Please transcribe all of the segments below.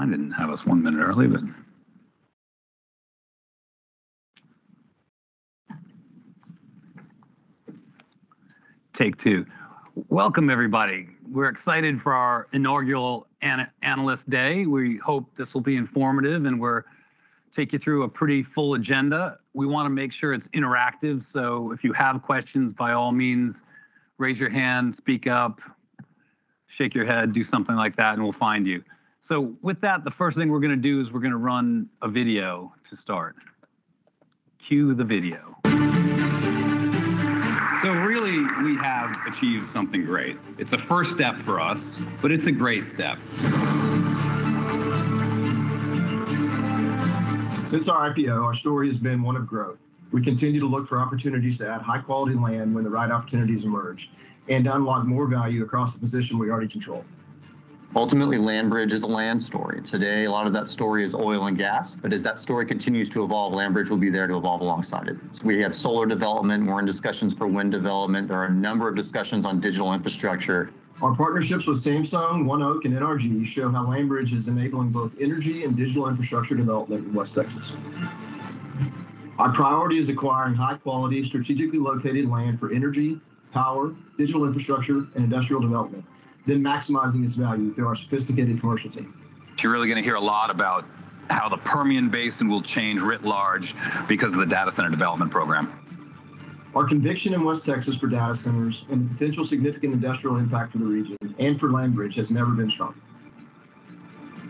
I didn't have us one minute early, but. Take two. Welcome everybody. We're excited for our inaugural analyst day. We hope this will be informative, and we'll take you through a pretty full agenda. We wanna make sure it's interactive, so if you have questions, by all means raise your hand, speak up, shake your head, do something like that and we'll find you. With that, the first thing we're gonna do is run a video to start. Cue the video. Really, we have achieved something great. It's a first step for us, but it's a great step. Since our IPO, our story has been one of growth. We continue to look for opportunities to add high-quality land when the right opportunities emerge, and to unlock more value across the position we already control. Ultimately, LandBridge is a land story. Today, a lot of that story is oil and gas. As that story continues to evolve, LandBridge will be there to evolve alongside it. We have solar development, we're in discussions for wind development. There are a number of discussions on digital infrastructure. Our partnerships with Samsung, ONEOK, and NRG show how LandBridge is enabling both energy and digital infrastructure development in West Texas. Our priority is acquiring high-quality, strategically located land for energy, power, digital infrastructure, and industrial development, then maximizing its value through our sophisticated commercial team. You're really gonna hear a lot about how the Permian Basin will change writ large because of the data center development program. Our conviction in West Texas for data centers and the potential significant industrial impact to the region and for LandBridge has never been stronger.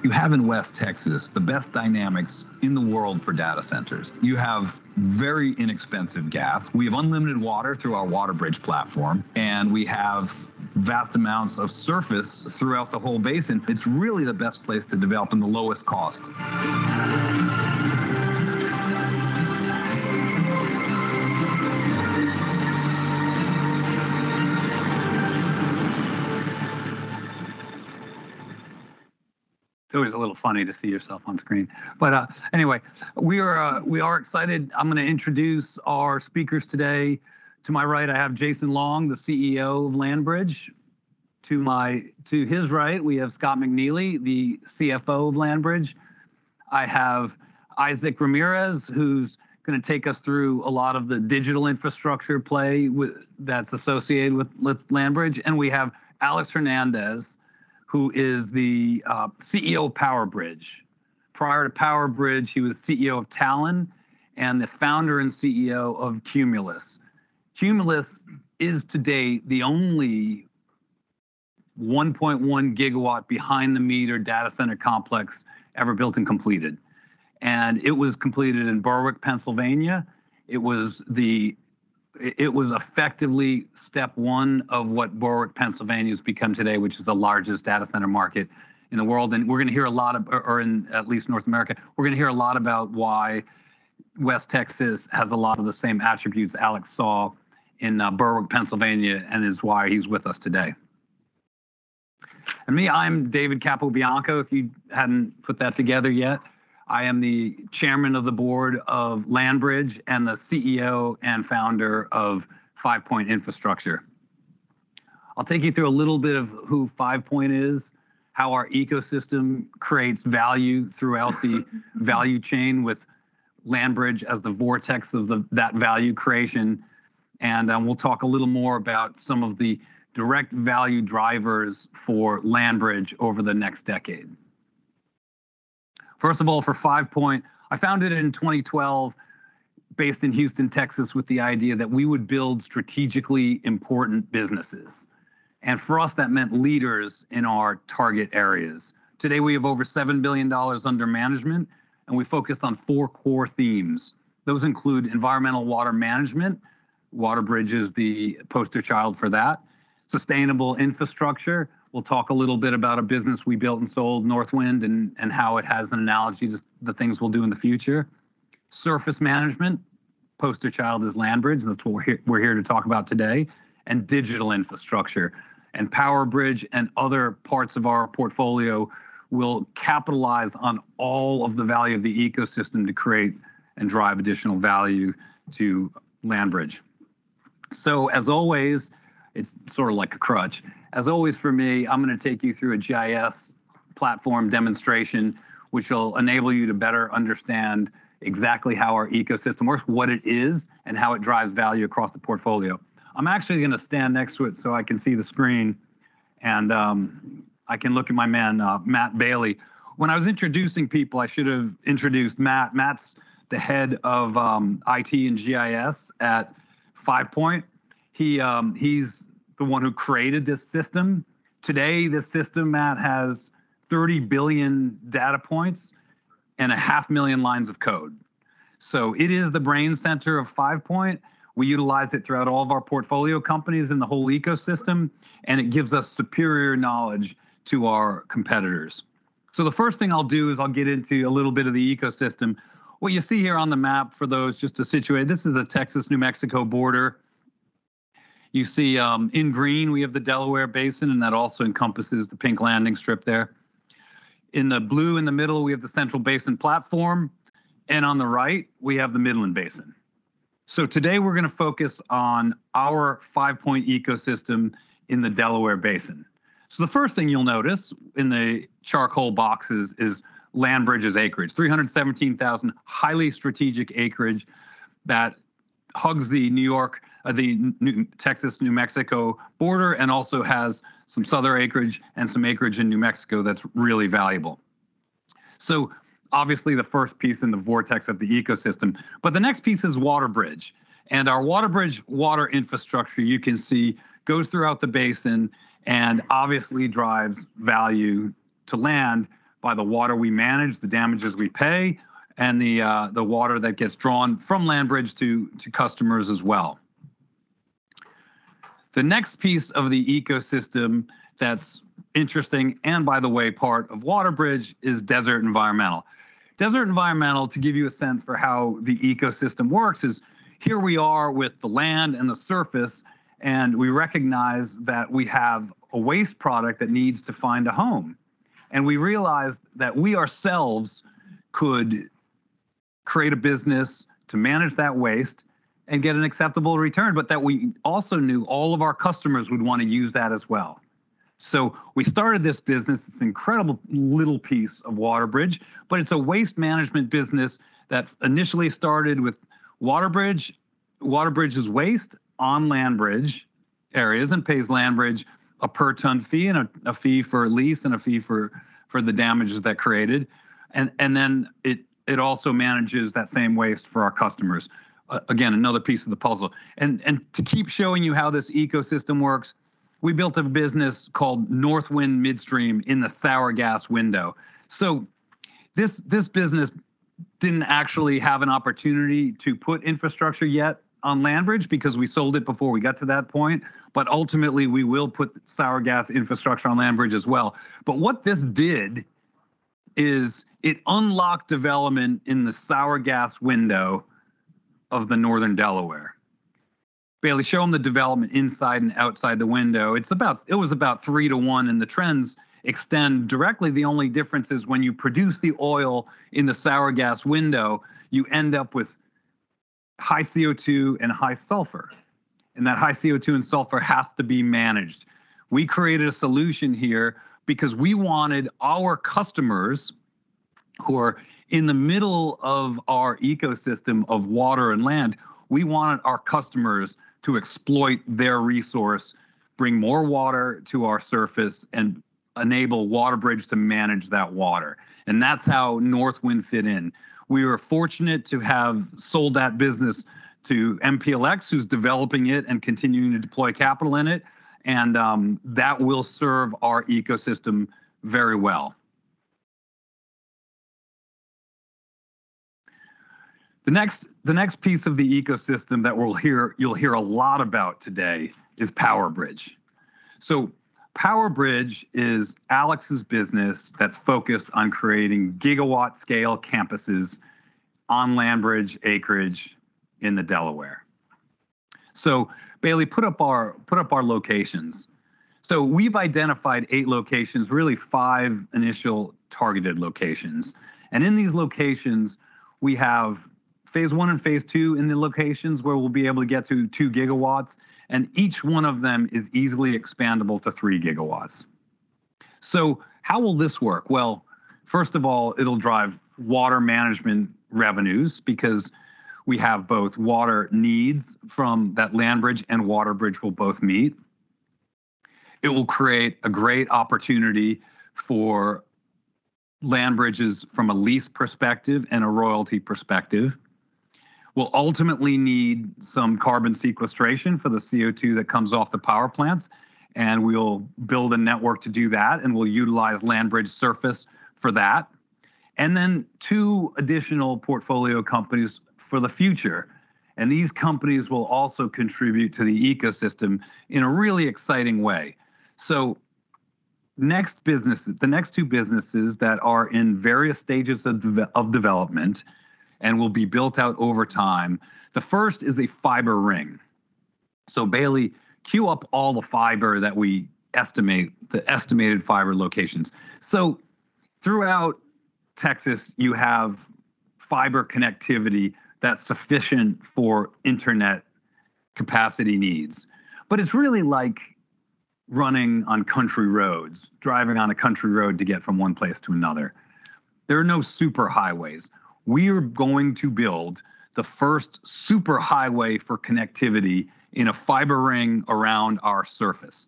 You have in West Texas the best dynamics in the world for data centers. You have very inexpensive gas. We have unlimited water through our WaterBridge platform, and we have vast amounts of surface throughout the whole basin. It's really the best place to develop and the lowest cost. It's always a little funny to see yourself on screen. Anyway, we are excited. I'm gonna introduce our speakers today. To my right, I have Jason Long, the CEO of LandBridge. To his right, we have Scott McNeely, the CFO of LandBridge. I have Isaac Ramirez, who's gonna take us through a lot of the digital infrastructure play that's associated with LandBridge, and we have Alex Hernandez, who is the CEO of PowerBridge. Prior to PowerBridge, he was CEO of Talen and the Founder and CEO of Cumulus. Cumulus is today the only 1.1 GW behind the meter data center complex ever built and completed, and it was completed in Berwick, Pennsylvania. It was effectively step one of what Berwick, Pennsylvania, has become today, which is the largest data center market in the world, and we're gonna hear a lot in at least North America. We're gonna hear a lot about why West Texas has a lot of the same attributes Alex saw in Berwick, Pennsylvania, and is why he's with us today. Me, I'm David Capobianco, if you hadn't put that together yet. I am the Chairman of the board of LandBridge and the CEO and Founder of Five Point Infrastructure. I'll take you through a little bit of who Five Point is, how our ecosystem creates value throughout the value chain with LandBridge as the vortex of that value creation, and then we'll talk a little more about some of the direct value drivers for LandBridge over the next decade. First of all, for Five Point, I founded it in 2012 based in Houston, Texas, with the idea that we would build strategically important businesses, and for us, that meant leaders in our target areas. Today, we have over $7 billion under management, and we focus on four core themes. Those include environmental water management. WaterBridge is the poster child for that. Sustainable infrastructure. We'll talk a little bit about a business we built and sold, Northwind, and how it has an analogy to the things we'll do in the future. Surface management. Poster child is LandBridge, and that's what we're here to talk about today. Digital infrastructure. PowerBridge and other parts of our portfolio will capitalize on all of the value of the ecosystem to create and drive additional value to LandBridge. As always, it's sort of like a crutch. As always, for me, I'm gonna take you through a GIS platform demonstration, which will enable you to better understand exactly how our ecosystem works, what it is, and how it drives value across the portfolio. I'm actually gonna stand next to it so I can see the screen, and I can look at my man, Matt Bailey. When I was introducing people, I should have introduced Matt. Matt's the head of IT and GIS at Five Point. He's the one who created this system. Today, this system, Matt, has 30 billion data points and 500,000 lines of code. It is the brain center of Five Point. We utilize it throughout all of our portfolio companies in the whole ecosystem, and it gives us superior knowledge to our competitors. The first thing I'll do is I'll get into a little bit of the ecosystem. What you see here on the map, for those just to situate, this is the Texas-New Mexico border. You see, in green, we have the Delaware Basin, and that also encompasses the pink landing strip there. In the blue in the middle, we have the Central Basin Platform, and on the right, we have the Midland Basin. Today we're gonna focus on our Five Point ecosystem in the Delaware Basin. The first thing you'll notice in the charcoal boxes is LandBridge's acreage, 317,000 highly strategic acreage that hugs the Texas-New Mexico border and also has some southern acreage and some acreage in New Mexico that's really valuable. Obviously, the first piece in the vortex of the ecosystem. The next piece is WaterBridge. Our WaterBridge water infrastructure, you can see, goes throughout the basin and obviously drives value to land by the water we manage, the damages we pay, and the water that gets drawn from LandBridge to customers as well. The next piece of the ecosystem that's interesting, and by the way, part of WaterBridge, is Desert Environmental. Desert Environmental, to give you a sense for how the ecosystem works, is. Here we are with the land and the surface, and we recognize that we have a waste product that needs to find a home. We realized that we ourselves could create a business to manage that waste and get an acceptable return, but that we also knew all of our customers would wanna use that as well. We started this business, this incredible little piece of WaterBridge, but it's a waste management business that initially started with WaterBridge. WaterBridge's waste on LandBridge areas and pays LandBridge a per ton fee and a fee for a lease and a fee for the damages that created. Then it also manages that same waste for our customers. Again, another piece of the puzzle. To keep showing you how this ecosystem works, we built a business called Northwind Midstream in the sour gas window. This business didn't actually have an opportunity to put infrastructure yet on LandBridge because we sold it before we got to that point, but ultimately, we will put sour gas infrastructure on LandBridge as well. What this did is it unlocked development in the sour gas window of the northern Delaware. Bailey, show them the development inside and outside the window. It was about 3 to 1, and the trends extend directly. The only difference is when you produce the oil in the sour gas window, you end up with high CO2 and high sulfur, and that high CO2 and sulfur have to be managed. We created a solution here because we wanted our customers, who are in the middle of our ecosystem of water and land, we wanted our customers to exploit their resource, bring more water to our surface, and enable WaterBridge to manage that water. That's how Northwind fit in. We were fortunate to have sold that business to MPLX, who's developing it and continuing to deploy capital in it, and that will serve our ecosystem very well. The next piece of the ecosystem that you'll hear a lot about today is PowerBridge. PowerBridge is Alex's business that's focused on creating gigawatt scale campuses on LandBridge acreage in the Delaware. Bailey, put up our locations. We've identified eight locations, really five initial targeted locations, and in these locations, we have phase 1 and phase 2 in the locations where we'll be able to get to 2 GW, and each one of them is easily expandable to 3 GW. How will this work? Well, first of all, it'll drive water management revenues because we have both water needs from that LandBridge and WaterBridge we'll both meet. It will create a great opportunity for LandBridge's from a lease perspective and a royalty perspective. We'll ultimately need some carbon sequestration for the CO2 that comes off the power plants, and we'll build a network to do that, and we'll utilize LandBridge surface for that. Two additional portfolio companies for the future, and these companies will also contribute to the ecosystem in a really exciting way. Next business, the next two businesses that are in various stages of development and will be built out over time, the first is a fiber ring. Bailey, queue up all the estimated fiber locations. Throughout Texas, you have fiber connectivity that's sufficient for internet capacity needs, but it's really like running on country roads, driving on a country road to get from one place to another. There are no super highways. We're going to build the first super highway for connectivity in a fiber ring around our surface.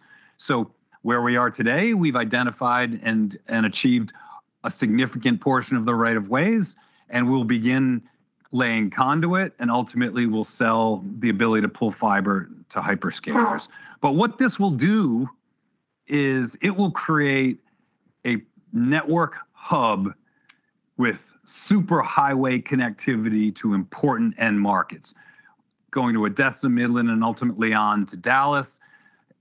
Where we are today, we've identified and achieved a significant portion of the rights of way, and we'll begin laying conduit, and ultimately, we'll sell the ability to pull fiber to hyperscalers. What this will do is it will create a network hub with super highway connectivity to important end markets. Going to Odessa, Midland, and ultimately on to Dallas.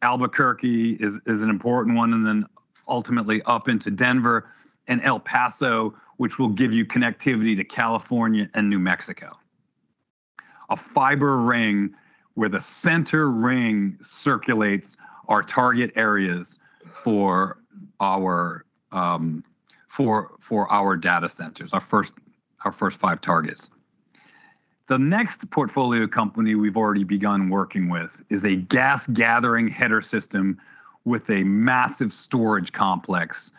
Albuquerque is an important one, and then ultimately up into Denver and El Paso, which will give you connectivity to California and New Mexico. A fiber ring where the center ring circulates our target areas for our data centers, our first five targets. The next portfolio company we've already begun working with is a gas gathering header system with a massive storage complex,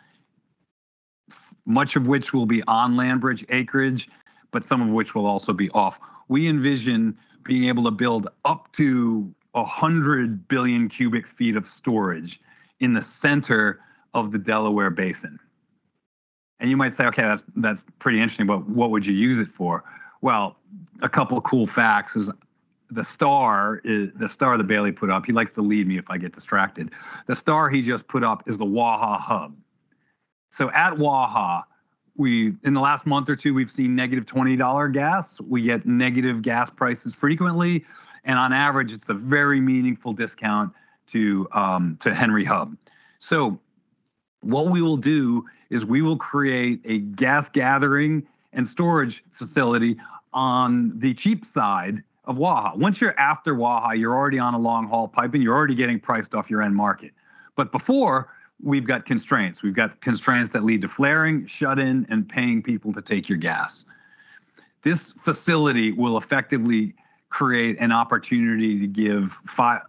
much of which will be on LandBridge acreage, but some of which will also be off. We envision being able to build up to 100 billion cubic feet of storage in the center of the Delaware Basin. You might say, "Okay, that's pretty interesting, but what would you use it for?" Well, a couple cool facts is the star that Bailey put up, he likes to lead me if I get distracted, the star he just put up is the Waha Hub. At Waha, in the last month or two, we've seen negative $20 gas. We get negative gas prices frequently, and on average, it's a very meaningful discount to Henry Hub. What we will do is we will create a gas gathering and storage facility on the cheap side of Waha. Once you're after Waha, you're already on a long-haul pipe, and you're already getting priced off your end market. Before, we've got constraints. We've got constraints that lead to flaring, shut-in, and paying people to take your gas. This facility will effectively create an opportunity to give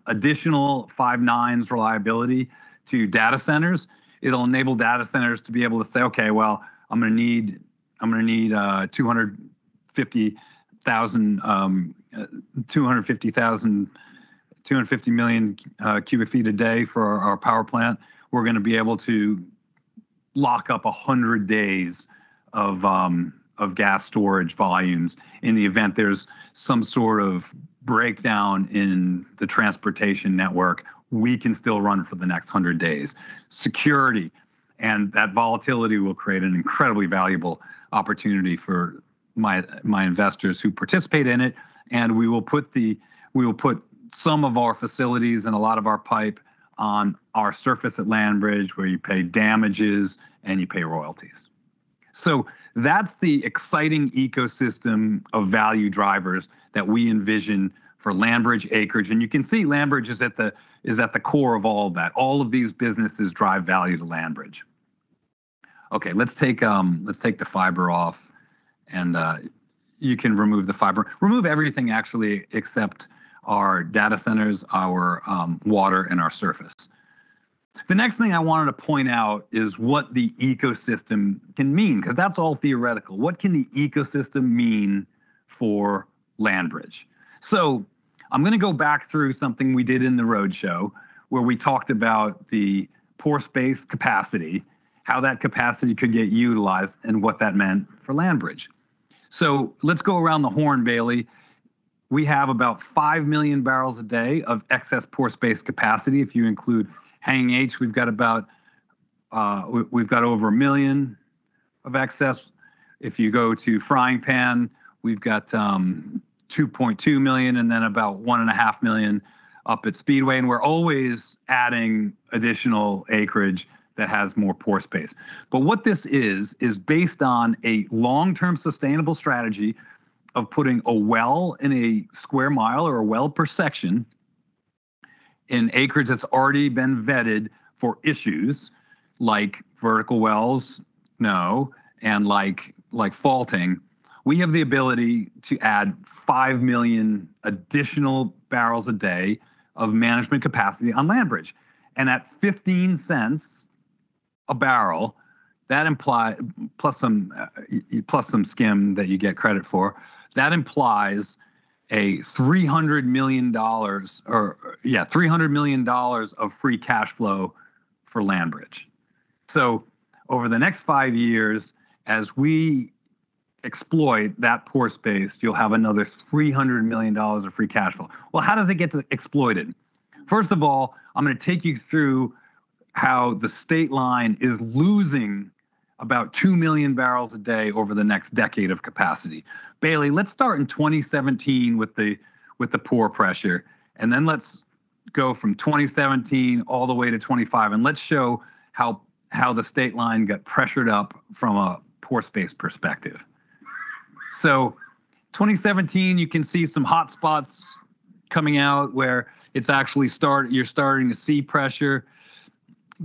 additional five nines reliability to data centers. It'll enable data centers to be able to say, "Okay, well, I'm gonna need 250 million cubic feet a day for our power plant." We're gonna be able to lock up 100 days of gas storage volumes. In the event there's some sort of breakdown in the transportation network, we can still run for the next 100 days. Security and that volatility will create an incredibly valuable opportunity for my investors who participate in it, and we will put some of our facilities and a lot of our pipe on our surface at LandBridge, where you pay damages and you pay royalties. That's the exciting ecosystem of value drivers that we envision for LandBridge acreage. You can see LandBridge is at the core of all that. All of these businesses drive value to LandBridge. Okay, let's take the fiber off, and you can remove the fiber. Remove everything actually except our data centers, our water, and our surface. The next thing I wanted to point out is what the ecosystem can mean, 'cause that's all theoretical. What can the ecosystem mean for LandBridge? I'm gonna go back through something we did in the roadshow, where we talked about the pore space capacity, how that capacity could get utilized, and what that meant for LandBridge. Let's go around the horn, Bailey. We have about 5 MMbpd of excess pore space capacity. If you include Hanging H, we've got about, we've got over 1 million of excess. If you go to Frying Pan, we've got 2.2 million, and then about 1.5 million up at Speedway, and we're always adding additional acreage that has more pore space. What this is based on a long-term sustainable strategy of putting a well in a square mile or a well per section in acreage that's already been vetted for issues like vertical wells and faulting. We have the ability to add 5 million additional barrels a day of management capacity on LandBridge. At $0.15 a barrel, that implies plus some skim that you get credit for that implies, $300 million of free cash flow for LandBridge. Over the next five years, as we exploit that pore space, you'll have another $300 million of free cash flow. Well, how does it get exploited? First of all, I'm gonna take you through how the state line is losing about 2 MMbpd over the next decade of capacity. Bailey, let's start in 2017 with the pore pressure, and then let's go from 2017 all the way to 2025, and let's show how the state line got pressured up from a pore space perspective. 2017, you can see some hotspots coming out where it's actually you're starting to see pressure.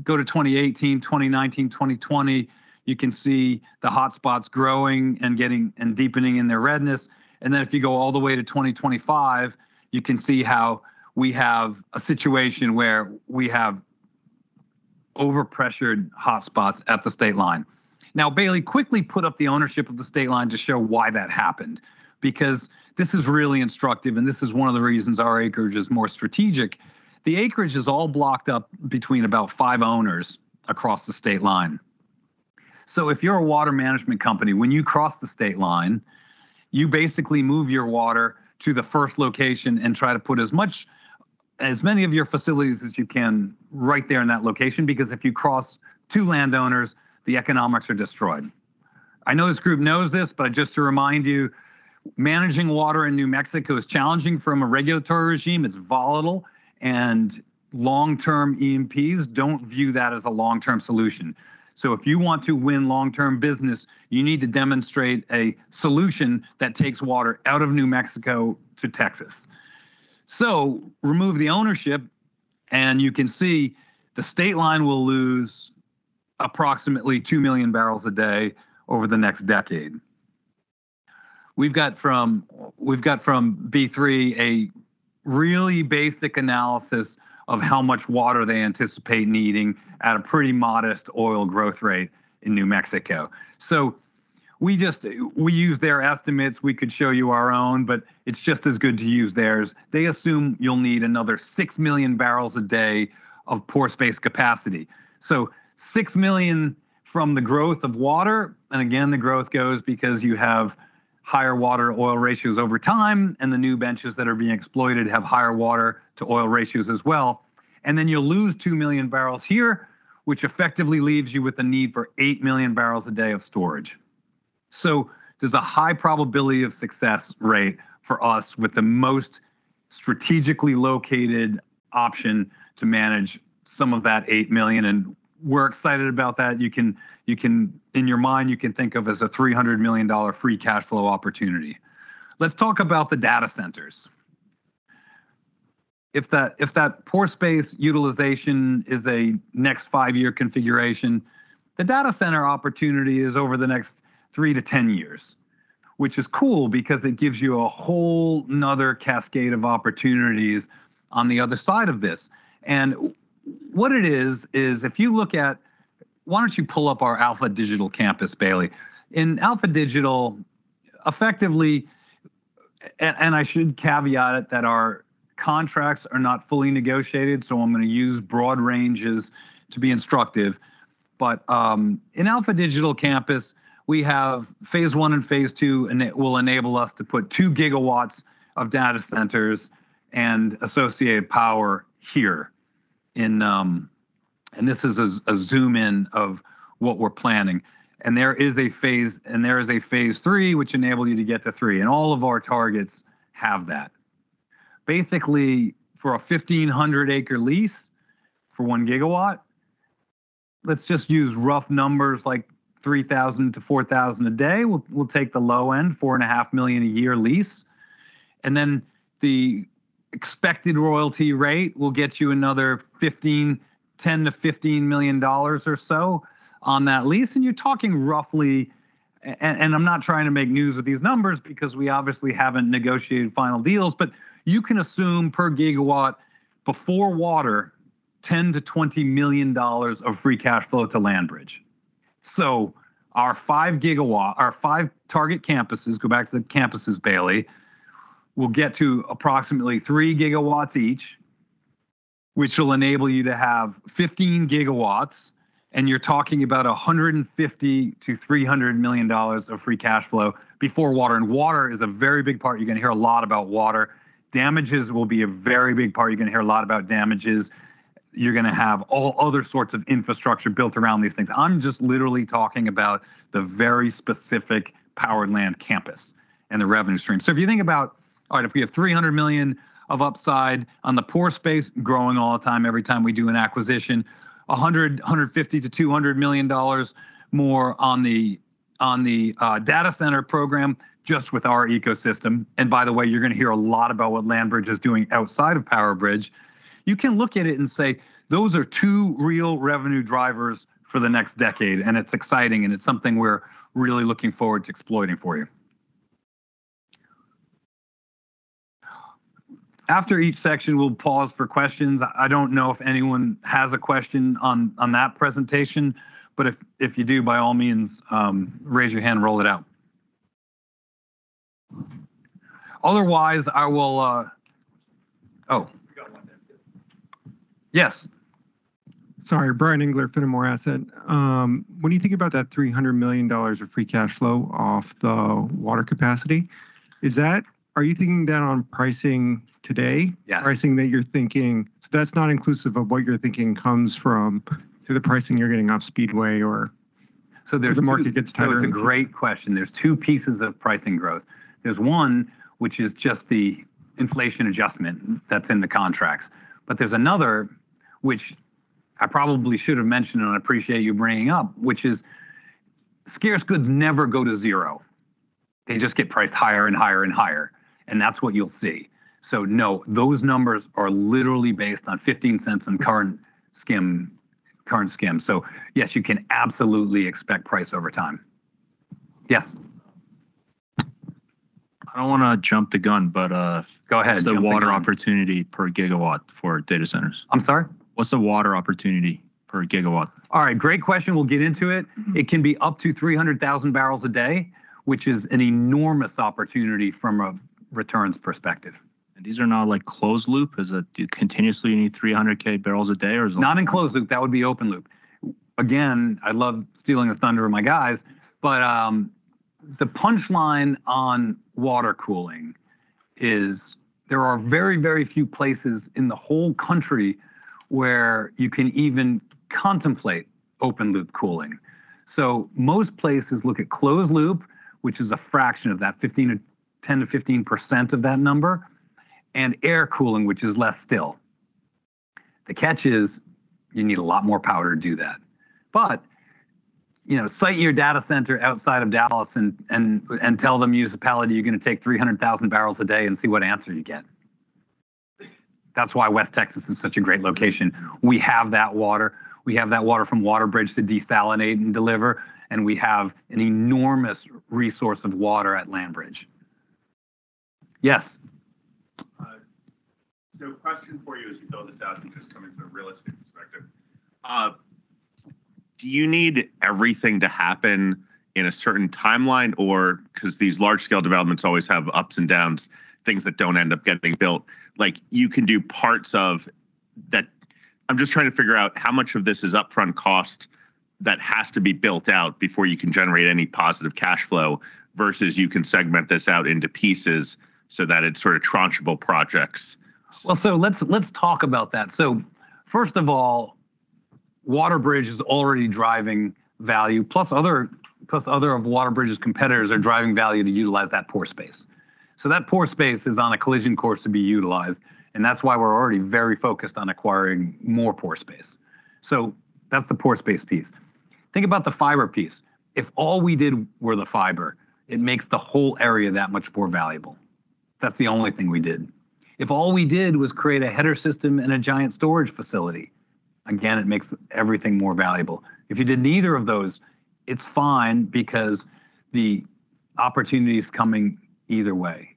Go to 2018, 2019, 2020, you can see the hotspots growing and deepening in their redness. If you go all the way to 2025, you can see how we have a situation where we have over-pressured hotspots at the state line. Now, Bailey, quickly put up the ownership of the state line to show why that happened, because this is really instructive, and this is one of the reasons our acreage is more strategic. The acreage is all blocked up between about five owners across the state line. If you're a water management company, when you cross the state line, you basically move your water to the first location and try to put as many of your facilities as you can right there in that location, because if you cross two landowners, the economics are destroyed. I know this group knows this, but just to remind you, managing water in New Mexico is challenging from a regulatory regime. It's volatile, and long-term E&Ps don't view that as a long-term solution. If you want to win long-term business, you need to demonstrate a solution that takes water out of New Mexico to Texas. Remove the ownership and you can see the state line will lose approximately 2 MMbpd over the next decade. We've got from B3 a really basic analysis of how much water they anticipate needing at a pretty modest oil growth rate in New Mexico. We just use their estimates. We could show you our own, but it's just as good to use theirs. They assume you'll need another 6 MMbpd of pore space capacity. 6 million from the growth of water, and again, the growth goes because you have higher water-oil ratios over time, and the new benches that are being exploited have higher water-oil ratios as well. You'll lose 2 million barrels here, which effectively leaves you with a need for 8 MMbpd of storage. There's a high probability of success rate for us with the most strategically located option to manage some of that 8 million, and we're excited about that. In your mind, you can think of as a $300 million free cash flow opportunity. Let's talk about the data centers. If that pore space utilization is a next five-year configuration, the data center opportunity is over the next three to 10 years, which is cool because it gives you a whole another cascade of opportunities on the other side of this. What it is is if you look at. Why don't you pull up our Alpha Digital Campus, Bailey? In Alpha Digital, effectively, and I should caveat it that our contracts are not fully negotiated, so I'm gonna use broad ranges to be instructive. In Alpha Digital Campus, we have phase 1 and phase 2, and it will enable us to put 2 GW of data centers and associated power here in. This is a zoom-in of what we're planning. There is a phase 3, which enables you to get to three, and all of our targets have that. Basically, for a 1,500-acre lease for 1GW, let's just use rough numbers like 3,000 to 4,000 a day. We'll take the low end, $4.5 million a year lease. Then the expected royalty rate will get you another $10 million-$15 million or so on that lease. You're talking roughly, and I'm not trying to make news with these numbers because we obviously haven't negotiated final deals, but you can assume per gigawatt before water, $10 million-$20 million of free cash flow to LandBridge. Our 5 target campuses, go back to the campuses, Bailey, will get to approximately 3 GW each, which will enable you to have 15 GW, and you're talking about $150 million-$300 million of free cash flow before water. Water is a very big part. You're gonna hear a lot about water. Damages will be a very big part. You're gonna hear a lot about damages. You're gonna have all other sorts of infrastructure built around these things. I'm just literally talking about the very specific power land campus and the revenue stream. If you think about, all right, if we have $300 million of upside on the pore space growing all the time every time we do an acquisition, $150 million-$200 million more on the data center program just with our ecosystem. By the way, you're gonna hear a lot about what LandBridge is doing outside of PowerBridge. You can look at it and say, "Those are two real revenue drivers for the next decade," and it's exciting, and it's something we're really looking forward to exploiting for you. After each section, we'll pause for questions. I don't know if anyone has a question on that presentation, but if you do, by all means, raise your hand, roll it out. Otherwise, I will. We got one down here. Yes. Sorry. Bryan Engler, Fenimore Asset. When you think about that $300 million of free cash flow off the water capacity, are you thinking that on pricing today? Yes. Pricing that you're thinking. That's not inclusive of what you're thinking through the pricing you're getting off Speedway or. There's two. As the market gets tighter. It's a great question. There's two pieces of pricing growth. There's one, which is just the inflation adjustment that's in the contracts. But there's another, which I probably should have mentioned, and I appreciate you bringing up, which is scarce goods never go to zero. They just get priced higher and higher and higher, and that's what you'll see. No, those numbers are literally based on $0.15 on current skim. Yes, you can absolutely expect price over time. Yes. I don't wanna jump the gun, but. Go ahead. Jump the gun. What's the water opportunity per gigawatt for data centers? I'm sorry. What's the water opportunity per gigawatt? All right. Great question. We'll get into it. It can be up to 300,000 bbl a day, which is an enormous opportunity from a returns perspective. These are not like closed loop? Is it you continuously need 300 K barrels a day or is it- Not in closed loop. That would be open loop. Again, I love stealing the thunder of my guys, but the punchline on water cooling is there are very, very few places in the whole country where you can even contemplate open loop cooling. So most places look at closed loop, which is a fraction of that, 10%-15% of that number, and air cooling, which is less still. The catch is you need a lot more power to do that. You know, site your data center outside of Dallas and tell them use the palate you're gonna take 300,000 bbl a day and see what answer you get. That's why West Texas is such a great location. We have that water. We have that water from WaterBridge to desalinate and deliver, and we have an enormous resource of water at LandBridge. Yes. Hi. Question for you as you build this out and just coming from a real estate perspective, do you need everything to happen in a certain timeline or 'cause these large scale developments always have ups and downs, things that don't end up getting built. Like, you can do parts of that. I'm just trying to figure out how much of this is upfront cost that has to be built out before you can generate any positive cash flow versus you can segment this out into pieces so that it's sort of tranch-able projects. Well, let's talk about that. First of all, WaterBridge is already driving value plus other of WaterBridge's competitors are driving value to utilize that pore space. That pore space is on a collision course to be utilized, and that's why we're already very focused on acquiring more pore space. That's the pore space piece. Think about the fiber piece. If all we did were the fiber, it makes the whole area that much more valuable. That's the only thing we did. If all we did was create a header system and a giant storage facility, again, it makes everything more valuable. If you did neither of those, it's fine because the opportunity is coming either way.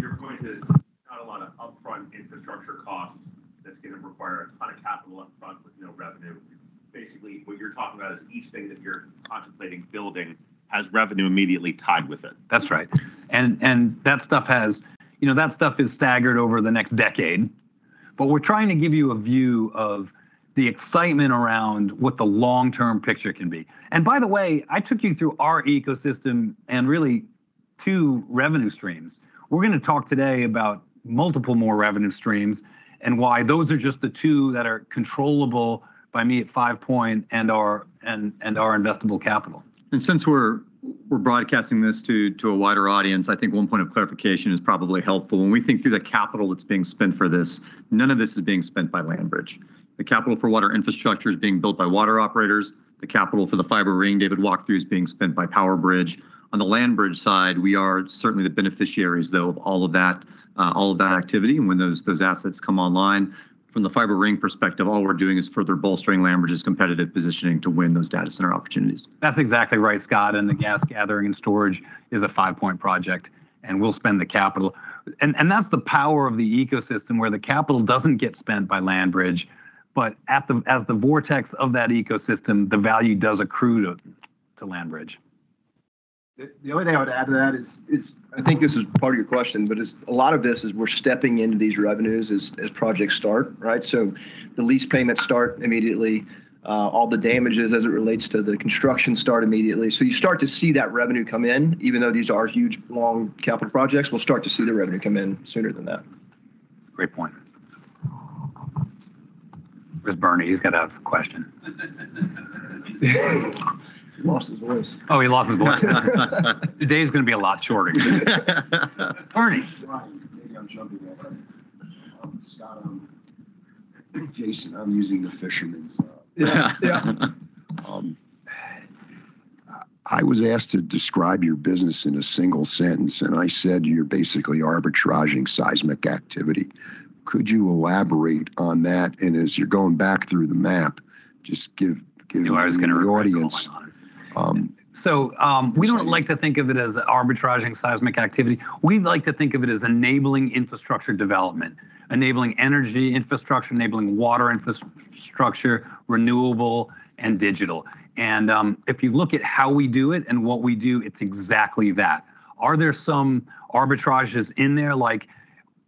Your point is not a lot of upfront infrastructure costs that's gonna require a ton of capital upfront with no revenue. Basically, what you're talking about is each thing that you're contemplating building has revenue immediately tied with it. That's right. That stuff has. You know, that stuff is staggered over the next decade, but we're trying to give you a view of the excitement around what the long-term picture can be. By the way, I took you through our ecosystem and really two revenue streams. We're gonna talk today about multiple more revenue streams and why those are just the two that are controllable by me at Five Point and our investable capital. Since we're broadcasting this to a wider audience, I think one point of clarification is probably helpful. When we think through the capital that's being spent for this, none of this is being spent by LandBridge. The capital for water infrastructure is being built by water operators. The capital for the fiber ring David walked through is being spent by PowerBridge. On the LandBridge side, we are certainly the beneficiaries, though, of all of that activity and when those assets come online. From the fiber ring perspective, all we're doing is further bolstering LandBridge's competitive positioning to win those data center opportunities. That's exactly right, Scott, and the gas gathering and storage is a Five Point project, and we'll spend the capital. That's the power of the ecosystem where the capital doesn't get spent by LandBridge, but as the vortex of that ecosystem, the value does accrue to LandBridge. The only thing I would add to that is I think this is part of your question, but a lot of this is we're stepping into these revenues as projects start, right? So the lease payments start immediately. All the damages as it relates to the construction start immediately. So you start to see that revenue come in. Even though these are huge, long capital projects, we'll start to see the revenue come in sooner than that. Great point. Where's Bernie? He's got to have a question. He lost his voice. Oh, he lost his voice. Today's gonna be a lot shorter. Bernie. Maybe I'm jumping ahead. Scott, Jason, I'm using the fisherman's. Yeah. I was asked to describe your business in a single sentence, and I said you're basically arbitraging seismic activity. Could you elaborate on that? As you're going back through the map, just give the audience. Oh, my God. We don't like to think of it as arbitraging seismic activity. We like to think of it as enabling infrastructure development, enabling energy infrastructure, enabling water infrastructure, renewable and digital. If you look at how we do it and what we do, it's exactly that. Are there some arbitrages in there? Like,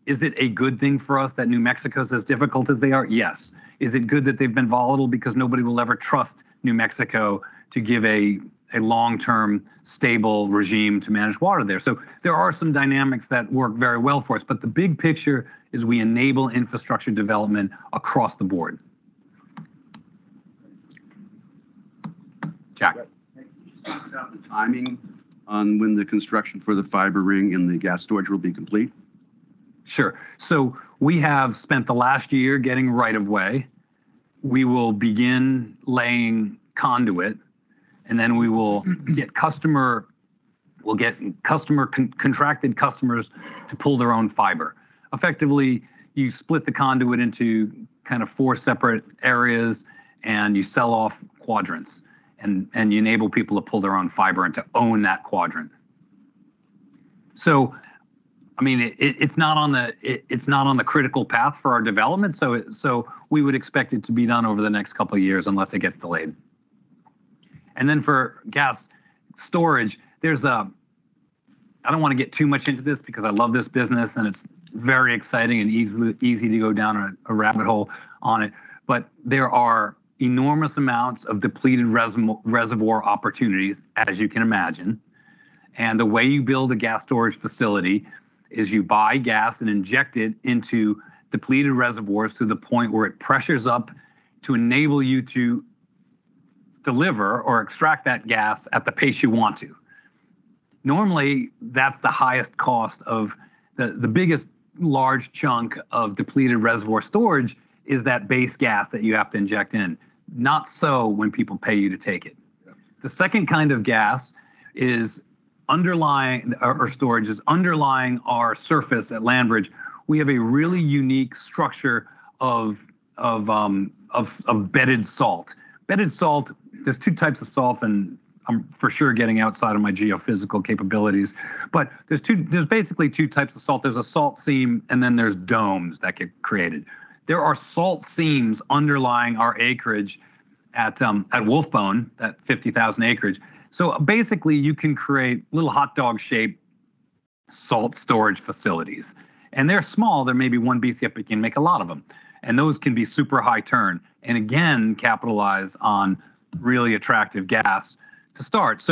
is it a good thing for us that New Mexico is as difficult as they are? Yes. Is it good that they've been volatile because nobody will ever trust New Mexico to give a long-term stable regime to manage water there. There are some dynamics that work very well for us, but the big picture is we enable infrastructure development across the board. Jack. Can you just talk about the timing on when the construction for the fiber ring and the gas storage will be complete? Sure. We have spent the last year getting right of way. We will begin laying conduit, and then we'll get contracted customers to pull their own fiber. Effectively, you split the conduit into kind of four separate areas, and you sell off quadrants and you enable people to pull their own fiber and to own that quadrant. I mean, it's not on the critical path for our development. We would expect it to be done over the next couple of years unless it gets delayed. Then for gas storage, I don't wanna get too much into this because I love this business, and it's very exciting and easy to go down a rabbit hole on it. There are enormous amounts of depleted reservoir opportunities, as you can imagine. The way you build a gas storage facility is you buy gas and inject it into depleted reservoirs to the point where it pressures up to enable you to deliver or extract that gas at the pace you want to. Normally, that's the highest cost of the biggest large chunk of depleted reservoir storage is that base gas that you have to inject in, not so when people pay you to take it. The second kind of gas storage is underlying our surface at LandBridge. We have a really unique structure of bedded salt. Bedded salt, there's two types of salt, and I'm for sure getting outside of my geophysical capabilities. There's basically two types of salt. There's a salt seam, and then there's domes that get created. There are salt seams underlying our acreage at Wolf bone, that 50,000 acreage. Basically, you can create little hot dog shaped salt storage facilities, and they're small. There may be 1 BCF, but you can make a lot of them, and those can be super high turn and again capitalize on really attractive gas to start.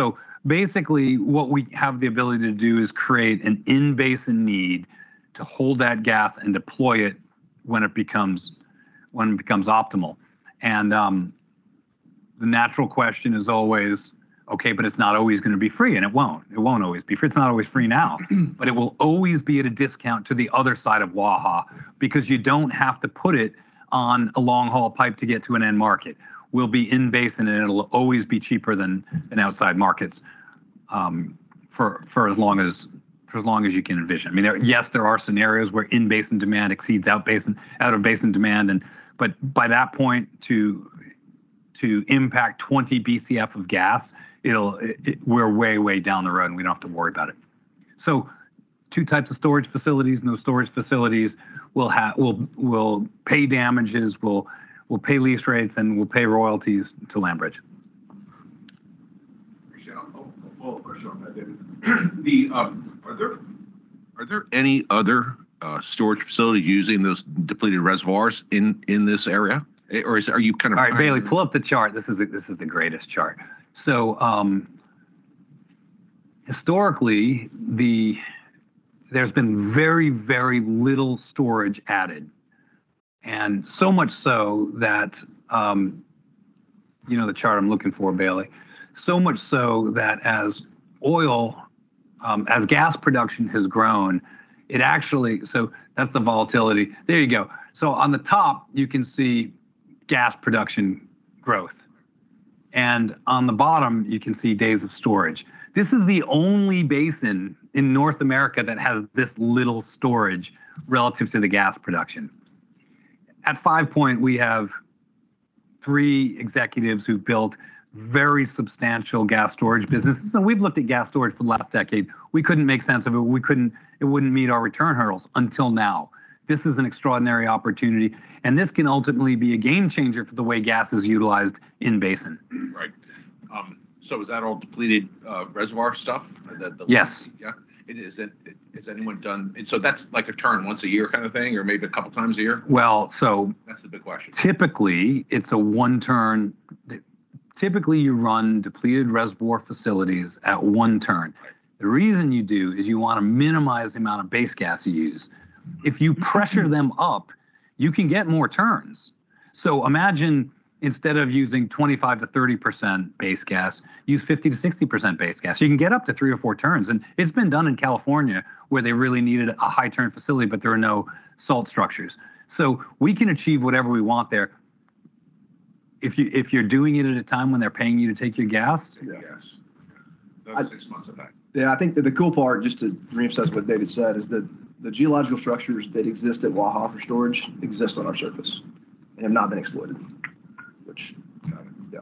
Basically, what we have the ability to do is create an in-basin need to hold that gas and deploy it when it becomes optimal. The natural question is always, "Okay, but it's not always gonna be free," and it won't always be free. It's not always free now, but it will always be at a discount to the other side of Waha because you don't have to put it on a long haul pipe to get to an end market. We'll be in-basin, and it'll always be cheaper than outside markets, for as long as you can envision. There are scenarios where in-basin demand exceeds out-of-basin demand, but by that point, to impact 20 BCF of gas, we're way down the road, and we don't have to worry about it. Two types of storage facilities, and those storage facilities will pay damages, will pay lease rates, and will pay royalties to LandBridge. Appreciate it. I'll follow up, for sure, on that, David. Are there any other storage facility using those depleted reservoirs in this area? Or are you kind of- All right, Bailey, pull up the chart. This is the greatest chart. Historically, there's been very, very little storage added, and so much so that, you know the chart I'm looking for, Bailey. So much so that as gas production has grown, it actually so that's the volatility. There you go. On the top, you can see gas production growth, and on the bottom, you can see days of storage. This is the only basin in North America that has this little storage relative to the gas production. At Five Point, we have three executives who've built very substantial gas storage businesses, and we've looked at gas storage for the last decade. We couldn't make sense of it. It wouldn't meet our return hurdles until now. This is an extraordinary opportunity, and this can ultimately be a game changer for the way gas is utilized in basin. Right. Is that all depleted reservoir stuff? Yes. Yeah. That's like a turn once a year kind of thing or maybe a couple times a year? Well. That's the big question. Typically, it's a one turn. Typically, you run depleted reservoir facilities at one turn. Right. The reason you do is you wanna minimize the amount of base gas you use. If you pressure them up, you can get more turns. Imagine instead of using 25%-30% base gas, use 50%-60% base gas. You can get up to 3 or 4 turns, and it's been done in California, where they really needed a high turn facility, but there are no salt structures. We can achieve whatever we want there. If you're doing it at a time when they're paying you to take your gas. Take your gas. Okay. About six months effect. Yeah, I think that the cool part, just to reemphasize what David said, is that the geological structures that exist at Waha for storage exist on our surface and have not been exploited. Got it. Yeah.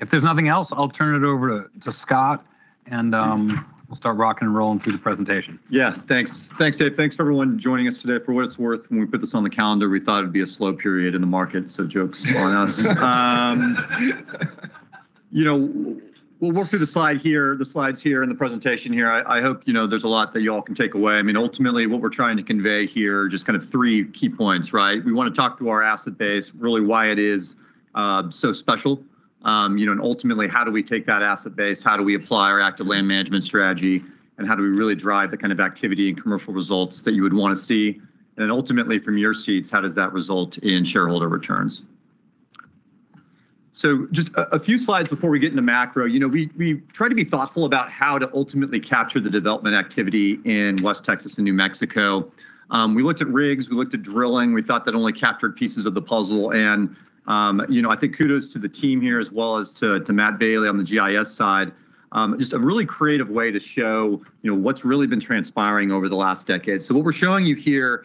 If there's nothing else, I'll turn it over to Scott, and we'll start rocking and rolling through the presentation. Yeah. Thanks. Thanks, Dave. Thanks for everyone joining us today. For what it's worth, when we put this on the calendar, we thought it'd be a slow period in the market, so joke's on us. You know, we'll work through the slide here, the slides here and the presentation here. I hope, you know, there's a lot that y'all can take away. I mean, ultimately, what we're trying to convey here, just kind of three key points, right? We wanna talk through our asset base, really why it is so special. You know, and ultimately, how do we take that asset base, how do we apply our active land management strategy, and how do we really drive the kind of activity and commercial results that you would wanna see? Then ultimately, from your seats, how does that result in shareholder returns? Just a few slides before we get into macro. You know, we try to be thoughtful about how to ultimately capture the development activity in West Texas and New Mexico. We looked at rigs. We looked at drilling. We thought that only captured pieces of the puzzle and, you know, I think kudos to the team here as well as to Matt Bailey on the GIS side. Just a really creative way to show, you know, what's really been transpiring over the last decade. What we're showing you here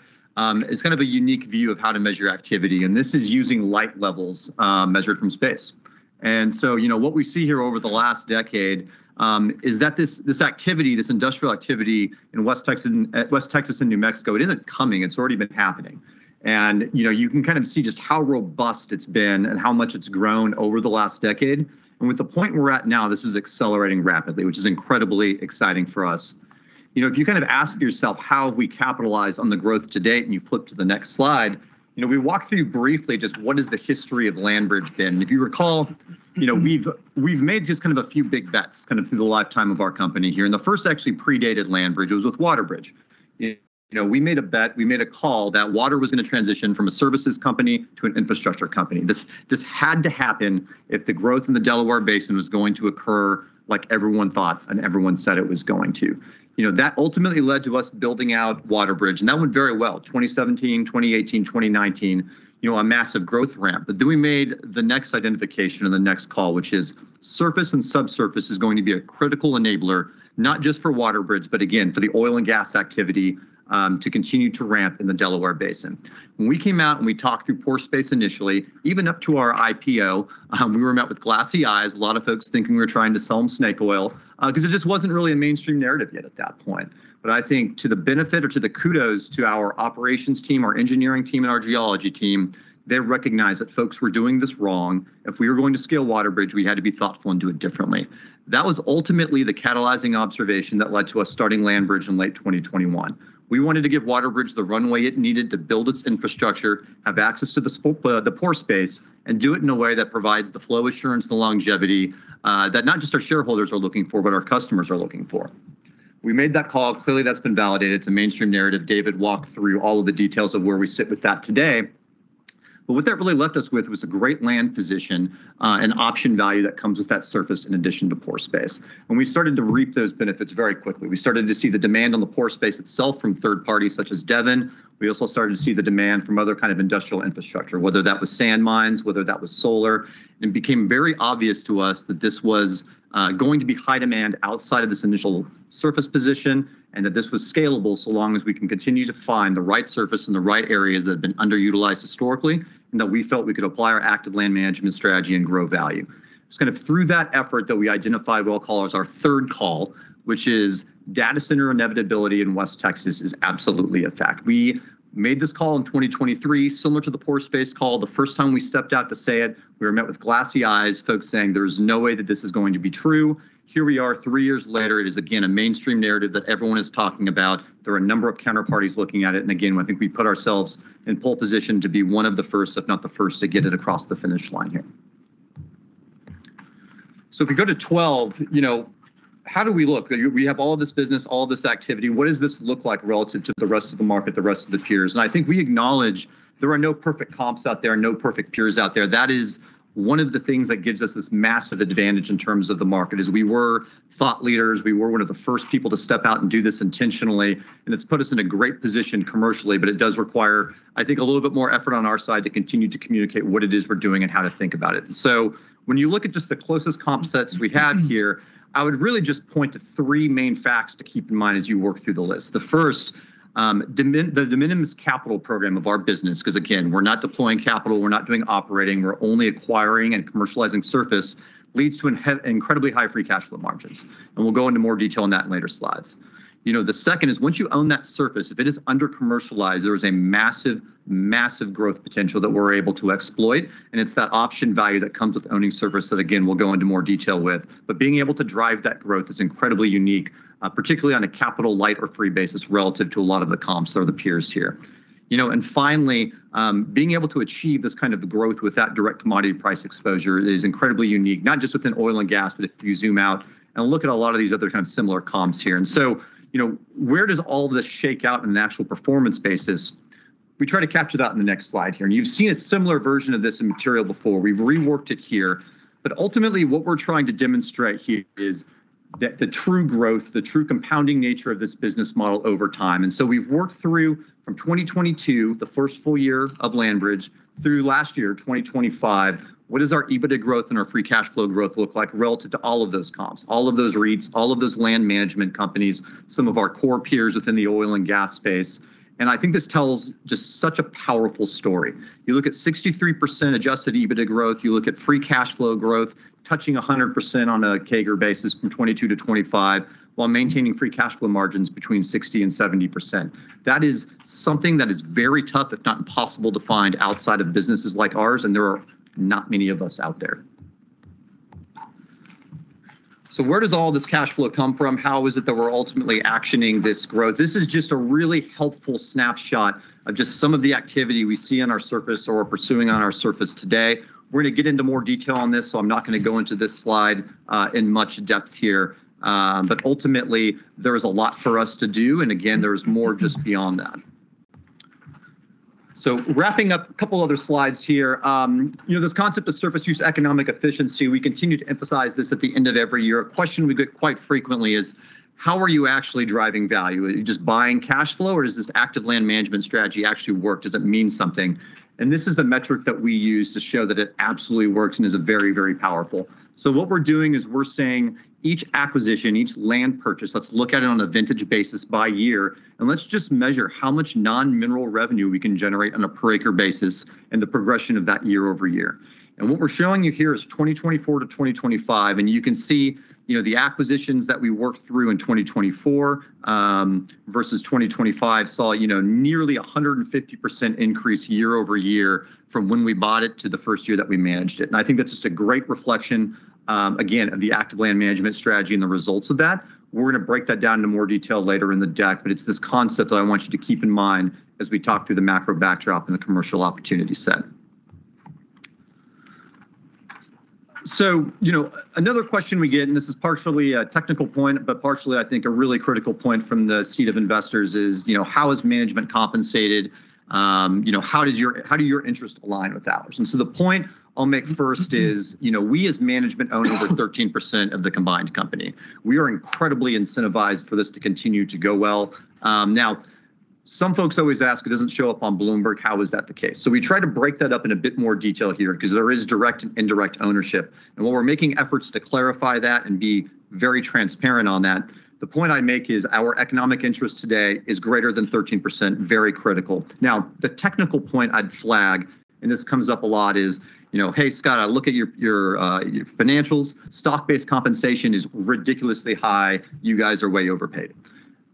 is kind of a unique view of how to measure activity, and this is using light levels measured from space. You know, what we see here over the last decade is that this activity, this industrial activity in West Texas and West Texas and New Mexico, it isn't coming. It's already been happening. You know, you can kind of see just how robust it's been and how much it's grown over the last decade. With the point we're at now, this is accelerating rapidly, which is incredibly exciting for us. You know, if you kind of ask yourself how we capitalize on the growth to date, and you flip to the next slide, you know, we walk through briefly just what is the history of LandBridge been. If you recall, you know, we've made just kind of a few big bets kind of through the lifetime of our company here, and the first actually predated LandBridge. It was with WaterBridge. You know, we made a bet, we made a call that water was gonna transition from a services company to an infrastructure company. This had to happen if the growth in the Delaware Basin was going to occur like everyone thought and everyone said it was going to. You know, that ultimately led to us building out WaterBridge, and that went very well. 2017, 2018, 2019, you know, a massive growth ramp. Then we made the next identification and the next call, which is surface and subsurface is going to be a critical enabler, not just for WaterBridge, but again for the oil and gas activity, to continue to ramp in the Delaware Basin. When we came out and we talked through pore space initially, even up to our IPO, we were met with glassy eyes, a lot of folks thinking we were trying to sell them snake oil, 'cause it just wasn't really a mainstream narrative yet at that point. I think to the benefit or to the kudos to our operations team, our engineering team, and our geology team, they recognized that folks were doing this wrong. If we were going to scale WaterBridge, we had to be thoughtful and do it differently. That was ultimately the catalyzing observation that led to us starting LandBridge in late 2021. We wanted to give WaterBridge the runway it needed to build its infrastructure, have access to the pore space, and do it in a way that provides the flow assurance, the longevity, that not just our shareholders are looking for but our customers are looking for. We made that call. Clearly, that's been validated. It's a mainstream narrative. David walked through all of the details of where we sit with that today. What that really left us with was a great land position, an option value that comes with that surface in addition to pore space. We started to reap those benefits very quickly. We started to see the demand on the pore space itself from third parties such as Devon. We also started to see the demand from other kind of industrial infrastructure, whether that was sand mines, whether that was solar. It became very obvious to us that this was going to be high demand outside of this initial surface position and that this was scalable so long as we can continue to find the right surface in the right areas that have been underutilized historically and that we felt we could apply our active land management strategy and grow value. It's kind of through that effort that we identify what we call as our third call, which is data center inevitability in West Texas is absolutely a fact. We made this call in 2023, similar to the pore space call. The first time we stepped out to say it, we were met with glassy eyes, folks saying, "There's no way that this is going to be true." Here we are three years later. It is again a mainstream narrative that everyone is talking about. There are a number of counterparties looking at it. Again, I think we put ourselves in pole position to be one of the first, if not the first, to get it across the finish line here. If we go to 12, you know, how do we look? We have all of this business, all this activity. What does this look like relative to the rest of the market, the rest of the peers? I think we acknowledge there are no perfect comps out there, no perfect peers out there. That is one of the things that gives us this massive advantage in terms of the market is we were thought leaders. We were one of the first people to step out and do this intentionally, and it's put us in a great position commercially. It does require, I think, a little bit more effort on our side to continue to communicate what it is we're doing and how to think about it. When you look at just the closest comp sets we have here, I would really just point to three main facts to keep in mind as you work through the list. The first, the de minimis capital program of our business, 'cause again, we're not deploying capital, we're not doing operating, we're only acquiring and commercializing surface, leads to incredibly high free cash flow margins. We'll go into more detail on that in later slides. You know, the second is once you own that surface, if it is under-commercialized, there is a massive growth potential that we're able to exploit, and it's that option value that comes with owning surface that again we'll go into more detail with. Being able to drive that growth is incredibly unique, particularly on a capital light or free basis relative to a lot of the comps or the peers here. You know, finally, being able to achieve this kind of growth with that direct commodity price exposure is incredibly unique, not just within oil and gas, but if you zoom out and look at a lot of these other kind of similar comps here. You know, where does all this shake out in the actual performance basis? We try to capture that in the next slide here. You've seen a similar version of this in material before. We've reworked it here. Ultimately, what we're trying to demonstrate here is the true growth, the true compounding nature of this business model over time. We've worked through from 2022, the first full year of LandBridge, through last year, 2025, what does our EBITDA growth and our free cash flow growth look like relative to all of those comps, all of those REITs, all of those land management companies, some of our core peers within the oil and gas space. I think this tells just such a powerful story. You look at 63% Adjusted EBITDA growth. You look at free cash flow growth touching 100% on a CAGR basis from 2022 to 2025, while maintaining free cash flow margins between 60% and 70%. That is something that is very tough, if not impossible, to find outside of businesses like ours, and there are not many of us out there. Where does all this cash flow come from? How is it that we're ultimately actioning this growth? This is just a really helpful snapshot of just some of the activity we see on our surface or we're pursuing on our surface today. We're gonna get into more detail on this, so I'm not gonna go into this slide in much depth here. But ultimately, there is a lot for us to do, and again, there is more just beyond that. Wrapping up, a couple other slides here. You know, this concept of surface use economic efficiency, we continue to emphasize this at the end of every year. A question we get quite frequently is, "How are you actually driving value? Are you just buying cash flow, or does this active land management strategy actually work? Does it mean something?" This is the metric that we use to show that it absolutely works and is a very, very powerful. What we're doing is we're saying each acquisition, each land purchase, let's look at it on a vintage basis by year, and let's just measure how much non-mineral revenue we can generate on a per acre basis and the progression of that year-over-year. What we're showing you here is 2024 to 2025, and you can see, you know, the acquisitions that we worked through in 2024, versus 2025 saw, you know, nearly a 150% increase year-over-year from when we bought it to the first year that we managed it. I think that's just a great reflection, again, of the active land management strategy and the results of that. We're gonna break that down into more detail later in the deck, but it's this concept that I want you to keep in mind as we talk through the macro backdrop and the commercial opportunity set. You know, another question we get, and this is partially a technical point, but partially, I think, a really critical point from the seat of investors is, you know, how is management compensated? You know, how do your interests align with ours? The point I'll make first is, you know, we as management own over 13% of the combined company. We are incredibly incentivized for this to continue to go well. Now some folks always ask, "It doesn't show up on Bloomberg. How is that the case?" We try to break that up in a bit more detail here because there is direct and indirect ownership. While we're making efforts to clarify that and be very transparent on that, the point I make is our economic interest today is greater than 13%, very critical. Now, the technical point I'd flag, and this comes up a lot, is, you know, "Hey, Scott, I look at your financials. Stock-based compensation is ridiculously high. You guys are way overpaid."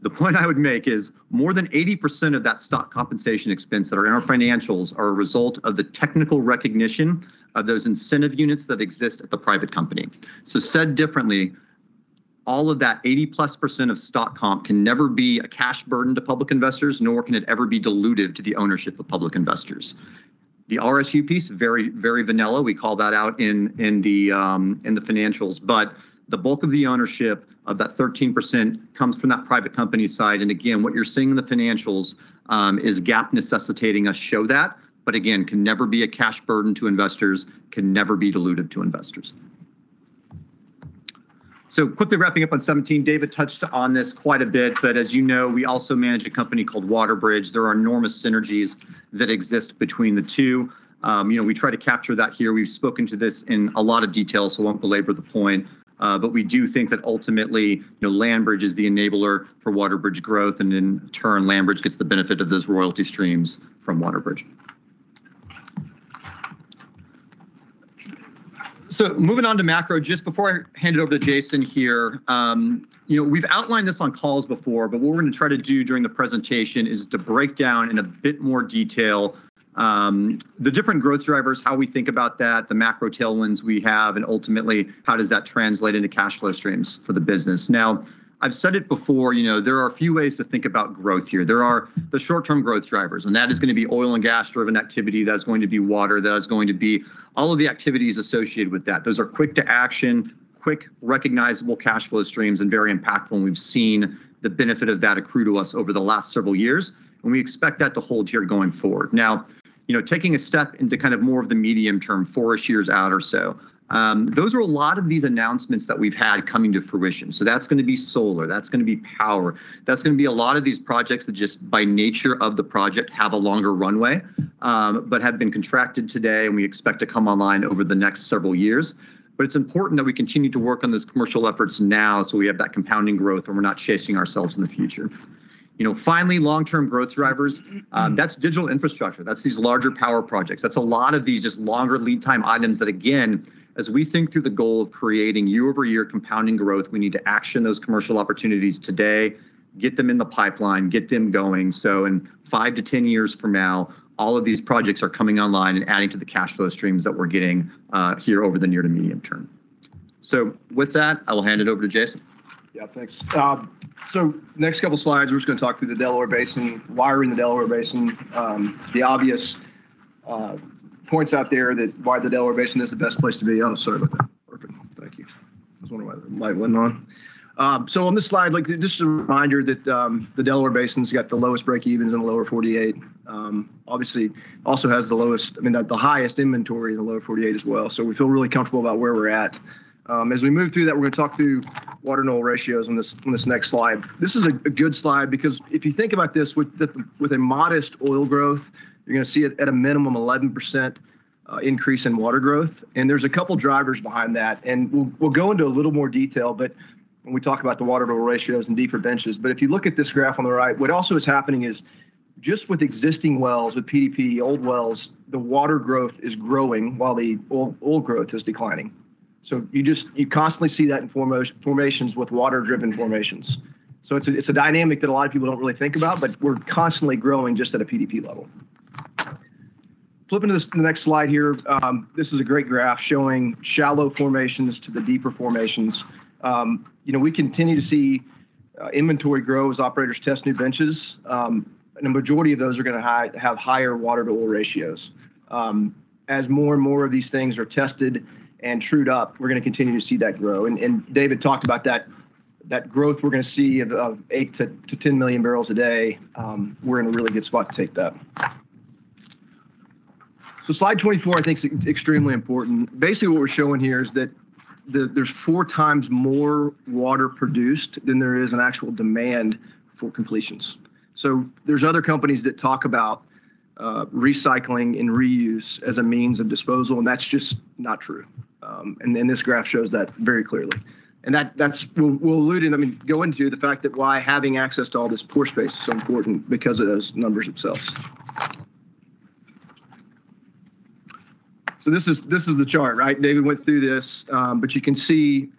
The point I would make is more than 80% of that stock compensation expense that are in our financials are a result of the technical recognition of those incentive units that exist at the private company. Said differently, all of that 80%+ of stock comp can never be a cash burden to public investors, nor can it ever be diluted to the ownership of public investors. The RSU piece, very, very vanilla. We call that out in the financials. The bulk of the ownership of that 13% comes from that private company side. Again, what you're seeing in the financials is GAAP necessitating us show that, but again, can never be a cash burden to investors, can never be diluted to investors. Quickly wrapping up on 17. David touched on this quite a bit, but as you know, we also manage a company called WaterBridge. There are enormous synergies that exist between the two. You know, we try to capture that here. We've spoken to this in a lot of detail, so I won't belabor the point. But we do think that ultimately, you know, LandBridge is the enabler for WaterBridge growth, and in turn, LandBridge gets the benefit of those royalty streams from WaterBridge. Moving on to macro, just before I hand it over to Jason here, you know, we've outlined this on calls before, but what we're gonna try to do during the presentation is to break down in a bit more detail the different growth drivers, how we think about that, the macro tailwinds we have, and ultimately, how does that translate into cash flow streams for the business. Now, I've said it before, you know, there are a few ways to think about growth here. There are the short-term growth drivers, and that is gonna be oil and gas-driven activity. That is going to be water. That is going to be all of the activities associated with that. Those are quick to action, quick recognizable cash flow streams, and very impactful, and we've seen the benefit of that accrue to us over the last several years, and we expect that to hold here going forward. Now, you know, taking a step into kind of more of the medium term, four-ish years out or so, those are a lot of these announcements that we've had coming to fruition. That's gonna be solar, that's gonna be power, that's gonna be a lot of these projects that just by nature of the project have a longer runway, but have been contracted today and we expect to come online over the next several years. It's important that we continue to work on those commercial efforts now so we have that compounding growth, and we're not chasing ourselves in the future. You know, finally, long-term growth drivers, that's digital infrastructure. That's these larger power projects. That's a lot of these just longer lead time items that again, as we think through the goal of creating year-over-year compounding growth, we need to action those commercial opportunities today, get them in the pipeline, get them going, so in five to 10 years from now, all of these projects are coming online and adding to the cash flow streams that we're getting here over the near to medium term. With that, I will hand it over to Jason. Yeah, thanks. Next couple slides, we're just gonna talk through the Delaware Basin, why we're in the Delaware Basin. The obvious points out there that why the Delaware Basin is the best place to be. Oh, sorry about that. Perfect. Thank you. I was wondering why the light wasn't on. On this slide, like, just a reminder that the Delaware Basin's got the lowest breakevens in the lower 48. Obviously also has the lowest, I mean, the highest inventory in the lower 48 as well. We feel really comfortable about where we're at. As we move through that, we're gonna talk through water and oil ratios on this next slide. This is a good slide because if you think about this with a modest oil growth, you're gonna see it at a minimum 11% increase in water growth. There's a couple drivers behind that, and we'll go into a little more detail, but when we talk about the water oil ratios and deeper benches. If you look at this graph on the right, what also is happening is just with existing wells, with PDP, old wells, the water growth is growing while the oil growth is declining. You constantly see that in formations with water-driven formations. It's a dynamic that a lot of people don't really think about, but we're constantly growing just at a PDP level. Flipping to this, the next slide here, this is a great graph showing shallow formations to the deeper formations. You know, we continue to see inventory grow as operators test new benches. A majority of those are gonna have higher water to oil ratios. As more and more of these things are tested and trued up, we're gonna continue to see that grow. David talked about that growth we're gonna see of 8 to 10 MMbpd. We're in a really good spot to take that. Slide 24 I think is extremely important. Basically what we're showing here is that there's four times more water produced than there is an actual demand for completions. There's other companies that talk about recycling and reuse as a means of disposal, and that's just not true. This graph shows that very clearly. That's. We'll allude and I mean go into the fact that why having access to all this pore space is so important because of those numbers themselves. This is the chart, right? David went through this, but you can see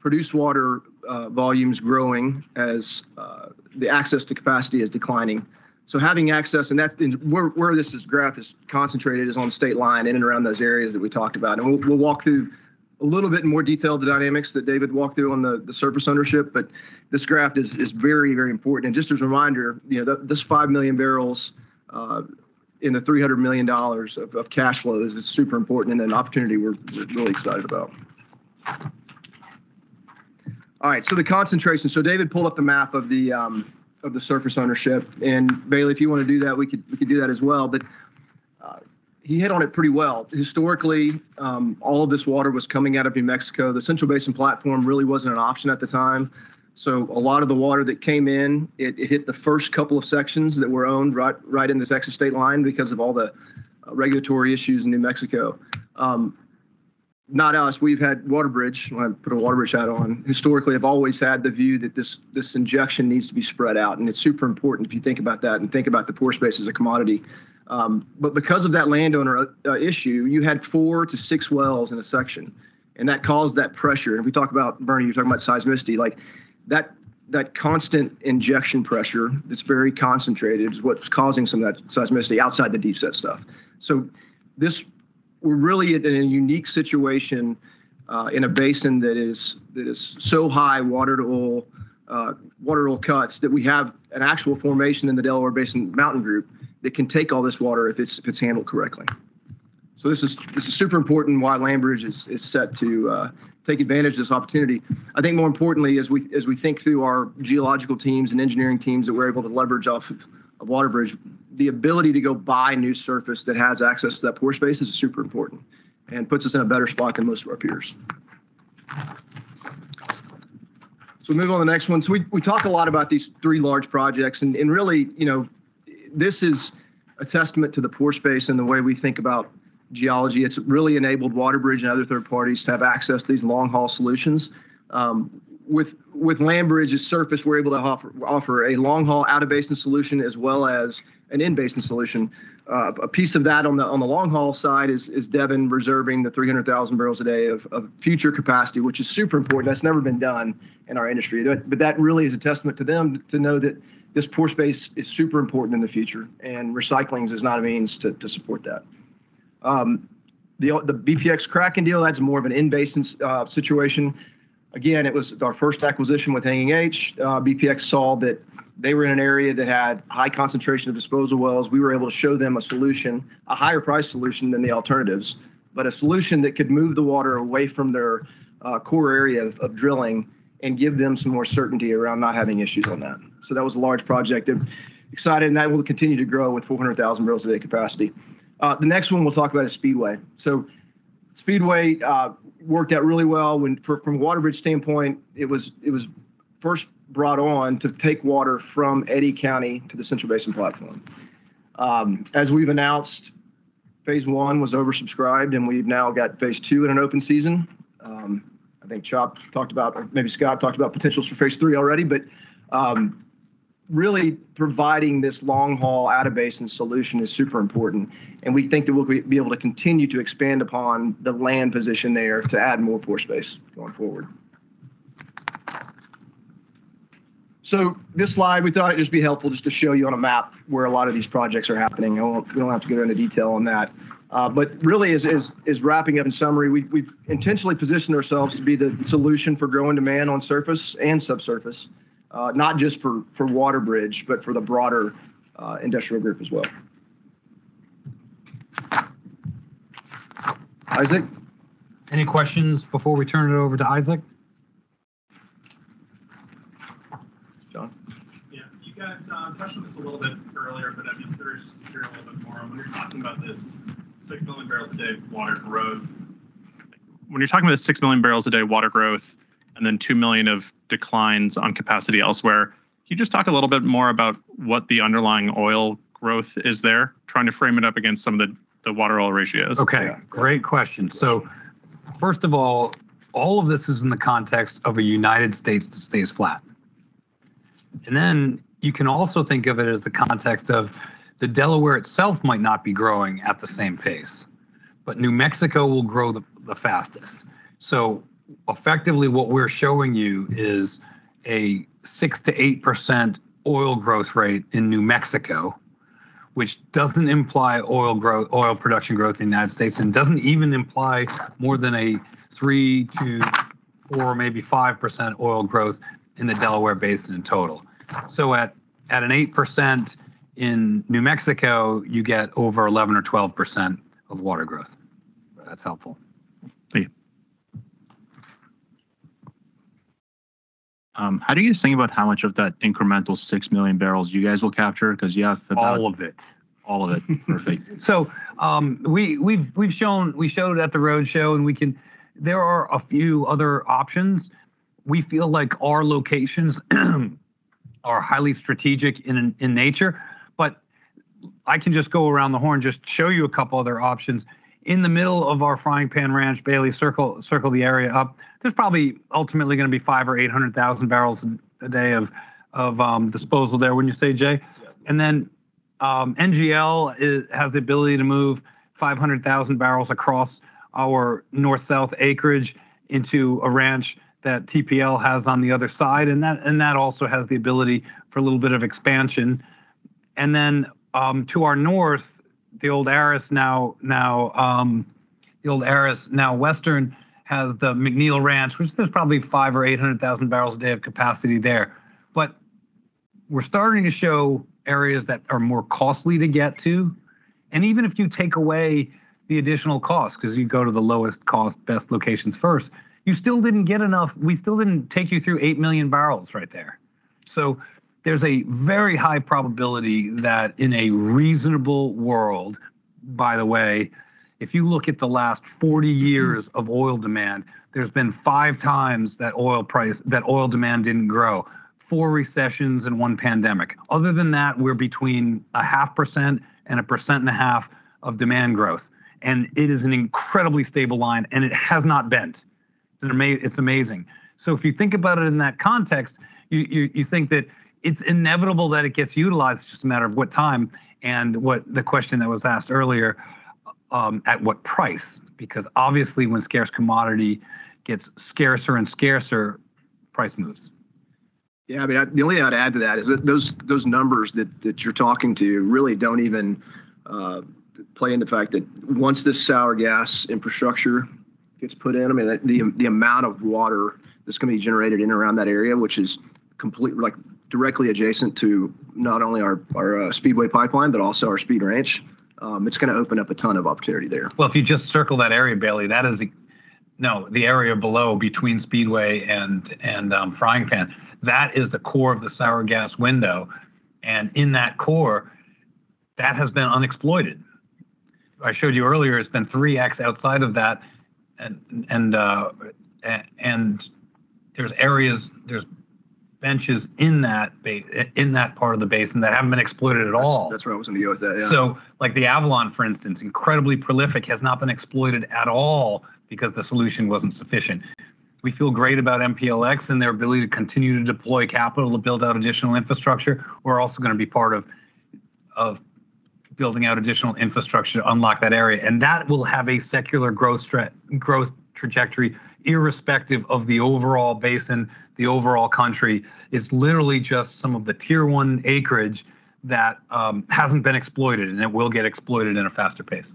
produced water volumes growing as the access to capacity is declining. Having access and that's, and where this graph is concentrated is on state line in and around those areas that we talked about. We'll walk through a little bit more detail of the dynamics that David walked through on the surface ownership, but this graph is very important. Just as a reminder, you know, this 5 million barrels in the $300 million of cash flow is super important and an opportunity we're really excited about. All right, the concentration. David pulled up the map of the surface ownership. Bailey, if you wanna do that, we could do that as well. He hit on it pretty well. Historically, all of this water was coming out of New Mexico. The Central Basin Platform really wasn't an option at the time, so a lot of the water that came in, it hit the first couple of sections that were owned right in the Texas state line because of all the regulatory issues in New Mexico. Not us. We've had WaterBridge, I'm gonna put a WaterBridge hat on. Historically, have always had the view that this injection needs to be spread out, and it's super important if you think about that and think about the pore space as a commodity. But because of that landowner issue, you had 4-6 wells in a section, and that caused that pressure. We talk about, Bernie, you're talking about seismicity. Like, that constant injection pressure that's very concentrated is what's causing some of that seismicity outside the deep set stuff. We're really in a unique situation in a basin that is so high water to oil, water oil cuts, that we have an actual formation in the Delaware Mountain Group that can take all this water if it's handled correctly. This is super important why LandBridge is set to take advantage of this opportunity. I think more importantly, as we think through our geological teams and engineering teams that we're able to leverage off of WaterBridge, the ability to go buy new surface that has access to that pore space is super important and puts us in a better spot than most of our peers. Moving on to the next one. We talk a lot about these three large projects and really, you know, this is a testament to the pore space and the way we think about geology. It's really enabled WaterBridge and other third parties to have access to these long-haul solutions. With LandBridge's surface, we're able to offer a long-haul out-of-basin solution as well as an in-basin solution. A piece of that on the long-haul side is Devon reserving the 300,000 bbl a day of future capacity, which is super important. That's never been done in our industry. That really is a testament to them to know that this pore space is super important in the future, and recycling is not a means to support that. The bpx Kraken deal, that's more of an in-basin situation. Again, it was our first acquisition with Hanging H. Bpx saw that they were in an area that had high concentration of disposal wells. We were able to show them a solution, a higher price solution than the alternatives, but a solution that could move the water away from their core area of drilling and give them some more certainty around not having issues on that. That was a large project. I'm excited, and that will continue to grow with 400,000 bbl a day capacity. The next one we'll talk about is Speedway. Speedway worked out really well from WaterBridge standpoint, it was first brought on to take water from Eddy County to the Central Basin Platform. As we've announced, phase one was oversubscribed, and we've now got phase two in an open season. I think Chop talked about, maybe Scott talked about potentials for phase three already, but really providing this long-haul out-of-basin solution is super important, and we think that we'll be able to continue to expand upon the land position there to add more pore space going forward. This slide, we thought it'd just be helpful just to show you on a map where a lot of these projects are happening. We don't have to go into detail on that. But really as wrapping up in summary, we've intentionally positioned ourselves to be the solution for growing demand on surface and subsurface, not just for WaterBridge, but for the broader Industrial Group as well. Isaac? Any questions before we turn it over to Isaac? John? Yeah. You guys touched on this a little bit earlier, but I'd be curious to hear a little bit more. When you're talking about this 6 MMbpd water growth and then 2 million of declines on capacity elsewhere, can you just talk a little bit more about what the underlying oil growth is there, trying to frame it up against some of the water oil ratios. Okay. Great question. First of all of this is in the context of a United States that stays flat. You can also think of it as the context of the Delaware itself might not be growing at the same pace, but New Mexico will grow the fastest. Effectively, what we're showing you is a 6%-8% oil growth rate in New Mexico, which doesn't imply oil production growth in the United States, and doesn't even imply more than a 3%-4%, maybe 5% oil growth in the Delaware Basin in total. At an 8% in New Mexico, you get over 11% or 12% of water growth. That's helpful. Yeah. How do you think about how much of that incremental 6 million barrels you guys will capture? Because you have about- All of it. All of it. Perfect. We showed at the roadshow. There are a few other options. We feel like our locations are highly strategic in nature, but I can just go around the horn, just show you a couple other options. In the middle of our Frying Pan Ranch, Bailey, circle the area up, there's probably ultimately gonna be 500,000 or 800,000 bbl a day of disposal there. Wouldn't you say, Jay? Yeah. NGL has the ability to move 500,000 bbl across our north-south acreage into a ranch that TPL has on the other side, and that also has the ability for a little bit of expansion. To our north, the old Aris, now Western, has the McNeil Ranch, which there's probably 500,000 or 800,000 bbl a day of capacity there. We're starting to show areas that are more costly to get to. Even if you take away the additional cost, 'cause you go to the lowest cost, best locations first, you still didn't get enough. We still didn't take you through 8 million barrels right there. There's a very high probability that in a reasonable world. By the way, if you look at the last 40 years of oil demand, there's been 5x that oil price, that oil demand didn't grow. Four recessions and one pandemic. Other than that, we're between 0.5% and 1.5% of demand growth. It is an incredibly stable line, and it has not bent. It's amazing. If you think about it in that context, you think that it's inevitable that it gets utilized. It's just a matter of what time and what the question that was asked earlier, at what price? Because obviously when scarce commodity gets scarcer and scarcer, price moves. Yeah, I mean, the only I'd add to that is that those numbers that you're talking about really don't even play into the fact that once this sour gas infrastructure gets put in, I mean, the amount of water that's gonna be generated in and around that area, which is like directly adjacent to not only our Speedway pipeline but also our Speed Ranch, it's gonna open up a ton of opportunity there. Well, if you just circle that area, Bailey, that is. No, the area below between Speedway and Frying Pan, that is the core of the sour gas window, and in that core, that has been unexploited. I showed you earlier it's been 3x outside of that and there's areas, there's benches in that part of the basin that haven't been exploited at all. That's where I was gonna go with that, yeah. Like the Avalon, for instance, incredibly prolific, has not been exploited at all because the solution wasn't sufficient. We feel great about MPLX and their ability to continue to deploy capital to build out additional infrastructure. We're also gonna be part of building out additional infrastructure to unlock that area, and that will have a secular growth trajectory irrespective of the overall basin, the overall country. It's literally just some of the tier one acreage that hasn't been exploited, and it will get exploited at a faster pace.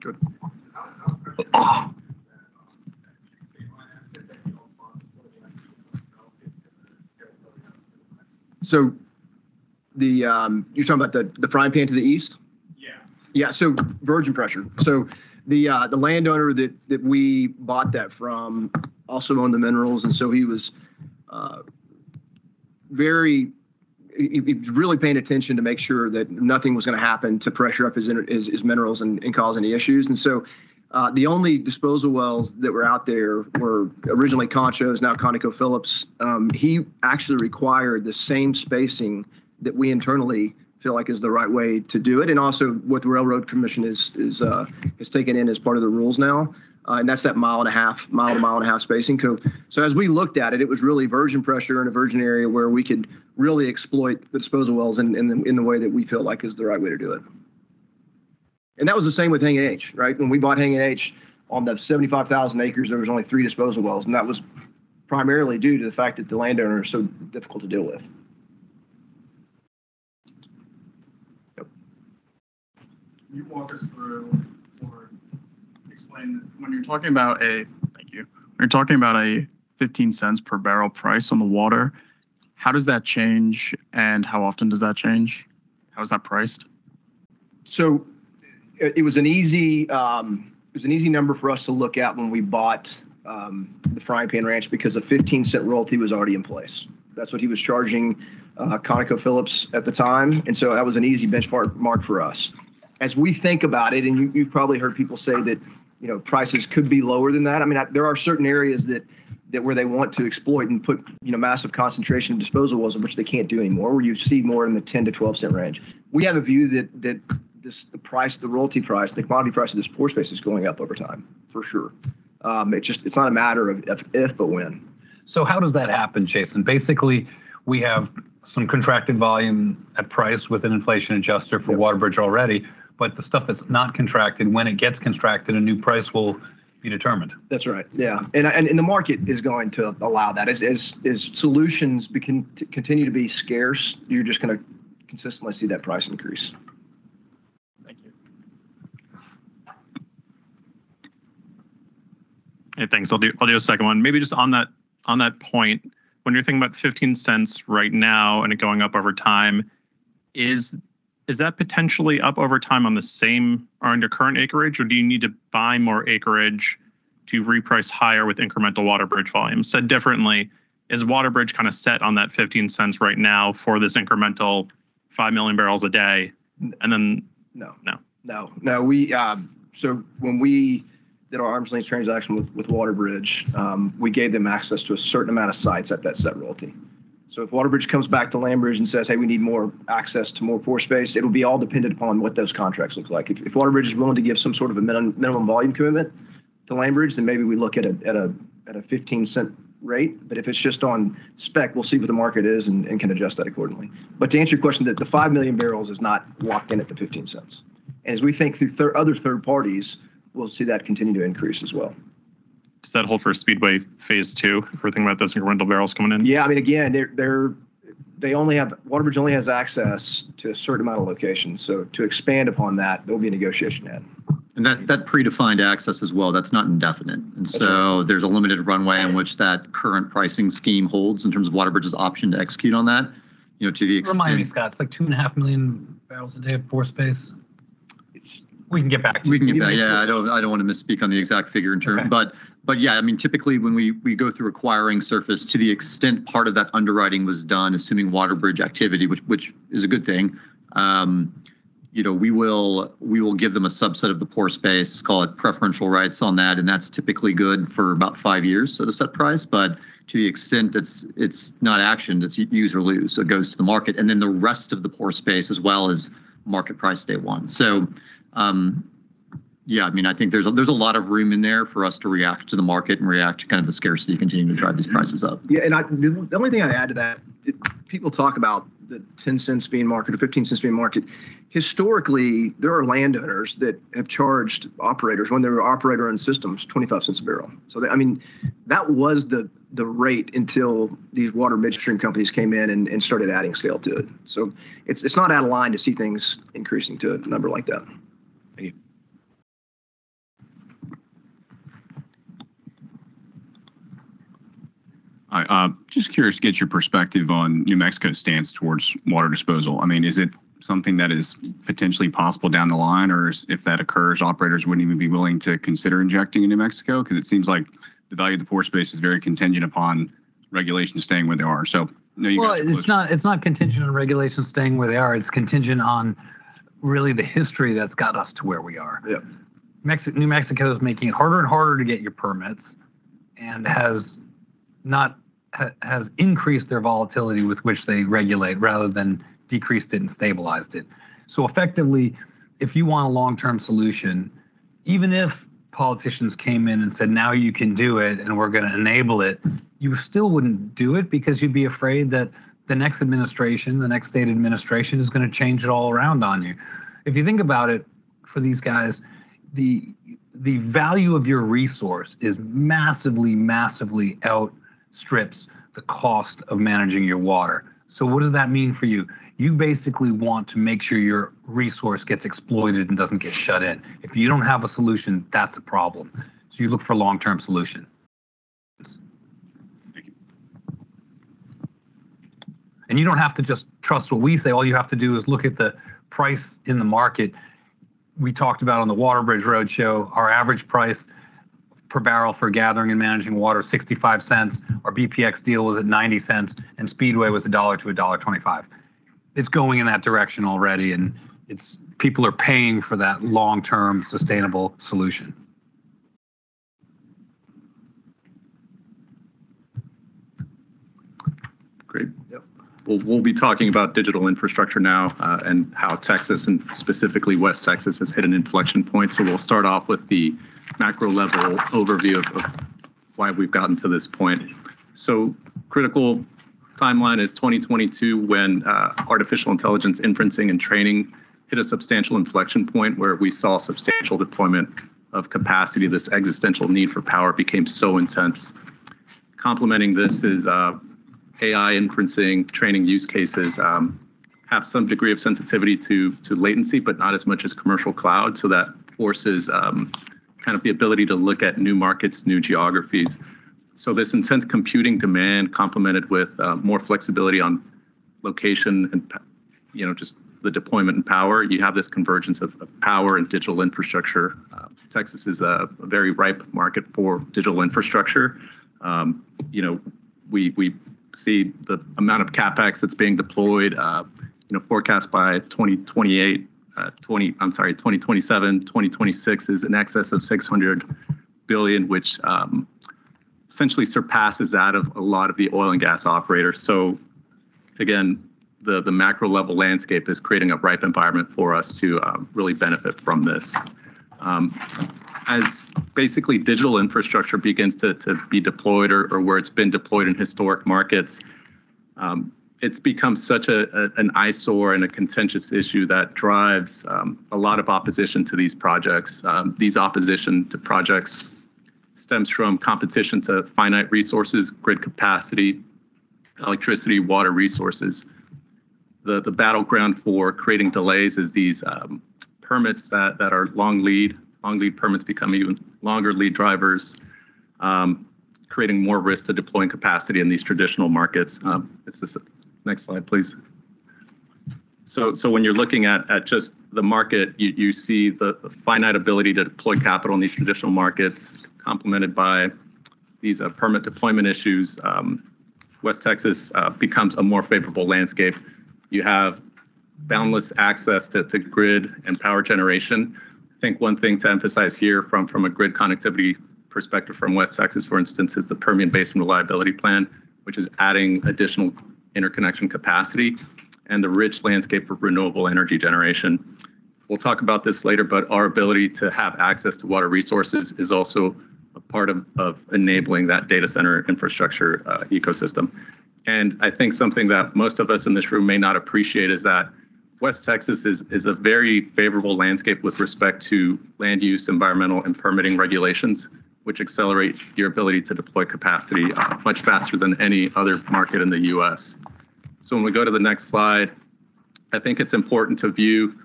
Good. You're talking about the Frying Pan to the east? Yeah. Yeah, virgin pressure. The landowner that we bought that from also owned the minerals, and he was really paying attention to make sure that nothing was gonna happen to pressure up his minerals and cause any issues. The only disposal wells that were out there were originally Concho's, now ConocoPhillips. He actually required the same spacing that we internally feel like is the right way to do it and also what the Railroad Commission has taken in as part of the rules now, and that's that mile and a half spacing. So as we looked at it was really virgin pressure in a virgin area where we could really exploit the disposal wells in the way that we feel like is the right way to do it. That was the same with Hanging H, right? When we bought Hanging H, on that 75,000 acres, there was only three disposal wells, and that was primarily due to the fact that the landowner is so difficult to deal with. Yep. When you're talking about a $0.15 per barrel price on the water, how does that change, and how often does that change? How is that priced? It was an easy number for us to look at when we bought the Frying Pan Ranch because a $0.15 royalty was already in place. That's what he was charging ConocoPhillips at the time, and that was an easy benchmark for us. As we think about it, and you've probably heard people say that, you know, prices could be lower than that. I mean, there are certain areas that where they want to exploit and put, you know, massive concentration disposal wells, which they can't do anymore, where you see more in the $0.10-$0.12 range. We have a view that this, the price, the royalty price, the commodity price of this pore space is going up over time, for sure. It's just, it's not a matter of if, but when. How does that happen, Jason? Basically, we have some contracted volume at price with an inflation adjuster for WaterBridge already, but the stuff that's not contracted, when it gets constructed, a new price will be determined. That's right. Yeah. The market is going to allow that. As solutions continue to be scarce, you're just gonna consistently see that price increase. Thank you. Hey, thanks. I'll do a second one. Maybe just on that point, when you're thinking about $0.15 right now and it going up over time, is that potentially up over time on the same or on your current acreage, or do you need to buy more acreage to reprice higher with incremental WaterBridge volume? Said differently, is WaterBridge kinda set on that $0.15 right now for this incremental 5 MMbpd and then. No. No. No. We did our arm's length transaction with WaterBridge, we gave them access to a certain amount of sites at that set royalty. If WaterBridge comes back to LandBridge and says, "Hey, we need more access to more pore space," it'll be all dependent upon what those contracts look like. If WaterBridge is willing to give some sort of a minimum volume commitment to LandBridge, then maybe we look at a $0.15 rate. If it's just on spec, we'll see what the market is and can adjust that accordingly. To answer your question, the 5 million barrels is not locked in at the $0.15. As we think through other third parties, we'll see that continue to increase as well. Does that hold for Speedway phase 2 if we're thinking about those incremental barrels coming in? Yeah. I mean, again, WaterBridge only has access to a certain amount of locations. To expand upon that, there'll be a negotiation then. That predefined access as well, that's not indefinite. That's right. There's a limited runway in which that current pricing scheme holds in terms of WaterBridge's option to execute on that, you know, to the extent. Remind me, Scott. It's like 2.5 MMbpd of pore space. It's- We can get back to you. We can get back. Yeah, I don't wanna misspeak on the exact figure and term. Okay. Yeah, I mean, typically, when we go through acquiring surface to the extent part of that underwriting was done, assuming WaterBridge activity, which is a good thing, you know, we will give them a subset of the pore space, call it preferential rights on that, and that's typically good for about five years at a set price. To the extent it's not actioned, it's use or lose. It goes to the market. Then the rest of the pore space as well is market price day one. Yeah, I think there's a lot of room in there for us to react to the market and react to kind of the scarcity continuing to drive these prices up. Yeah. The only thing I'd add to that, people talk about the $0.10 being market or $0.15 being market. Historically, there are landowners that have charged operators when they were operator on systems $0.25 a barrel. I mean, that was the rate until these water midstream companies came in and started adding scale to it. It's not out of line to see things increasing to a number like that. Thank you. Just curious to get your perspective on New Mexico's stance towards water disposal. I mean, is it something that is potentially possible down the line? Or if that occurs, operators wouldn't even be willing to consider injecting in New Mexico because it seems like the value of the pore space is very contingent upon regulations staying where they are. I know you guys. Well, it's not contingent on regulations staying where they are. It's contingent on really the history that's got us to where we are. Yeah. New Mexico is making it harder and harder to get your permits and has increased their volatility with which they regulate rather than decreased it and stabilized it. Effectively, if you want a long-term solution, even if politicians came in and said, "Now you can do it and we're going to enable it," you still wouldn't do it because you'd be afraid that the next administration, the next state administration is going to change it all around on you. If you think about it, for these guys, the value of your resource is massively outstrips the cost of managing your water. What does that mean for you? You basically want to make sure your resource gets exploited and doesn't get shut in. If you don't have a solution, that's a problem. You look for a long-term solution. Thank you. You don't have to just trust what we say. All you have to do is look at the price in the market we talked about on the WaterBridge Roadshow. Our average price per barrel for gathering and managing water, $0.65. Our bpx deal was at $0.90, and Speedway was $1-$1.25. It's going in that direction already, and people are paying for that long-term sustainable solution. Great. Yep. We'll be talking about digital infrastructure now, and how Texas, and specifically West Texas, has hit an inflection point. We'll start off with the macro-level overview of why we've gotten to this point. Critical timeline is 2022 when artificial intelligence inferencing and training hit a substantial inflection point where we saw substantial deployment of capacity. This existential need for power became so intense. Complementing this is AI inferencing training use cases have some degree of sensitivity to latency, but not as much as commercial cloud. That forces kind of the ability to look at new markets, new geographies. This intense computing demand complemented with more flexibility on location and you know, just the deployment and power. You have this convergence of power and digital infrastructure. Texas is a very ripe market for digital infrastructure. You know, we see the amount of CapEx that's being deployed, you know, forecast by 2027, 2026 is in excess of $600 billion, which essentially surpasses that of a lot of the oil and gas operators. Again, the macro-level landscape is creating a ripe environment for us to really benefit from this. As basically digital infrastructure begins to be deployed or where it's been deployed in historic markets, it's become such an eyesore and a contentious issue that drives a lot of opposition to these projects. This opposition to projects stems from competition for finite resources, grid capacity, electricity, water resources. The battleground for creating delays is these permits that are long lead. Long lead permits become even longer lead drivers, creating more risk to deploying capacity in these traditional markets. Next slide, please. When you're looking at just the market, you see the finite ability to deploy capital in these traditional markets complemented by these permit deployment issues. West Texas becomes a more favorable landscape. You have boundless access to grid and power generation. I think one thing to emphasize here from a grid connectivity perspective from West Texas, for instance, is the Permian Basin Reliability Plan, which is adding additional interconnection capacity and the rich landscape of renewable energy generation. We'll talk about this later, but our ability to have access to water resources is also a part of enabling that data center infrastructure ecosystem. I think something that most of us in this room may not appreciate is that West Texas is a very favorable landscape with respect to land use, environmental, and permitting regulations, which accelerate your ability to deploy capacity much faster than any other market in the U.S. When we go to the next slide, I think it's important to view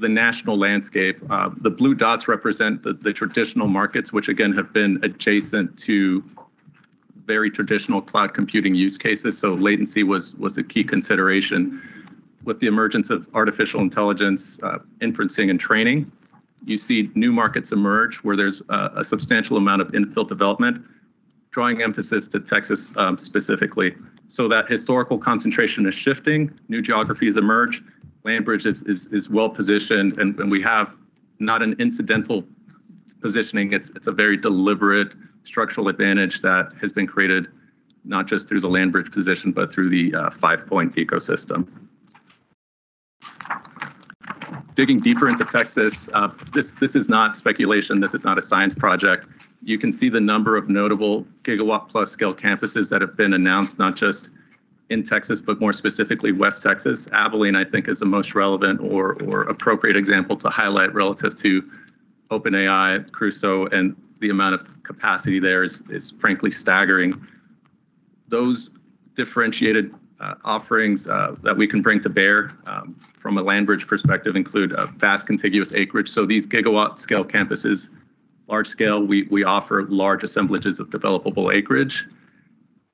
the national landscape. The blue dots represent the traditional markets, which again, have been adjacent to very traditional cloud computing use cases, so latency was a key consideration. With the emergence of artificial intelligence, inferencing and training, you see new markets emerge where there's a substantial amount of infill development, drawing emphasis to Texas, specifically. That historical concentration is shifting. New geographies emerge. LandBridge is well-positioned, and we have not an incidental positioning. It's a very deliberate structural advantage that has been created not just through the LandBridge position but through the Five Point ecosystem. Digging deeper into Texas, this is not speculation. This is not a science project. You can see the number of notable gigawatt plus scale campuses that have been announced, not just in Texas, but more specifically West Texas. Abilene I think is the most relevant or appropriate example to highlight relative to OpenAI, Crusoe, and the amount of capacity there is frankly staggering. Those differentiated offerings that we can bring to bear from a LandBridge perspective include a vast contiguous acreage. These gigawatt scale campuses, large scale, we offer large assemblages of developable acreage.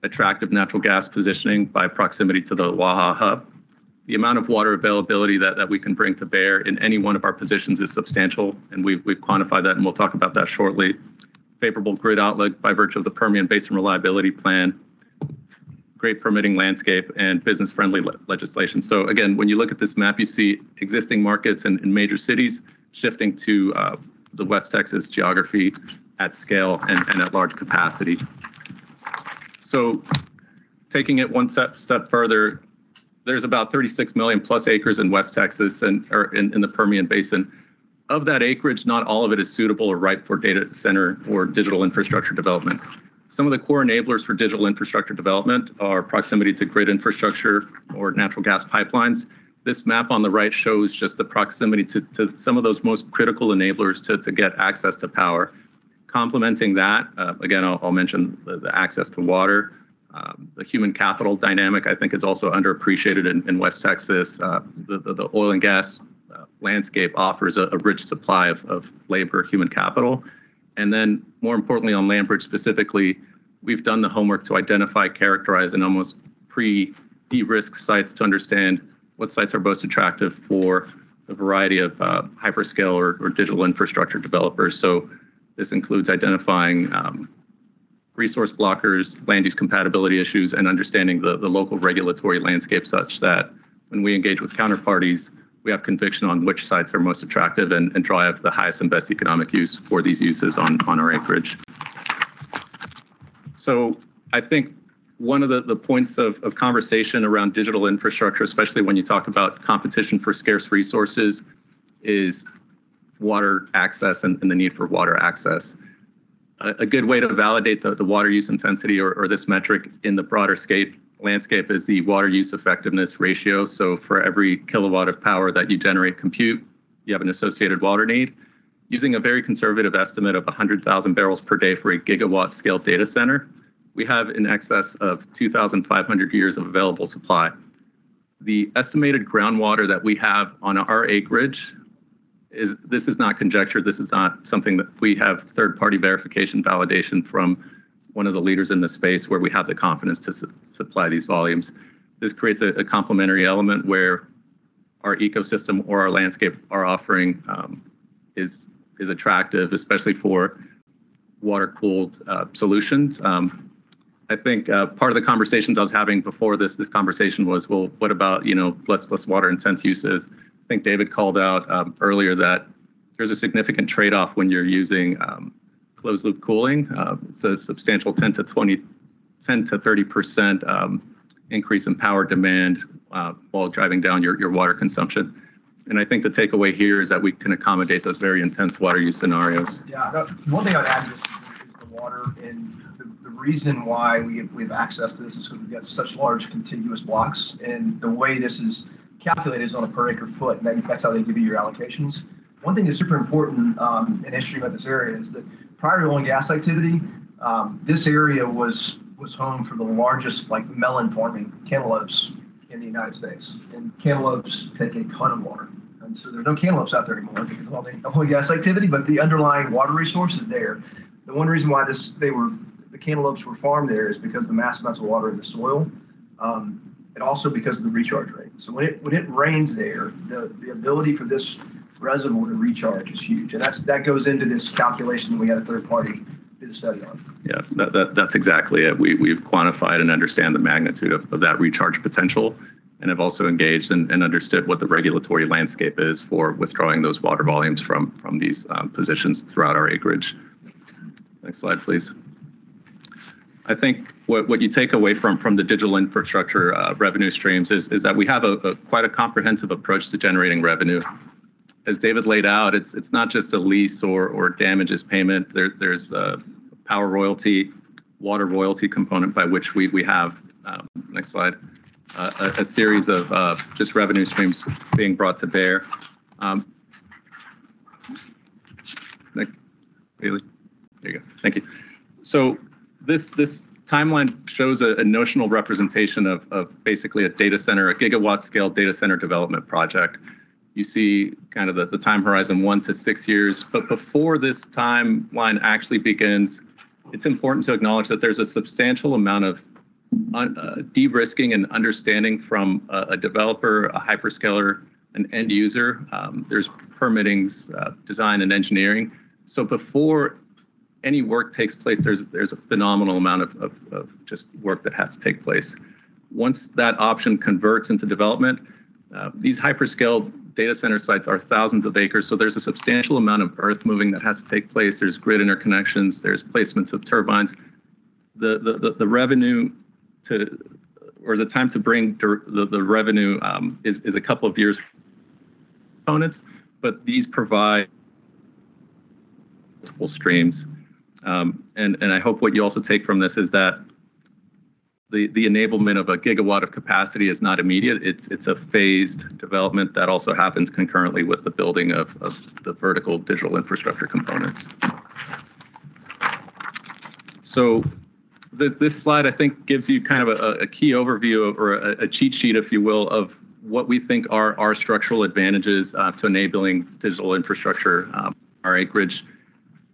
Attractive natural gas positioning by proximity to the Waha Hub. The amount of water availability that we can bring to bear in any one of our positions is substantial, and we've quantified that, and we'll talk about that shortly. Favorable grid outlook by virtue of the Permian Basin Reliability Plan. Great permitting landscape and business-friendly legislation. Again, when you look at this map, you see existing markets in major cities shifting to the West Texas geography at scale and at large capacity. Taking it one step further, there's about 36 million plus acres in West Texas or in the Permian Basin. Of that acreage, not all of it is suitable or right for data center or digital infrastructure development. Some of the core enablers for digital infrastructure development are proximity to grid infrastructure or natural gas pipelines. This map on the right shows just the proximity to some of those most critical enablers to get access to power. Complementing that, again, I'll mention the access to water. The human capital dynamic I think is also underappreciated in West Texas. The oil and gas landscape offers a rich supply of labor, human capital. Then more importantly on LandBridge specifically, we've done the homework to identify, characterize, and almost pre-de-risk sites to understand what sites are most attractive for a variety of hyperscale or digital infrastructure developers. This includes identifying resource blockers, land use compatibility issues, and understanding the local regulatory landscape such that when we engage with counterparties, we have conviction on which sites are most attractive and drive the highest and best economic use for these uses on our acreage. I think one of the points of conversation around digital infrastructure, especially when you talk about competition for scarce resources, is water access and the need for water access. A good way to validate the water use intensity or this metric in the broader landscape is the water use effectiveness ratio. For every kilowatt of power that you generate, compute, you have an associated water need. Using a very conservative estimate of 100,000 bbl per day for a gigawatt-scale data center, we have in excess of 2,500 years of available supply. The estimated groundwater that we have on our acreage is. This is not conjecture. This is something that we have third-party verification validation from one of the leaders in the space where we have the confidence to supply these volumes. This creates a complementary element where our ecosystem or our landscape, our offering, is attractive, especially for water-cooled solutions. I think part of the conversations I was having before this conversation was, what about, you know, less water intense uses? I think David called out earlier that there's a significant trade-off when you're using closed loop cooling. It's a substantial 10%-30% increase in power demand while driving down your water consumption. I think the takeaway here is that we can accommodate those very intense water use scenarios. Yeah. One thing I'd add is the water and the reason why we've accessed this is because we've got such large contiguous blocks, and the way this is calculated is on a per acre foot, and then that's how they give you your allocations. One thing that's super important and interesting about this area is that prior to oil and gas activity, this area was home for the largest, like, melon farming cantaloupes in the United States. Cantaloupes take a ton of water. There's no cantaloupes out there anymore because of all the oil and gas activity, but the underlying water resource is there. The one reason why the cantaloupes were farmed there is because the mass amounts of water in the soil and also because of the recharge rate. When it rains there, the ability for this reservoir to recharge is huge. That goes into this calculation that we had a third party do the study on. Yeah. That's exactly it. We've quantified and understand the magnitude of that recharge potential and have also engaged and understood what the regulatory landscape is for withdrawing those water volumes from these positions throughout our acreage. Next slide, please. I think what you take away from the digital infrastructure revenue streams is that we have a quite comprehensive approach to generating revenue. As David laid out, it's not just a lease or damages payment. There's a power royalty, water royalty component by which we have next slide, a series of just revenue streams being brought to bear. Next, Bailey. There you go. Thank you. So this timeline shows a notional representation of basically a data center, a gigawatt-scale data center development project. You see kind of the time horizon one to six years. Before this timeline actually begins, it's important to acknowledge that there's a substantial amount of de-risking and understanding from a developer, a hyperscaler, an end user. There's permitting, design and engineering. Before any work takes place, there's a phenomenal amount of just work that has to take place. Once that option converts into development, these hyperscale data center sites are thousands of acres, so there's a substantial amount of earth moving that has to take place. There's grid interconnections. There's placements of turbines. The time to revenue, or the time to bring the revenue, is a couple of years components, but these provide full streams. I hope what you also take from this is that the enablement of a gigawatt of capacity is not immediate. It's a phased development that also happens concurrently with the building of the vertical digital infrastructure components. This slide I think gives you kind of a key overview or a cheat sheet, if you will, of what we think are our structural advantages to enabling digital infrastructure, our acreage,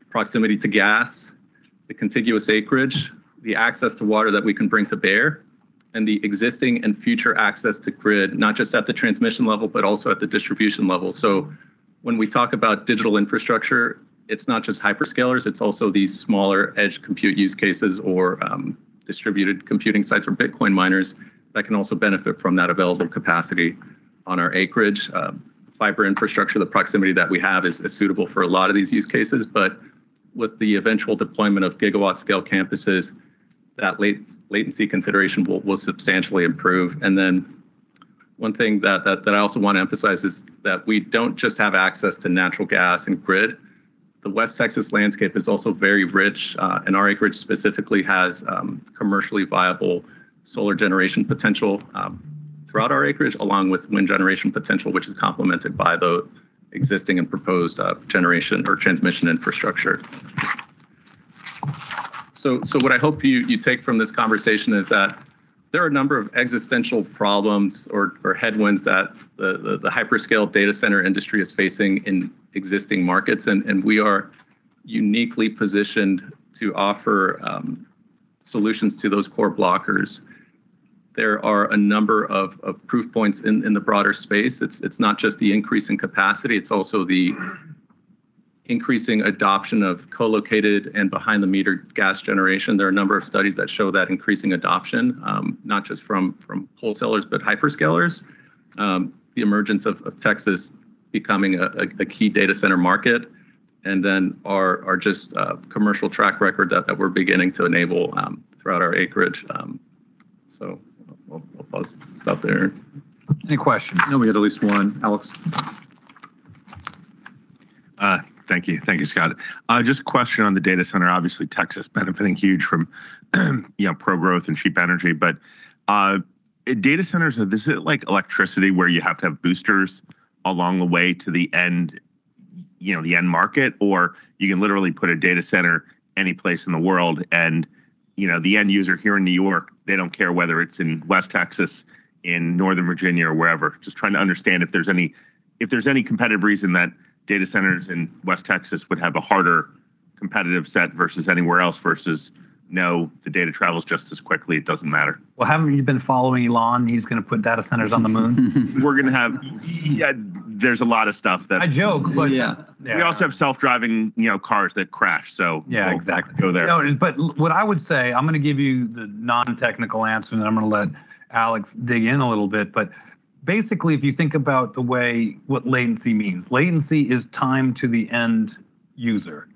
proximity to gas, the contiguous acreage, the access to water that we can bring to bear, and the existing and future access to grid, not just at the transmission level, but also at the distribution level. When we talk about digital infrastructure, it's not just hyperscalers, it's also these smaller edge compute use cases or distributed computing sites or Bitcoin miners that can also benefit from that available capacity on our acreage. Fiber infrastructure, the proximity that we have is suitable for a lot of these use cases. With the eventual deployment of gigawatt-scale campuses, that latency consideration will substantially improve. One thing that I also want to emphasize is that we don't just have access to natural gas and grid. The West Texas landscape is also very rich, and our acreage specifically has commercially viable solar generation potential throughout our acreage, along with wind generation potential, which is complemented by the existing and proposed generation or transmission infrastructure. What I hope you take from this conversation is that there are a number of existential problems or headwinds that the hyperscale data center industry is facing in existing markets, and we are uniquely positioned to offer solutions to those core blockers. There are a number of proof points in the broader space. It's not just the increase in capacity, it's also the increasing adoption of co-located and behind the meter gas generation. There are a number of studies that show that increasing adoption, not just from wholesalers, but hyperscalers. The emergence of Texas becoming a key data center market, and then our just commercial track record that we're beginning to enable throughout our acreage. We'll stop there. Any questions? I know we had at least one. Alex? Thank you, Scott. Just a question on the data center. Obviously, Texas benefiting huge from, you know, pro-growth and cheap energy. But data centers, is it like electricity where you have to have boosters along the way to the end, you know, the end market, or you can literally put a data center any place in the world and, you know, the end user here in New York, they don't care whether it's in West Texas, in Northern Virginia, or wherever. Just trying to understand if there's any competitive reason that data centers in West Texas would have a harder competitive set versus anywhere else versus, no, the data travels just as quickly, it doesn't matter. Well, haven't you been following Elon? He's gonna put data centers on the moon. Yeah, there's a lot of stuff that. I joke, but yeah. We also have self-driving, you know, cars that crash. Yeah, exactly. We'll go there. What I would say, I'm gonna give you the non-technical answer, and then I'm gonna let Alex dig in a little bit. Basically, if you think about what latency means, latency is time to the end user,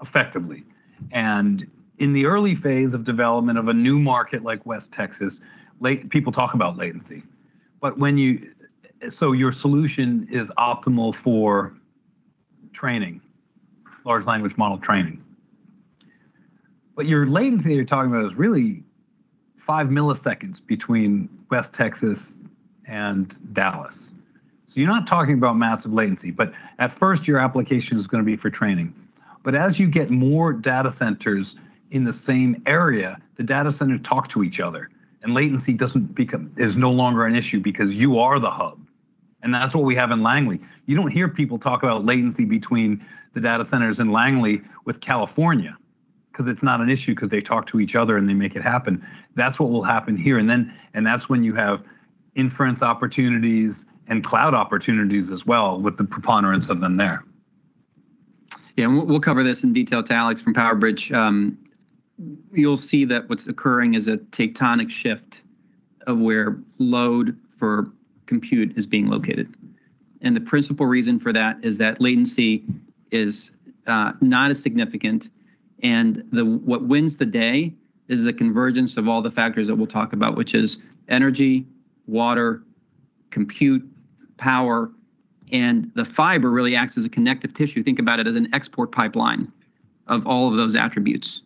effectively. In the early phase of development of a new market like West Texas, people talk about latency. Your solution is optimal for training, large language model training. Your latency you're talking about is really 5 milliseconds between West Texas and Dallas. You're not talking about massive latency, but at first, your application is gonna be for training. As you get more data centers in the same area, the data center talk to each other, and latency is no longer an issue because you are the hub. That's what we have in Loudoun. You don't hear people talk about latency between the data centers in Langley with California, 'cause it's not an issue 'cause they talk to each other, and they make it happen. That's what will happen here, and then and that's when you have inference opportunities and cloud opportunities as well with the preponderance of them there. Yeah, we'll cover this in detail to Alex from PowerBridge. You'll see that what's occurring is a tectonic shift of where load for compute is being located. The principal reason for that is that latency is not as significant, and what wins the day is the convergence of all the factors that we'll talk about, which is energy, water, compute, power, and the fiber really acts as a connective tissue. Think about it as an export pipeline of all of those attributes.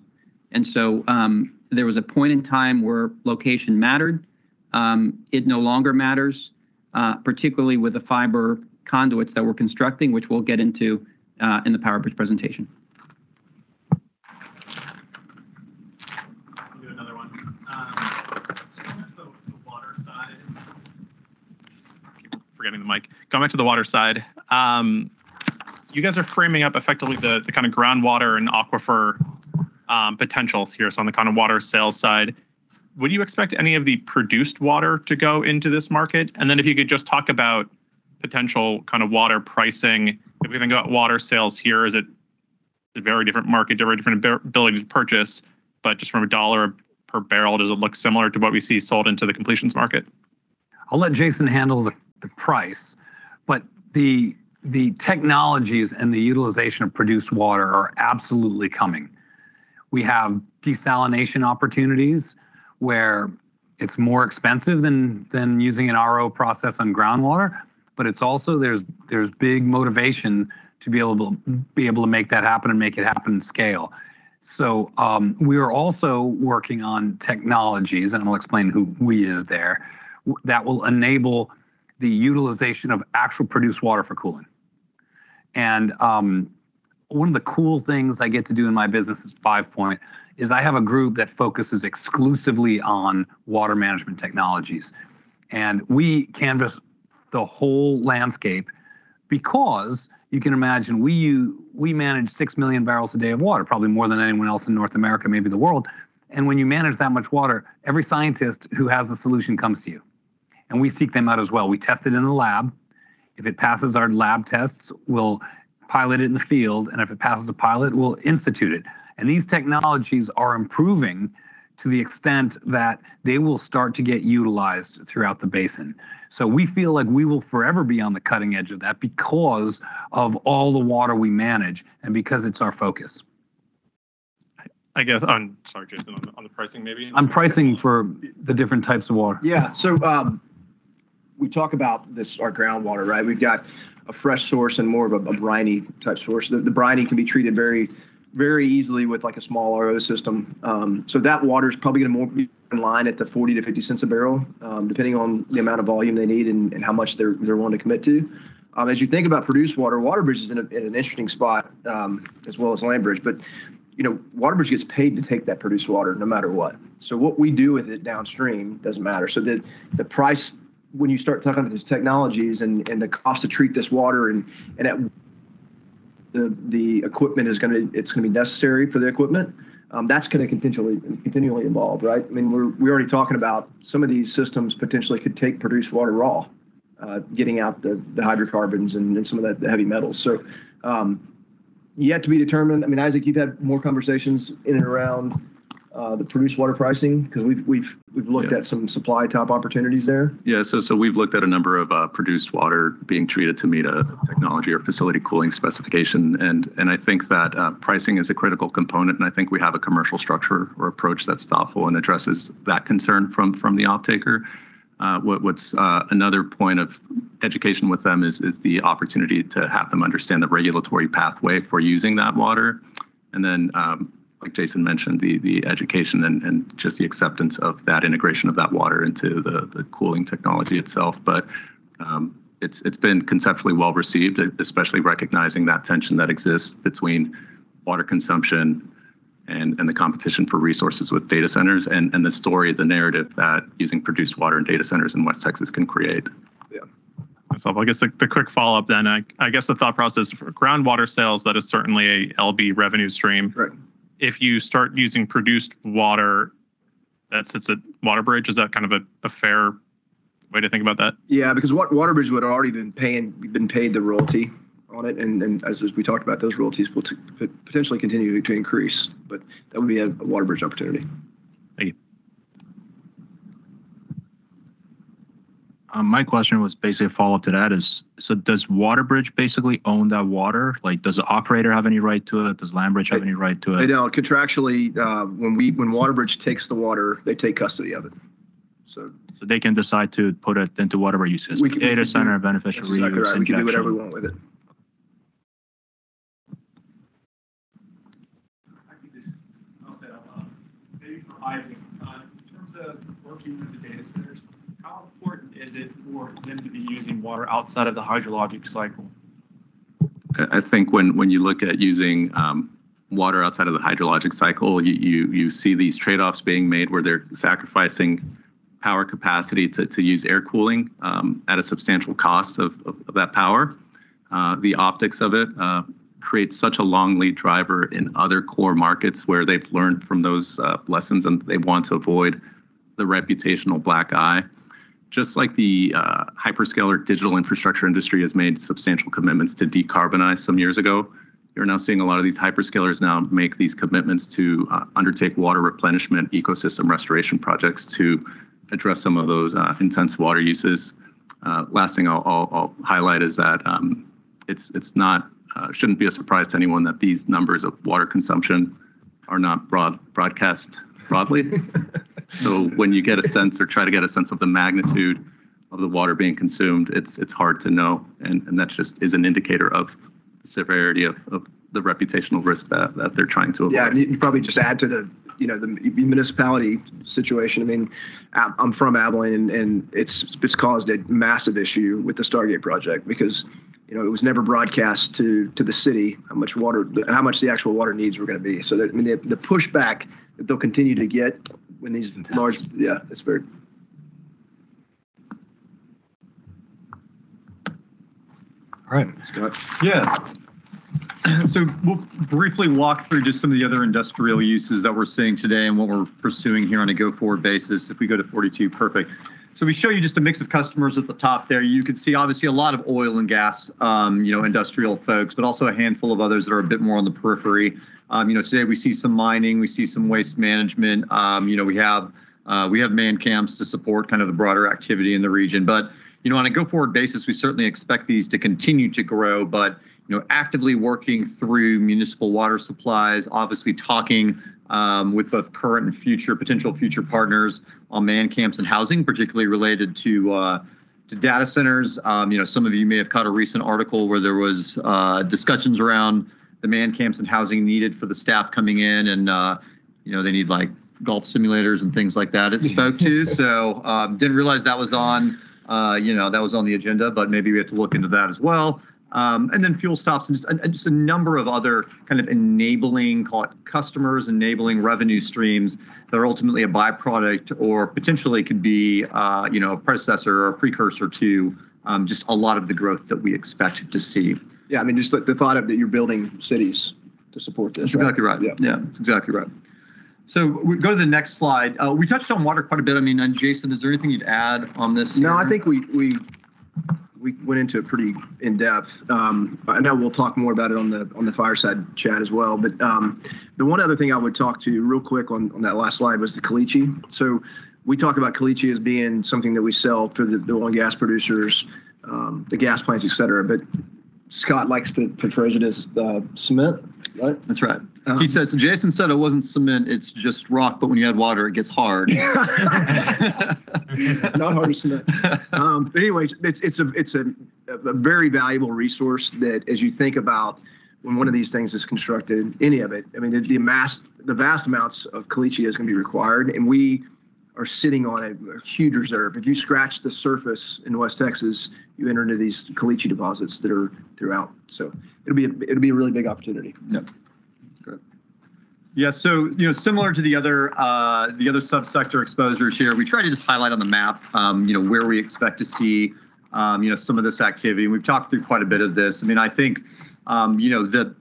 There was a point in time where location mattered. It no longer matters, particularly with the fiber conduits that we're constructing, which we'll get into in the PowerBridge presentation. I'll do another one. Going back to the water side. You guys are framing up effectively the kinda groundwater and aquifer potentials here. On the kind of water sales side, would you expect any of the produced water to go into this market? Then if you could just talk about potential kind of water pricing. If we even got water sales here, is it a very different market, very different ability to purchase, but just from a dollar per barrel, does it look similar to what we see sold into the completions market? I'll let Jason handle the price, but the technologies and the utilization of produced water are absolutely coming. We have desalination opportunities where it's more expensive than using an RO process on groundwater, but it's also there's big motivation to be able to make that happen and make it happen scale. We are also working on technologies, and I'll explain who we is there, that will enable the utilization of actual produced water for cooling. One of the cool things I get to do in my business at Five Point is I have a group that focuses exclusively on water management technologies. We canvas the whole landscape because you can imagine we manage 6 MMbpd of water, probably more than anyone else in North America, maybe the world. When you manage that much water, every scientist who has a solution comes to you. We seek them out as well. We test it in the lab. If it passes our lab tests, we'll pilot it in the field, and if it passes the pilot, we'll institute it. These technologies are improving to the extent that they will start to get utilized throughout the basin. We feel like we will forever be on the cutting edge of that because of all the water we manage and because it's our focus. Sorry, Jason, on the pricing maybe. On pricing for the different types of water. Yeah. We talk about this, our groundwater, right? We've got a fresh source and more of a briny type source. The briny can be treated very, very easily with like a small RO system. That water is probably gonna more be in line at the $0.40-$0.50 a barrel, depending on the amount of volume they need and how much they're willing to commit to. As you think about produced water, WaterBridge is in an interesting spot, as well as LandBridge. You know, WaterBridge gets paid to take that produced water no matter what. What we do with it downstream doesn't matter. The price when you start talking about these technologies and the cost to treat this water and the equipment is gonna be necessary for the equipment, that's gonna continually evolve, right? I mean, we're already talking about some of these systems potentially could take produced water raw, getting out the hydrocarbons and then some of the heavy metals. Yet to be determined. I mean, Isaac, you've had more conversations in and around the produced water pricing because we've looked at some supply-side opportunities there. We've looked at a number of produced water being treated to meet a technology or facility cooling specification. I think that pricing is a critical component, and I think we have a commercial structure or approach that's thoughtful and addresses that concern from the offtaker. What's another point of education with them is the opportunity to have them understand the regulatory pathway for using that water. Like Jason mentioned, the education and just the acceptance of that integration of that water into the cooling technology itself. It's been conceptually well-received, especially recognizing that tension that exists between water consumption and the competition for resources with data centers and the story, the narrative that using produced water in data centers in West Texas can create. Yeah. I guess like the quick follow-up then. I guess the thought process for groundwater sales, that is certainly a LB revenue stream. Right. If you start using produced water, that sits at WaterBridge. Is that kind of a fair way to think about that? Yeah, because WaterBridge would already been paid the royalty on it. Then, as we talked about, those royalties will potentially continue to increase, but that would be a WaterBridge opportunity. Thank you. My question was basically a follow-up to that is, so does WaterBridge basically own that water? Like, does the operator have any right to it? Does LandBridge have any right to it? They don't. Contractually, when WaterBridge takes the water, they take custody of it. They can decide to put it into whatever uses. Data center, beneficial reuse, injection. That's exactly right. We can do whatever we want with it. I'll say, maybe for Isaac. In terms of working with the data centers, how important is it for them to be using water outside of the hydrologic cycle? I think when you look at using water outside of the hydrologic cycle, you see these trade-offs being made where they're sacrificing power capacity to use air cooling at a substantial cost of that power. The optics of it creates such a long lead driver in other core markets where they've learned from those lessons, and they want to avoid the reputational black eye. Just like the hyperscaler digital infrastructure industry has made substantial commitments to decarbonize some years ago, you're now seeing a lot of these hyperscalers now make these commitments to undertake water replenishment ecosystem restoration projects to address some of those intense water uses. Last thing I'll highlight is that it's not a surprise to anyone that these numbers of water consumption are not broadcast broadly. When you get a sense or try to get a sense of the magnitude of the water being consumed, it's hard to know, and that just is an indicator of the severity of the reputational risk that they're trying to avoid. Yeah. You can probably just add to the, you know, the municipality situation. I mean, I'm from Abilene, and it's caused a massive issue with the Stargate Project because, you know, it was never broadcast to the city how much the actual water needs were gonna be. The pushback that they'll continue to get when these large- Yeah, it's very. All right. Scott? Yeah. We'll briefly walk through just some of the other industrial uses that we're seeing today and what we're pursuing here on a go-forward basis. If we go to 42, perfect. We show you just a mix of customers at the top there. You can see obviously a lot of oil and gas, you know, industrial folks, but also a handful of others that are a bit more on the periphery. You know, today we see some mining, we see some waste management. You know, we have We have man camps to support kind of the broader activity in the region. You know, on a go-forward basis, we certainly expect these to continue to grow. You know, actively working through municipal water supplies, obviously talking with both current and future, potential future partners on man camps and housing, particularly related to data centers. You know, some of you may have caught a recent article where there was discussions around the man camps and housing needed for the staff coming in, and you know, they need like golf simulators and things like that it spoke to. Didn't realize that was on the agenda, but maybe we have to look into that as well. Fuel stops and just a number of other kind of enabling, call it customers, enabling revenue streams that are ultimately a byproduct or potentially could be, you know, a predecessor or a precursor to just a lot of the growth that we expect to see. Yeah. I mean, just like the thought of that you're building cities to support this. That's exactly right. Yeah. Yeah. That's exactly right. We go to the next slide. We touched on water quite a bit. I mean, and Jason, is there anything you'd add on this here? No, I think we went into it pretty in-depth. I know we'll talk more about it on the fireside chat as well. The one other thing I would talk about real quick on that last slide was the caliche. We talk about caliche as being something that we sell to the oil and gas producers, the gas plants, et cetera. Scott likes to phrase it as cement, right? That's right. He says, "Jason said it wasn't cement, it's just rock, but when you add water, it gets hard. Not hard cement. Anyways, it's a very valuable resource that as you think about when one of these things is constructed, any of it, I mean, the mass, the vast amounts of caliche is gonna be required, and we are sitting on a huge reserve. If you scratch the surface in West Texas, you enter into these caliche deposits that are throughout. It'll be a really big opportunity. Yep. Good. Yeah. You know, similar to the other sub-sector exposures here, we try to just highlight on the map, you know, where we expect to see, you know, some of this activity, and we've talked through quite a bit of this. I mean, I think, you know, the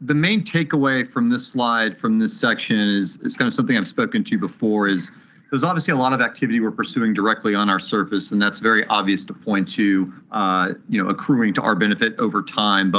main takeaway from this slide, from this section is kind of something I've spoken to before. There's obviously a lot of activity we're pursuing directly on our surface, and that's very obvious to point to, you know, accruing to our benefit over time.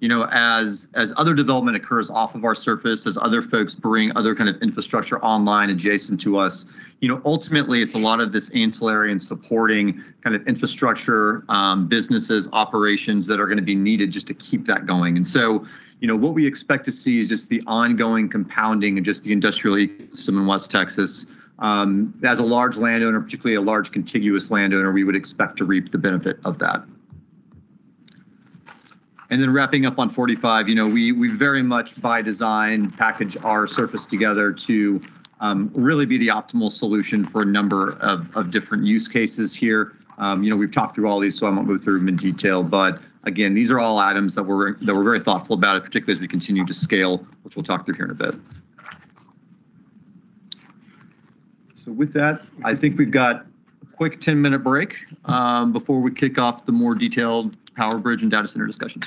You know, as other development occurs off of our surface, as other folks bring other kind of infrastructure online adjacent to us, you know, ultimately, it's a lot of this ancillary and supporting kind of infrastructure, businesses, operations that are gonna be needed just to keep that going. You know, what we expect to see is just the ongoing compounding of just the industrial ecosystem in West Texas. As a large landowner, particularly a large contiguous landowner, we would expect to reap the benefit of that. Wrapping up on 45, you know, we very much by design package our surface together to really be the optimal solution for a number of different use cases here. You know, we've talked through all these, so I won't go through them in detail. Again, these are all items that we're very thoughtful about, particularly as we continue to scale, which we'll talk through here in a bit. With that, I think we've got a quick 10-minute break before we kick off the more detailed PowerBridge and data center discussions.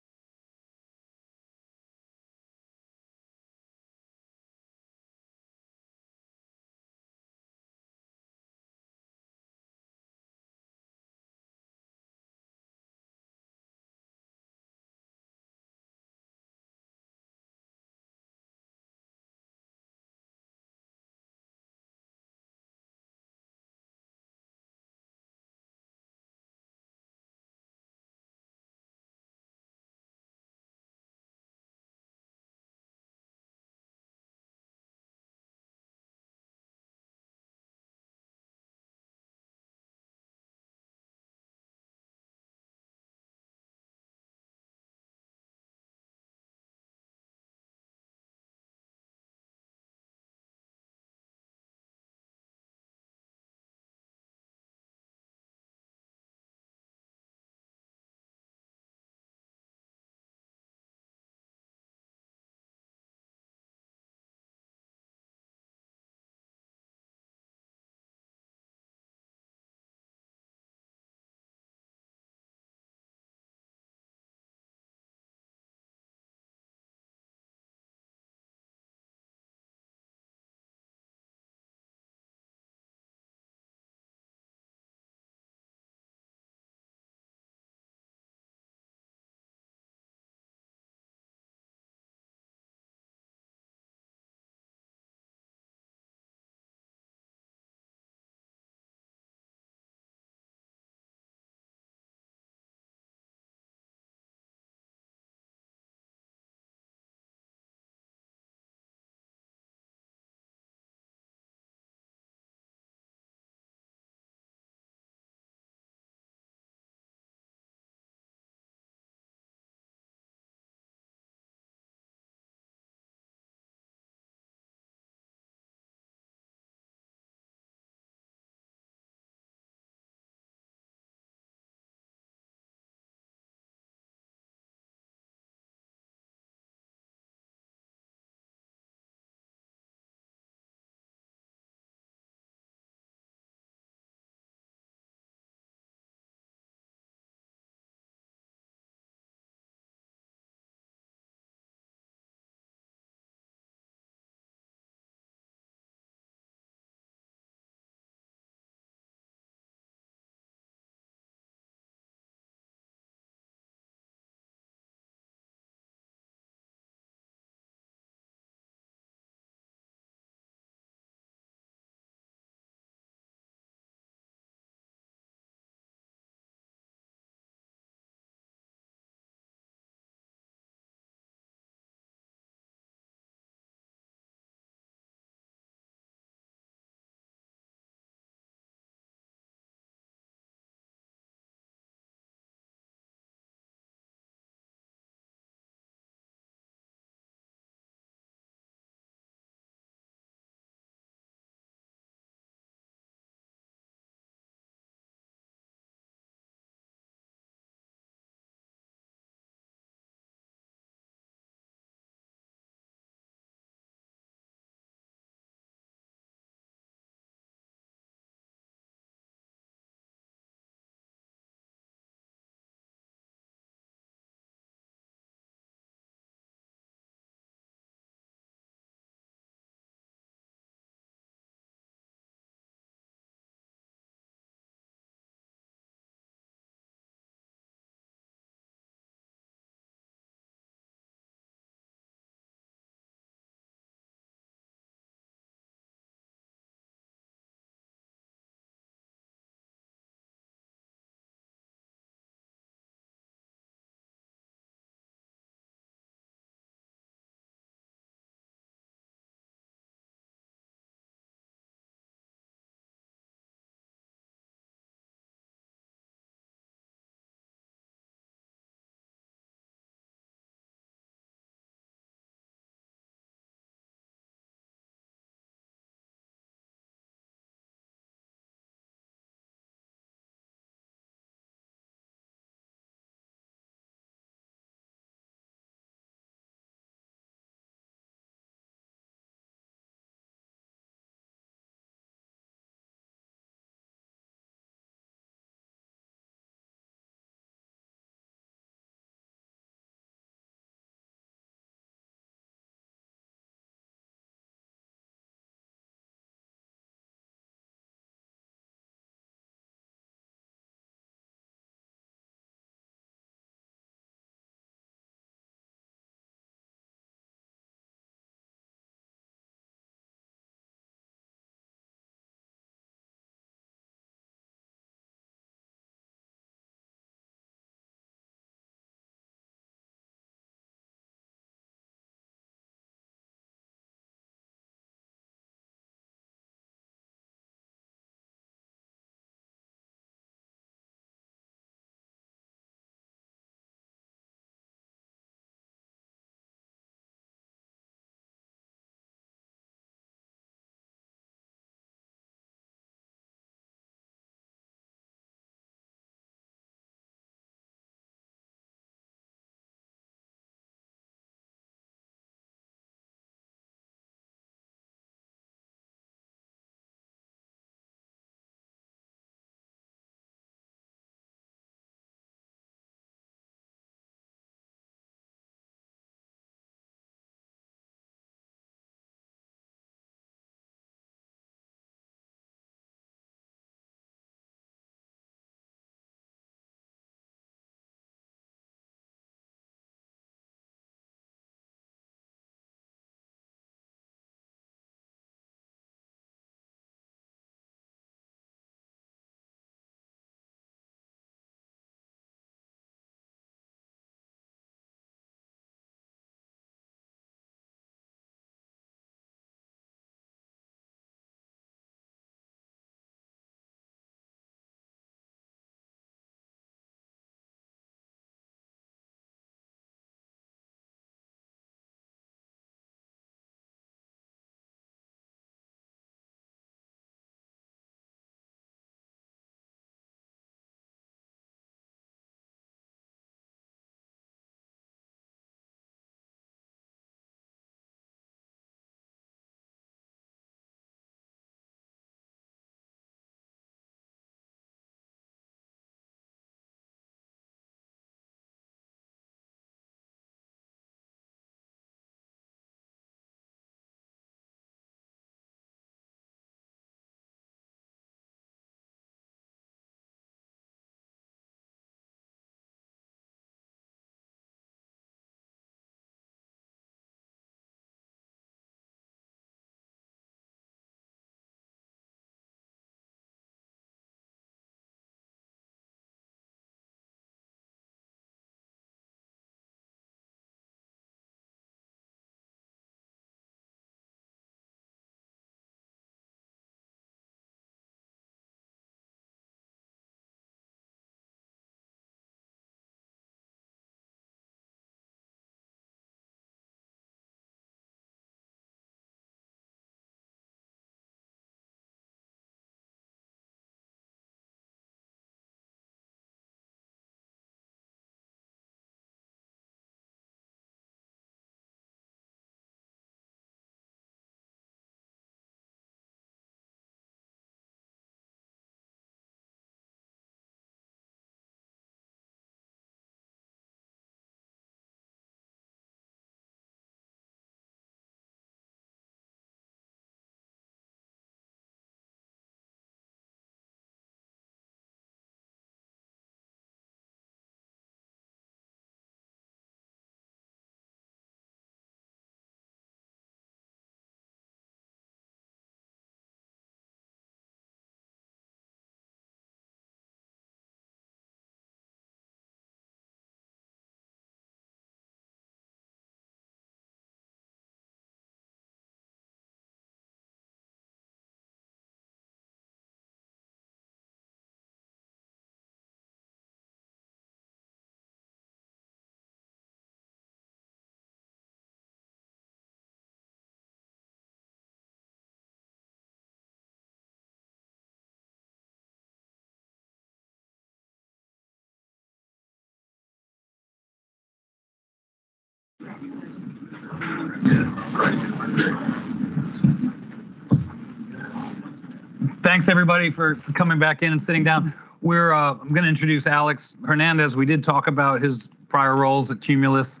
Thanks everybody for coming back in and sitting down. I'm gonna introduce Alex Hernandez. We did talk about his prior roles at Cumulus,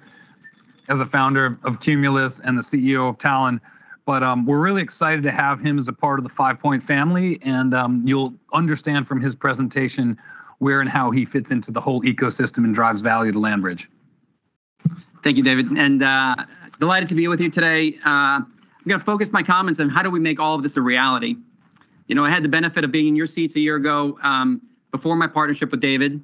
as a founder of Cumulus and the CEO of Talen. We're really excited to have him as a part of the Five Point family and you'll understand from his presentation where and how he fits into the whole ecosystem and drives value to LandBridge. Thank you, David, and delighted to be with you today. I'm gonna focus my comments on how do we make all of this a reality. You know, I had the benefit of being in your seats a year ago, before my partnership with David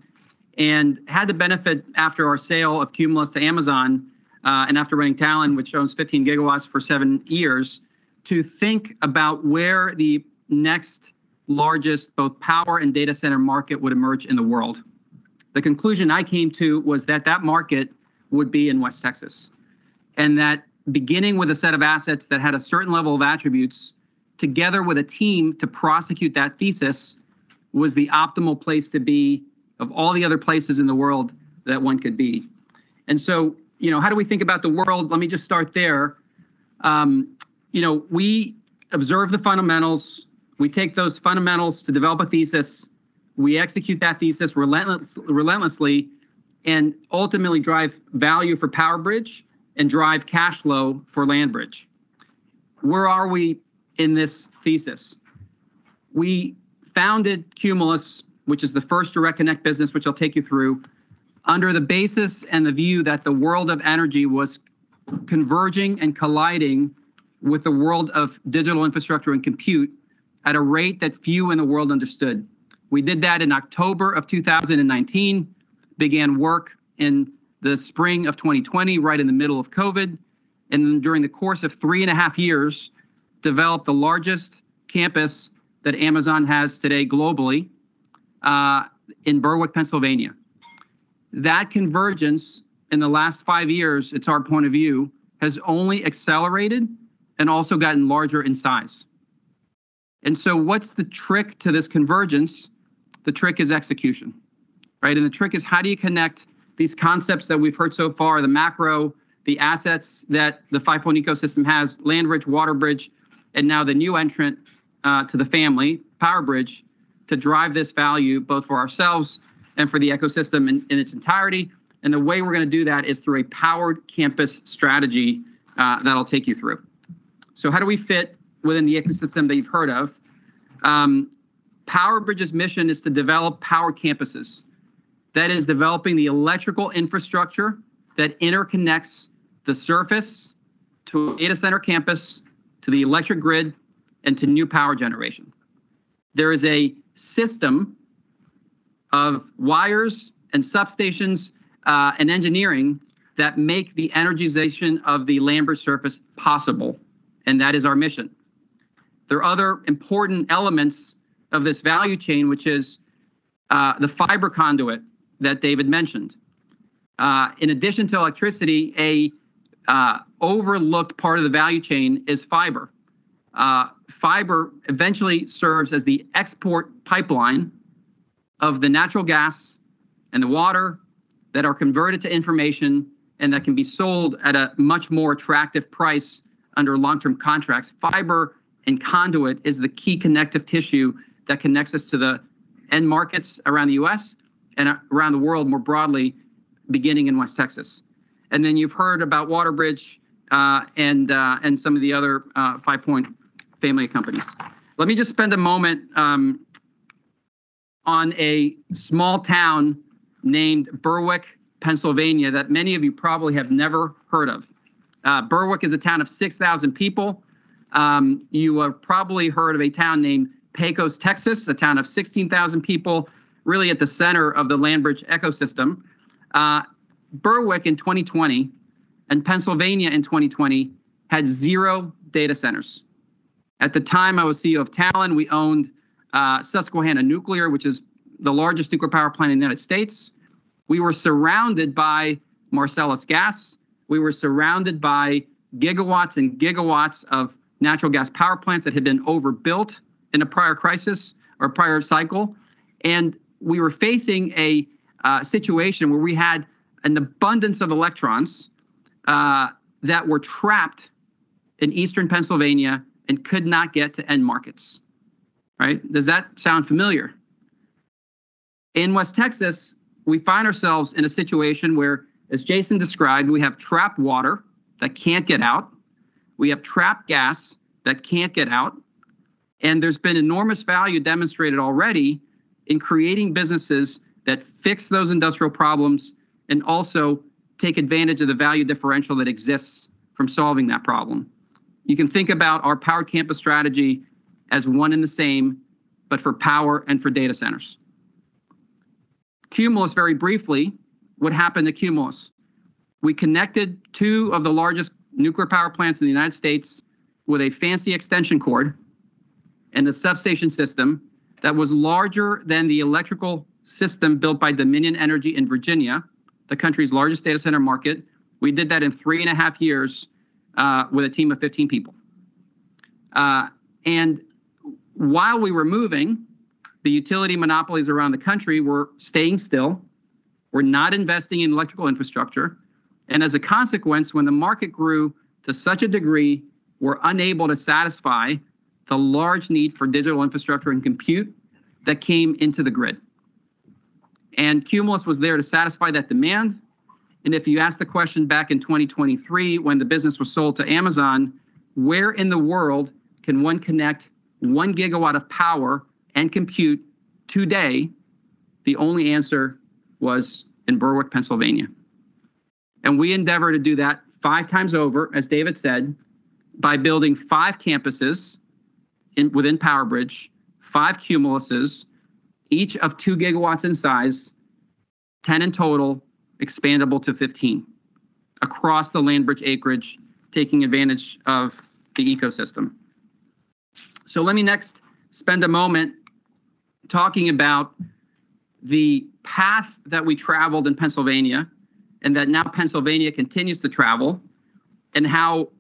and had the benefit after our sale of Cumulus to Amazon, and after running Talen, which owns 15 GW for seven years, to think about where the next largest both power and data center market would emerge in the world. The conclusion I came to was that that market would be in West Texas. That beginning with a set of assets that had a certain level of attributes together with a team to prosecute that thesis was the optimal place to be of all the other places in the world that one could be. You know, how do we think about the world? Let me just start there. You know, we observe the fundamentals. We take those fundamentals to develop a thesis. We execute that thesis relentlessly and ultimately drive value for PowerBridge and drive cash flow for LandBridge. Where are we in this thesis? We founded Cumulus, which is the first direct connect business, which I'll take you through, under the basis and the view that the world of energy was converging and colliding with the world of digital infrastructure and compute at a rate that few in the world understood. We did that in October 2019, began work in the spring of 2020, right in the middle of COVID, and during the course of three and a half years, developed the largest campus that Amazon has today globally, in Berwick, Pennsylvania. That convergence in the last five years, it's our point of view, has only accelerated and also gotten larger in size. What's the trick to this convergence? The trick is execution, right? The trick is how do you connect these concepts that we've heard so far, the macro, the assets that the Five Point ecosystem has, LandBridge, WaterBridge, and now the new entrant to the family, PowerBridge, to drive this value both for ourselves and for the ecosystem in its entirety. The way we're gonna do that is through a powered campus strategy that I'll take you through. How do we fit within the ecosystem that you've heard of? PowerBridge's mission is to develop power campuses. That is developing the electrical infrastructure that interconnects the surface to a data center campus, to the electric grid, and to new power generation. There is a system of wires and substations and engineering that make the energization of the LandBridge surface possible, and that is our mission. There are other important elements of this value chain, which is the fiber conduit that David mentioned. In addition to electricity, an overlooked part of the value chain is fiber. Fiber eventually serves as the export pipeline of the natural gas and the water that are converted to information and that can be sold at a much more attractive price under long-term contracts. Fiber and conduit is the key connective tissue that connects us to the end markets around the U.S. and around the world more broadly, beginning in West Texas. Then you've heard about WaterBridge and some of the other Five Point family companies. Let me just spend a moment on a small town named Berwick, Pennsylvania, that many of you probably have never heard of. Berwick is a town of 6,000 people. You have probably heard of a town named Pecos, Texas, a town of 16,000 people, really at the center of the LandBridge ecosystem. Berwick in 2020 and Pennsylvania in 2020 had 0 data centers. At the time I was CEO of Talen, we owned Susquehanna Nuclear, which is the largest nuclear power plant in the United States. We were surrounded by Marcellus gas. We were surrounded by gigawatts and gigawatts of natural gas power plants that had been overbuilt in a prior crisis or prior cycle. We were facing a situation where we had an abundance of electrons that were trapped in eastern Pennsylvania and could not get to end markets, right? Does that sound familiar? In West Texas, we find ourselves in a situation where, as Jason described, we have trapped water that can't get out. We have trapped gas that can't get out. There's been enormous value demonstrated already in creating businesses that fix those industrial problems and also take advantage of the value differential that exists from solving that problem. You can think about our power campus strategy as one and the same, but for power and for data centers. Cumulus, very briefly, what happened to Cumulus? We connected two of the largest nuclear power plants in the United States with a fancy extension cord and a substation system that was larger than the electrical system built by Dominion Energy in Virginia, the country's largest data center market. We did that in three and a half years with a team of 15 people. While we were moving, the utility monopolies around the country were staying still, were not investing in electrical infrastructure. As a consequence, when the market grew to such a degree, we're unable to satisfy the large need for digital infrastructure and compute that came into the grid. Cumulus was there to satisfy that demand. If you ask the question back in 2023, when the business was sold to Amazon, where in the world can one connect one gigawatt of power and compute today? The only answer was in Berwick, Pennsylvania. We endeavor to do that five times over, as David said, by building five campuses within PowerBridge, five Cumulus, each of 2 GW in size, 10 in total, expandable to 15 across the LandBridge acreage, taking advantage of the ecosystem. Let me next spend a moment talking about the path that we traveled in Pennsylvania and that now Pennsylvania continues to travel, and how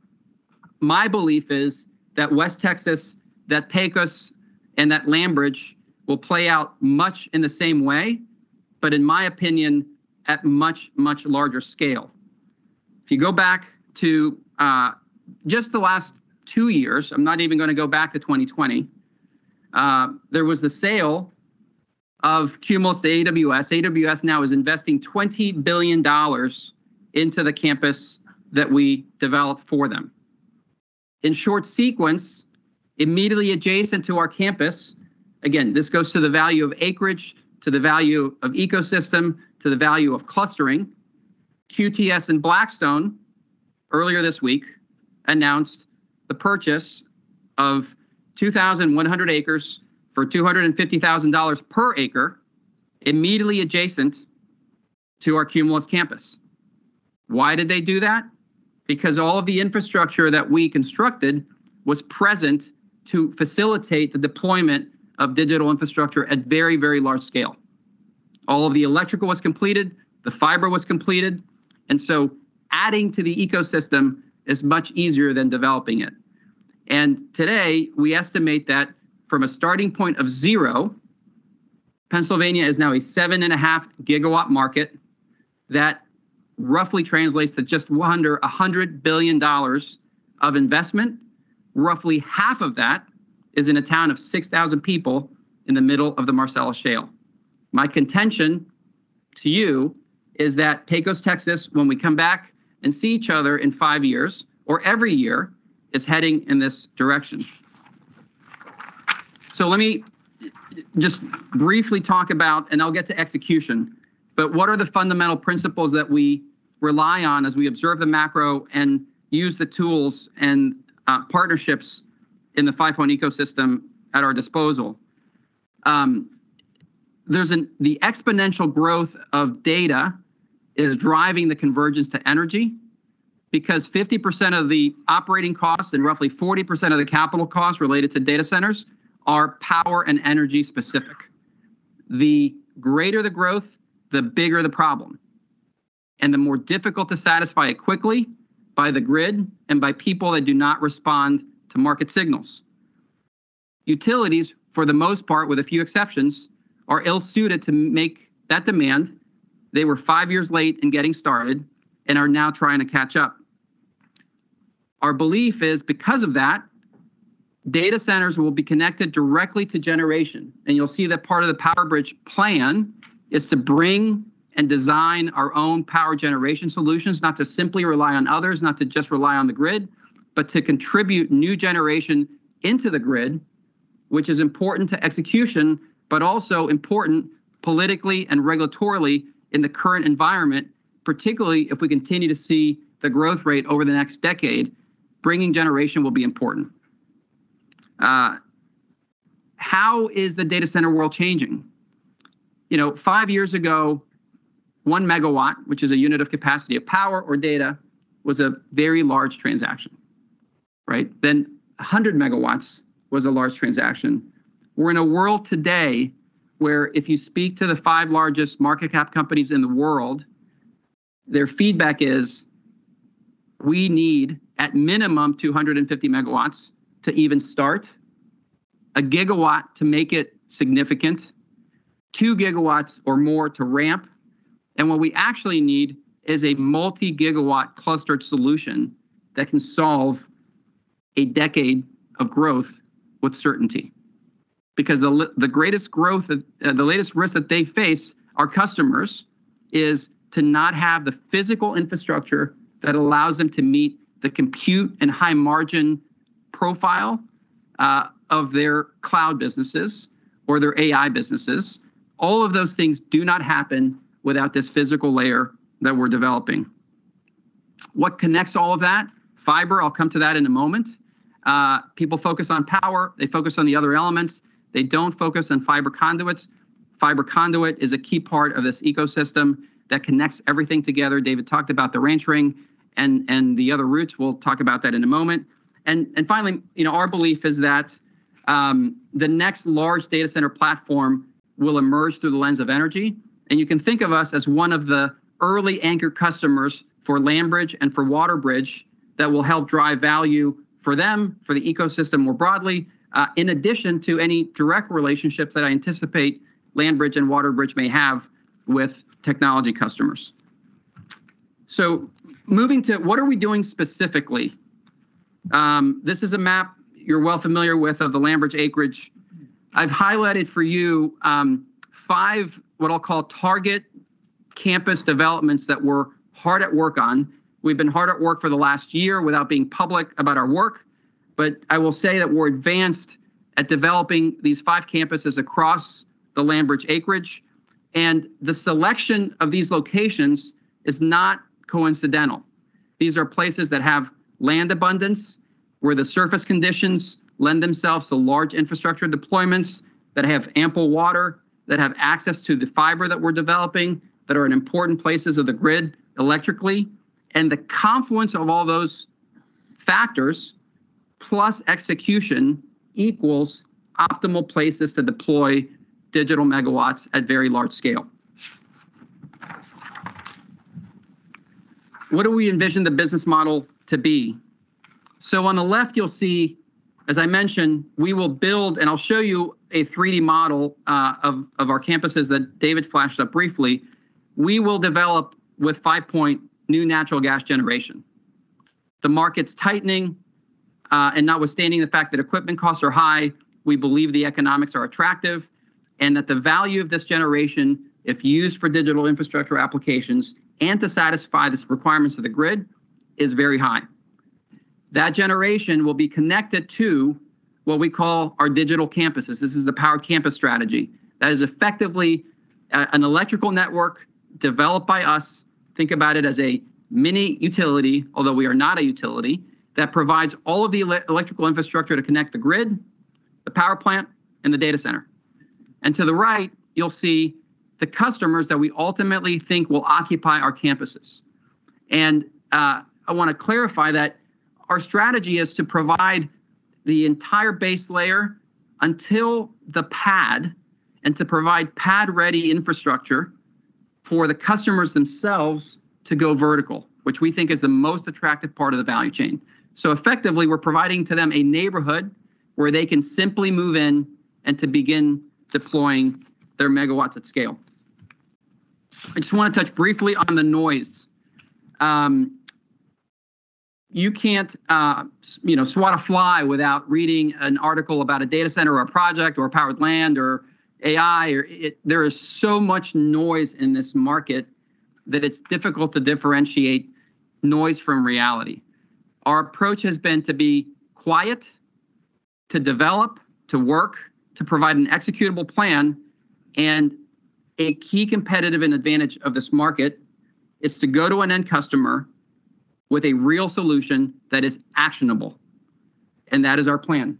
my belief is that West Texas, that Pecos, and that LandBridge will play out much in the same way, but in my opinion, at much, much larger scale. If you go back to just the last two years, I'm not even gonna go back to 2020, there was the sale of Cumulus to AWS. AWS now is investing $20 billion into the campus that we developed for them. In short sequence, immediately adjacent to our campus. Again, this goes to the value of acreage, to the value of ecosystem, to the value of clustering. QTS and Blackstone earlier this week announced the purchase of 2,100 acres for $250,000 per acre immediately adjacent to our Cumulus campus. Why did they do that? Because all of the infrastructure that we constructed was present to facilitate the deployment of digital infrastructure at very, very large scale. All of the electrical was completed, the fiber was completed, and so adding to the ecosystem is much easier than developing it. Today, we estimate that from a starting point of zero, Pennsylvania is now a 7.5 GW market. That roughly translates to just $100 billion of investment. Roughly half of that is in a town of 6,000 people in the middle of the Marcellus Shale. My contention to you is that Pecos, Texas, when we come back and see each other in five years or every year, is heading in this direction. Let me just briefly talk about, and I'll get to execution, but what are the fundamental principles that we rely on as we observe the macro and use the tools and partnerships in the Five Point ecosystem at our disposal? The exponential growth of data is driving the convergence to energy because 50% of the operating costs and roughly 40% of the capital costs related to data centers are power and energy-specific. The greater the growth, the bigger the problem and the more difficult to satisfy it quickly by the grid and by people that do not respond to market signals. Utilities, for the most part, with a few exceptions, are ill-suited to make that demand. They were five years late in getting started and are now trying to catch up. Our belief is because of that, data centers will be connected directly to generation. You'll see that part of the PowerBridge plan is to bring and design our own power generation solutions, not to simply rely on others, not to just rely on the grid, but to contribute new generation into the grid, which is important to execution, but also important politically and regulatorily in the current environment. Particularly if we continue to see the growth rate over the next decade, bringing generation will be important. How is the data center world changing? You know, five years ago, 1 MW, which is a unit of capacity of power or data, was a very large transaction, right? Then 100 MW was a large transaction. We're in a world today where if you speak to the five largest market cap companies in the world, their feedback is, "We need at minimum 250 MW to even start, a gigawatt to make it significant, 2 GW or more to ramp, and what we actually need is a multi-gigawatt clustered solution that can solve a decade of growth with certainty." Because the greatest growth and the latest risk that they face, our customers, is to not have the physical infrastructure that allows them to meet the compute and high margin profile of their cloud businesses or their AI businesses. All of those things do not happen without this physical layer that we're developing. What connects all of that? Fiber, I'll come to that in a moment. People focus on power. They focus on the other elements. They don't focus on fiber conduits. Fiber conduit is a key part of this ecosystem that connects everything together. David talked about the ranch ring and the other routes. We'll talk about that in a moment. And finally, you know, our belief is that the next large data center platform will emerge through the lens of energy. You can think of us as one of the early anchor customers for LandBridge and for WaterBridge that will help drive value for them, for the ecosystem more broadly, in addition to any direct relationships that I anticipate LandBridge and WaterBridge may have with technology customers. Moving to what are we doing specifically? This is a map you're well familiar with of the LandBridge acreage. I've highlighted for you five, what I'll call target campus developments that we're hard at work on. We've been hard at work for the last year without being public about our work. I will say that we're advanced at developing these five campuses across the LandBridge acreage, and the selection of these locations is not coincidental. These are places that have land abundance, where the surface conditions lend themselves to large infrastructure deployments that have ample water, that have access to the fiber that we're developing, that are in important places of the grid electrically. The confluence of all those factors plus execution equals optimal places to deploy digital megawatts at very large scale. What do we envision the business model to be? On the left you'll see, as I mentioned, we will build and I'll show you a 360 model of our campuses that David flashed up briefly. We will develop with Five Point new natural gas generation. The market's tightening. Notwithstanding the fact that equipment costs are high, we believe the economics are attractive and that the value of this generation, if used for digital infrastructure applications and to satisfy the requirements of the grid, is very high. That generation will be connected to what we call our digital campuses. This is the powered campus strategy. That is effectively an electrical network developed by us. Think about it as a mini utility, although we are not a utility, that provides all of the electrical infrastructure to connect the grid, the power plant, and the data center. To the right you'll see the customers that we ultimately think will occupy our campuses. I wanna clarify that our strategy is to provide the entire base layer until the pad and to provide pad-ready infrastructure for the customers themselves to go vertical, which we think is the most attractive part of the value chain. Effectively we're providing to them a neighborhood where they can simply move in and to begin deploying their megawatts at scale. I just wanna touch briefly on the noise. You can't, you know, swat a fly without reading an article about a data center or a project or powered land or AI. There is so much noise in this market that it's difficult to differentiate noise from reality. Our approach has been to be quiet, to develop, to work, to provide an executable plan. A key competitive advantage of this market is to go to an end customer with a real solution that is actionable, and that is our plan.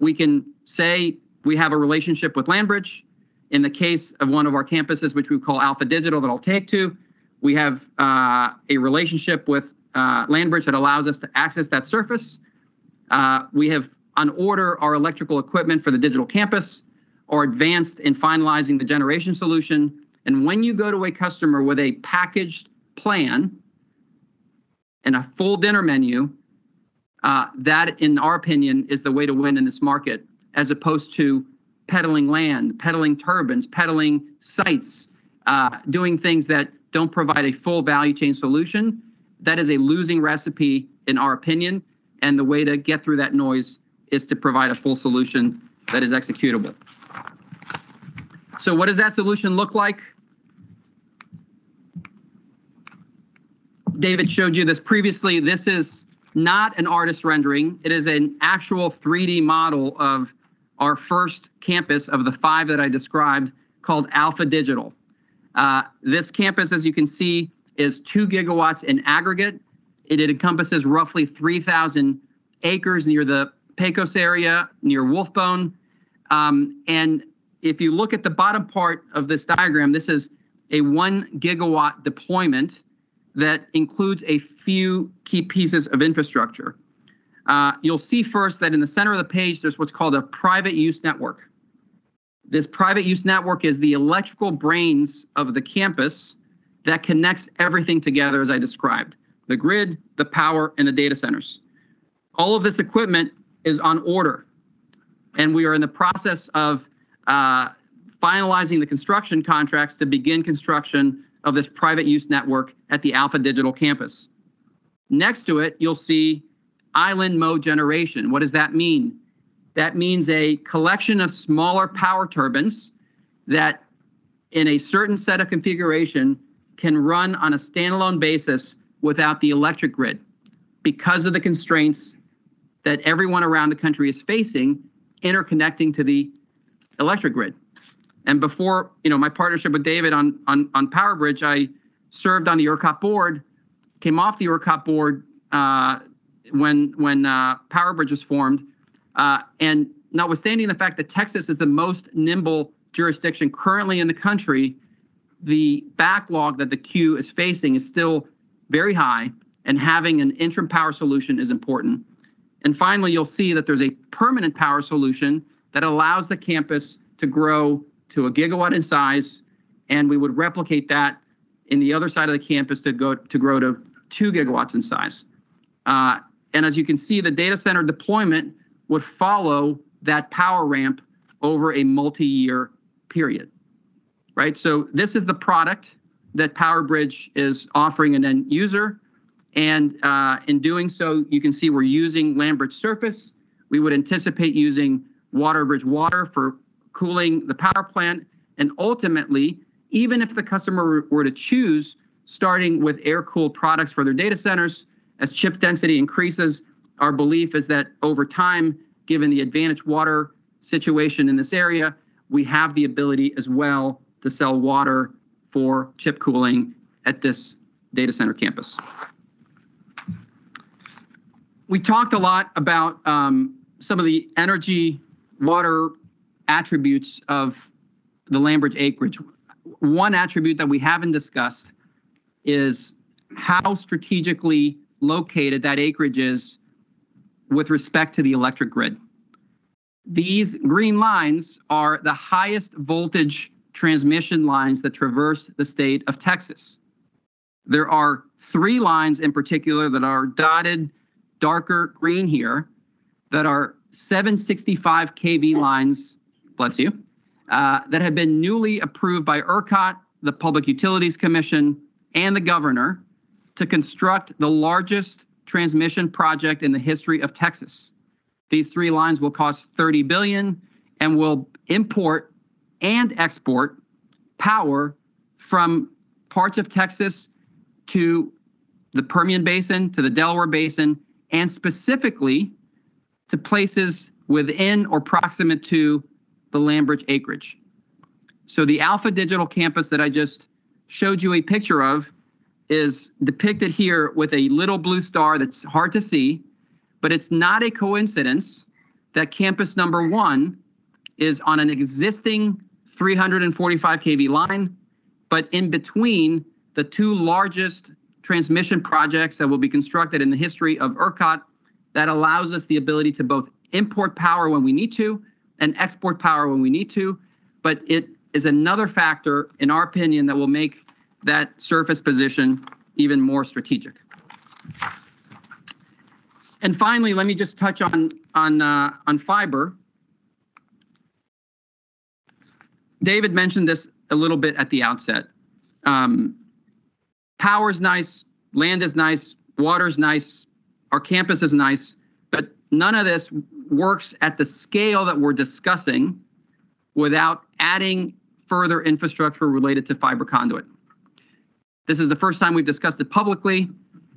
We can say we have a relationship with LandBridge. In the case of one of our campuses, which we call Alpha Digital, that I'll take to, we have a relationship with LandBridge that allows us to access that surface. We have on order our electrical equipment for the digital campus and are advanced in finalizing the generation solution. When you go to a customer with a packaged plan and a full dinner menu, that in our opinion, is the way to win in this market, as opposed to peddling land, peddling turbines, peddling sites, doing things that don't provide a full value chain solution. That is a losing recipe, in our opinion. The way to get through that noise is to provide a full solution that is executable. What does that solution look like? David showed you this previously. This is not an artist rendering. It is an actual 3D model of our first campus of the five that I described called Alpha Digital. This campus, as you can see, is 2 GW in aggregate. It encompasses roughly 3,000 acres near the Pecos area, near Wolfbone. If you look at the bottom part of this diagram, this is a 1 GW deployment that includes a few key pieces of infrastructure. You'll see first that in the center of the page, there's what's called a private use network. This private use network is the electrical brains of the campus that connects everything together as I described, the grid, the power, and the data centers. All of this equipment is on order, and we are in the process of finalizing the construction contracts to begin construction of this private use network at the Alpha Digital Campus. Next to it, you'll see island mode generation. What does that mean? That means a collection of smaller power turbines that in a certain set of configuration can run on a standalone basis without the electric grid because of the constraints that everyone around the country is facing interconnecting to the electric grid. Before, you know, my partnership with David on PowerBridge, I served on the ERCOT board, came off the ERCOT board when PowerBridge was formed. Notwithstanding the fact that Texas is the most nimble jurisdiction currently in the country, the backlog that the queue is facing is still very high, and having an interim power solution is important. Finally, you'll see that there's a permanent power solution that allows the campus to grow to a gigawatt in size, and we would replicate that in the other side of the campus to grow to 2 GW in size. As you can see, the data center deployment would follow that power ramp over a multiyear period, right? This is the product that PowerBridge is offering an end user. In doing so, you can see we're using LandBridge surface. We would anticipate using WaterBridge water for cooling the power plant. Ultimately, even if the customer were to choose starting with air-cooled products for their data centers, as chip density increases, our belief is that over time, given the advantaged water situation in this area, we have the ability as well to sell water for chip cooling at this data center campus. We talked a lot about some of the energy and water attributes of the LandBridge acreage. One attribute that we haven't discussed is how strategically located that acreage is with respect to the electric grid. These green lines are the highest voltage transmission lines that traverse the state of Texas. There are three lines in particular that are dotted darker green here that are 765 KV lines that have been newly approved by ERCOT, the Public Utility Commission of Texas, and the governor to construct the largest transmission project in the history of Texas. These three lines will cost $30 billion and will import and export power from parts of Texas to the Permian Basin, to the Delaware Basin, and specifically to places within or proximate to the LandBridge acreage. The Alpha Digital campus that I just showed you a picture of is depicted here with a little blue star that's hard to see. It's not a coincidence that campus number one is on an existing 345 kV line, but in between the two largest transmission projects that will be constructed in the history of ERCOT. That allows us the ability to both import power when we need to and export power when we need to. It is another factor, in our opinion, that will make that surface position even more strategic. Finally, let me just touch on fiber. David mentioned this a little bit at the outset. Power is nice, land is nice, water is nice, our campus is nice, but none of this works at the scale that we're discussing without adding further infrastructure related to fiber conduit. This is the first time we've discussed it publicly,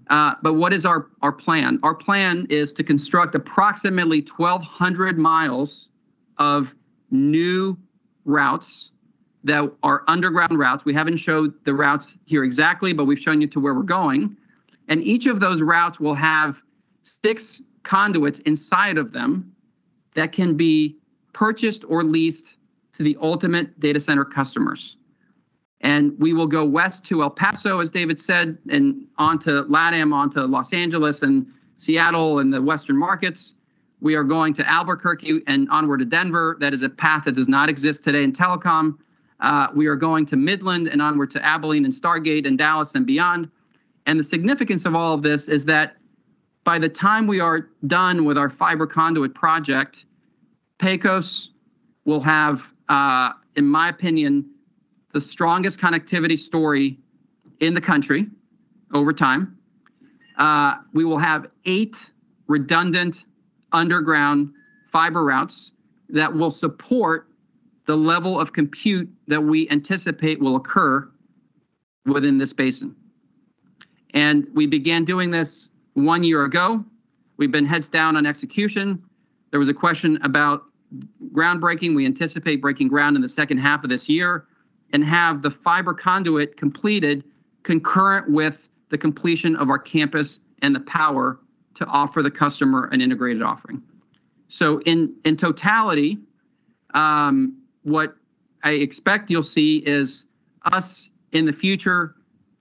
but what is our plan? Our plan is to construct approximately 1,200 miles of new routes that are underground routes. We haven't showed the routes here exactly, but we've shown you to where we're going. Each of those routes will have six conduits inside of them that can be purchased or leased to the ultimate data center customers. We will go west to El Paso, as David said, and on to LATAM, on to Los Angeles and Seattle and the Western markets. We are going to Albuquerque and onward to Denver. That is a path that does not exist today in telecom. We are going to Midland and onward to Abilene and Stargate and Dallas and beyond. The significance of all of this is that by the time we are done with our fiber conduit project, Pecos will have, in my opinion, the strongest connectivity story in the country over time. We will have eight redundant underground fiber routes that will support the level of compute that we anticipate will occur within this basin. We began doing this one year ago. We've been heads down on execution. There was a question about groundbreaking. We anticipate breaking ground in the second half of this year and have the fiber conduit completed concurrent with the completion of our campus and the power to offer the customer an integrated offering. In totality, what I expect you'll see is us in the future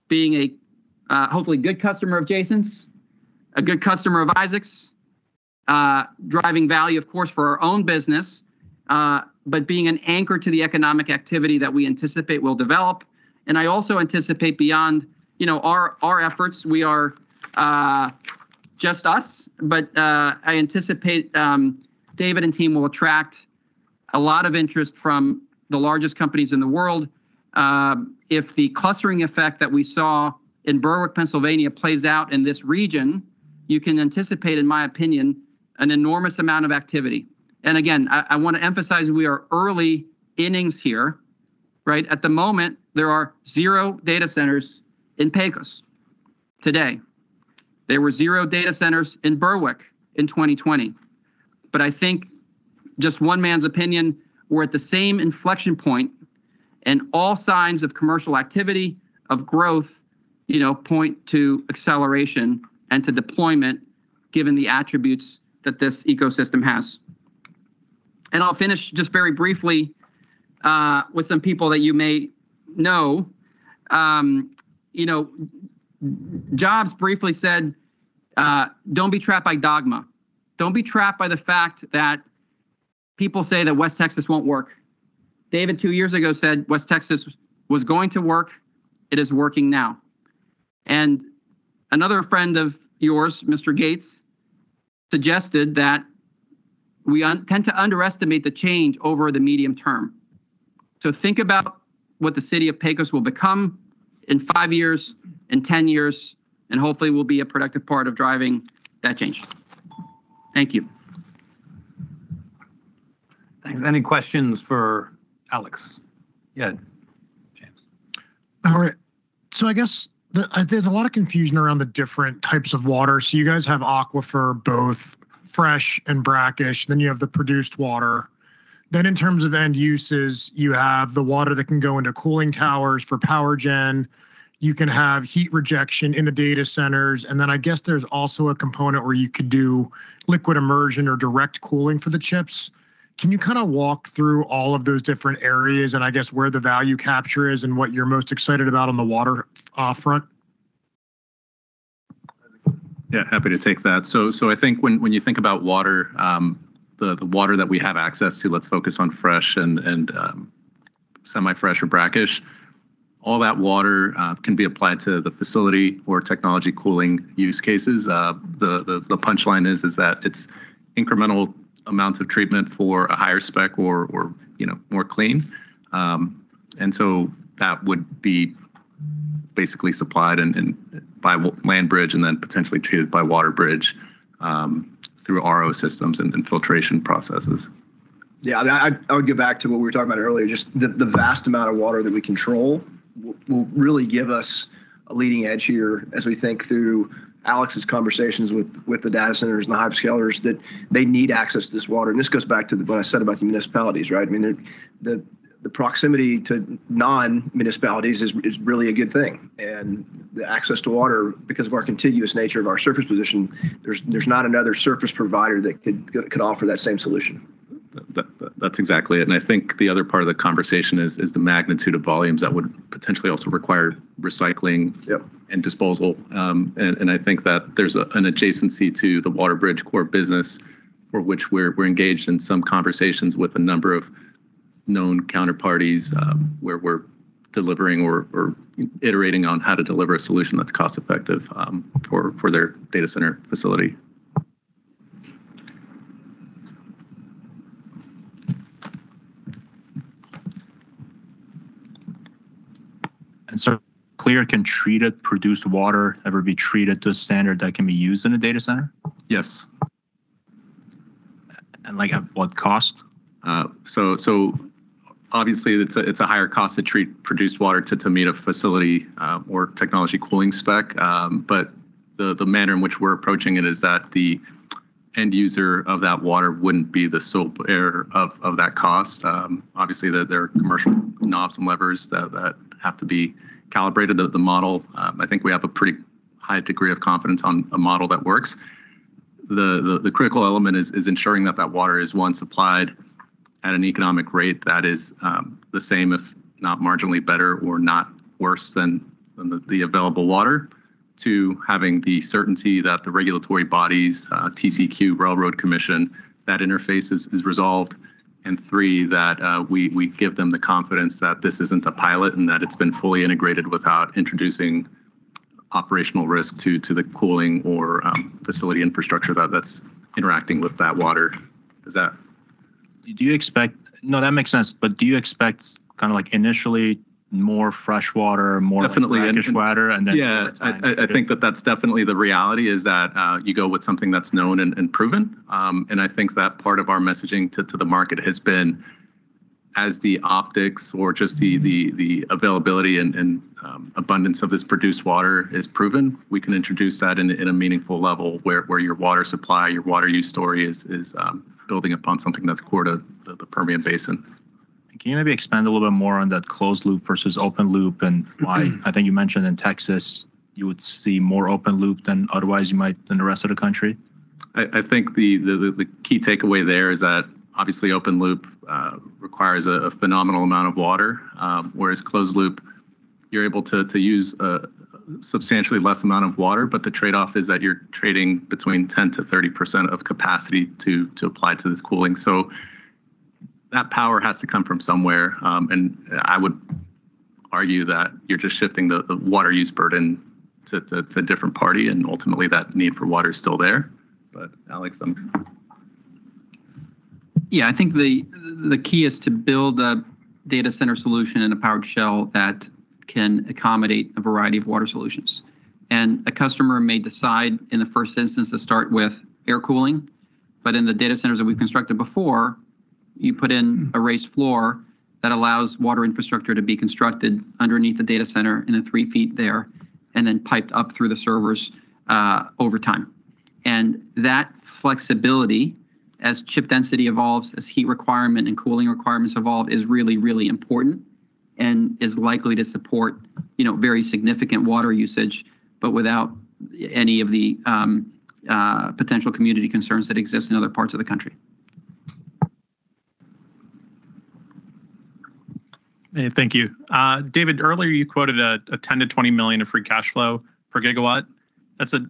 being a hopefully good customer of Jason's, a good customer of Isaac's, driving value, of course, for our own business, but being an anchor to the economic activity that we anticipate will develop. I also anticipate beyond you know our efforts, just us, but I anticipate David and team will attract a lot of interest from the largest companies in the world. If the clustering effect that we saw in Berwick, Pennsylvania plays out in this region, you can anticipate, in my opinion, an enormous amount of activity. I wanna emphasize we are early innings here, right? At the moment, there are zero data centers in Pecos today. There were zero data centers in Berwick in 2020. I think, just one man's opinion, we're at the same inflection point, and all signs of commercial activity, of growth, you know, point to acceleration and to deployment given the attributes that this ecosystem has. I'll finish just very briefly with some people that you may know. You know, Jobs briefly said, "Don't be trapped by dogma. Don't be trapped by the fact that people say that West Texas won't work." David, two years ago, said West Texas was going to work. It is working now. Another friend of yours, Mr. Gates, suggested that we tend to underestimate the change over the medium term. Think about what the city of Pecos will become in five years, in 10 years, and hopefully, we'll be a productive part of driving that change. Thank you. Thanks. Any questions for Alex? Yeah. James. All right. I guess there's a lot of confusion around the different types of water. You guys have aquifer, both fresh and brackish, then you have the produced water. In terms of end uses, you have the water that can go into cooling towers for power gen. You can have heat rejection in the data centers, and then I guess there's also a component where you could do liquid immersion or direct cooling for the chips. Can you kinda walk through all of those different areas and I guess where the value capture is and what you're most excited about on the water front? Yeah, happy to take that. I think when you think about water, the water that we have access to, let's focus on fresh and semi-fresh or brackish. All that water can be applied to the facility or technology cooling use cases. The punchline is that it's incremental amounts of treatment for a higher spec or you know more clean. That would be basically supplied and by LandBridge and then potentially treated by WaterBridge through RO systems and filtration processes. Yeah. I would get back to what we were talking about earlier, just the vast amount of water that we control will really give us a leading edge here as we think through Alex's conversations with the data centers and the hyperscalers that they need access to this water. This goes back to what I said about the municipalities, right? I mean, the proximity to non-municipalities is really a good thing. The access to water, because of our contiguous nature of our surface position, there's not another surface provider that could offer that same solution. That's exactly it. I think the other part of the conversation is the magnitude of volumes that would potentially also require recycling- Yep disposal. I think that there's an adjacency to the WaterBridge business for which we're engaged in some conversations with a number of known counterparties, where we're delivering or iterating on how to deliver a solution that's cost effective, for their data center facility. Can treated produced water ever be treated to a standard that can be used in a data center? Yes. Like, at what cost? Obviously it's a higher cost to treat produced water to meet a facility or technology cooling spec. The manner in which we're approaching it is that the end user of that water wouldn't be the sole bearer of that cost. Obviously there are commercial knobs and levers that have to be calibrated. The model, I think we have a pretty high degree of confidence on a model that works. The critical element is ensuring that that water is one, supplied at an economic rate that is the same if not marginally better or not worse than the available water. Two, having the certainty that the regulatory bodies, TCEQ Railroad Commission, that interface is resolved. Three, that we give them the confidence that this isn't a pilot and that it's been fully integrated without introducing operational risk to the cooling or facility infrastructure that's interacting with that water. Does that... No, that makes sense. Do you expect kinda like initially more fresh water, more- Definitely brackish water and then. Yeah over time. I think that's definitely the reality, that you go with something that's known and proven. I think that part of our messaging to the market has been as the optics or just the availability and abundance of this produced water is proven, we can introduce that in a meaningful level where your water supply, your water use story is building upon something that's core to the Permian Basin. Can you maybe expand a little bit more on that closed loop versus open loop and why? I think you mentioned in Texas you would see more open loop than otherwise you might than the rest of the country. I think the key takeaway there is that obviously open loop requires a phenomenal amount of water, whereas closed loop you're able to use a substantially less amount of water, but the trade-off is that you're trading between 10%-30% of capacity to apply to this cooling. So That power has to come from somewhere. I would argue that you're just shifting the water use burden to a different party, and ultimately that need for water is still there. Alex... Yeah, I think the key is to build a data center solution in a powered shell that can accommodate a variety of water solutions. A customer may decide in the first instance to start with air cooling. In the data centers that we've constructed before, you put in a raised floor that allows water infrastructure to be constructed underneath the data center in the 3 ft there and then piped up through the servers over time. That flexibility as chip density evolves, as heat requirement and cooling requirements evolve is really, really important and is likely to support, you know, very significant water usage, but without any of the potential community concerns that exist in other parts of the country. Thank you. David, earlier you quoted $10 million-$20 million of free cash flow per gigawatt. That's a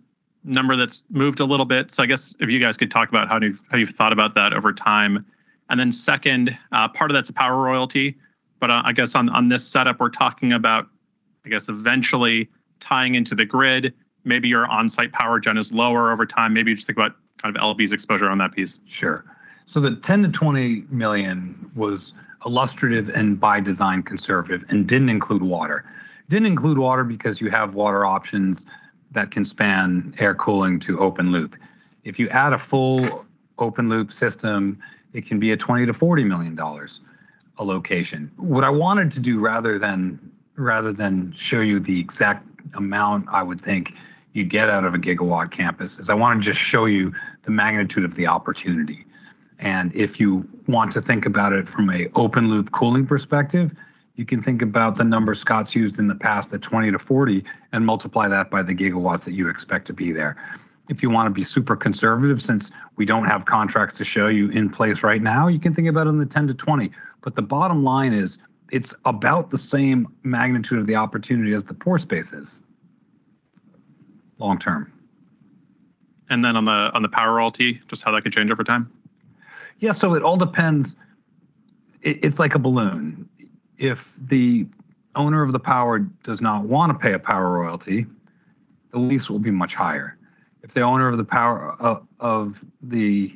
number that's moved a little bit. I guess if you guys could talk about how you've thought about that over time. Second, part of that's a power royalty, but I guess on this setup we're talking about, I guess, eventually tying into the grid. Maybe your on-site power gen is lower over time. Maybe just think about kind of LandBridge's exposure on that piece. Sure. The 10-20 million was illustrative and by design conservative and didn't include water. Didn't include water because you have water options that can span air cooling to open loop. If you add a full open loop system, it can be a $20 million-$40 million a location. What I wanted to do rather than show you the exact amount I would think you'd get out of a gigawatt campus, is I wanna just show you the magnitude of the opportunity. If you want to think about it from a open loop cooling perspective, you can think about the numbers Scott's used in the past, the 20-40, and multiply that by the gigawatts that you expect to be there. If you wanna be super conservative, since we don't have contracts to show you in place right now, you can think about it in the 10-20. The bottom line is, it's about the same magnitude of the opportunity as the pore space is, long term. On the power royalty, just how that could change over time? Yeah. It all depends. It's like a balloon. If the owner of the power does not wanna pay a power royalty, the lease will be much higher. If the owner of the power, if the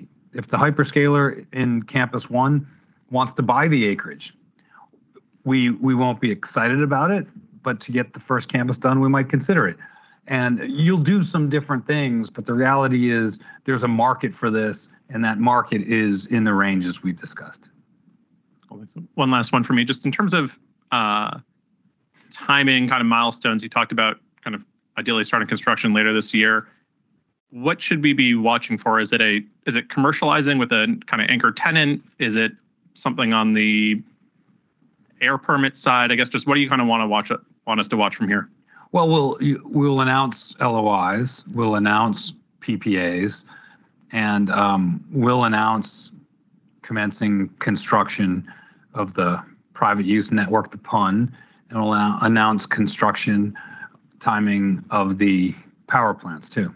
hyperscaler in campus one wants to buy the acreage, we won't be excited about it, but to get the first campus done, we might consider it. You'll do some different things, but the reality is there's a market for this, and that market is in the range as we've discussed. One last one from me. Just in terms of timing, kind of milestones you talked about, kind of ideally starting construction later this year. What should we be watching for? Is it commercializing with a kind of anchor tenant? Is it something on the air permit side? I guess just what do you kind of want us to watch from here? Well, we'll announce LOIs, we'll announce PPAs, and we'll announce commencing construction of the private use network, the PUN, and announce construction timing of the power plants too.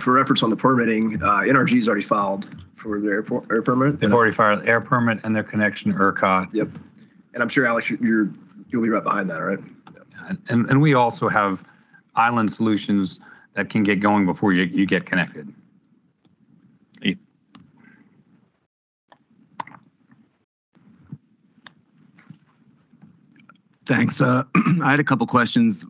For reference on the permitting, NRG has already filed for their air permit. They've already filed an air permit and their connection to ERCOT. Yep. I'm sure, Alex, you're, you'll be right behind that, right? We also have island solutions that can get going before you get connected. Great. Thanks. I had a couple questions.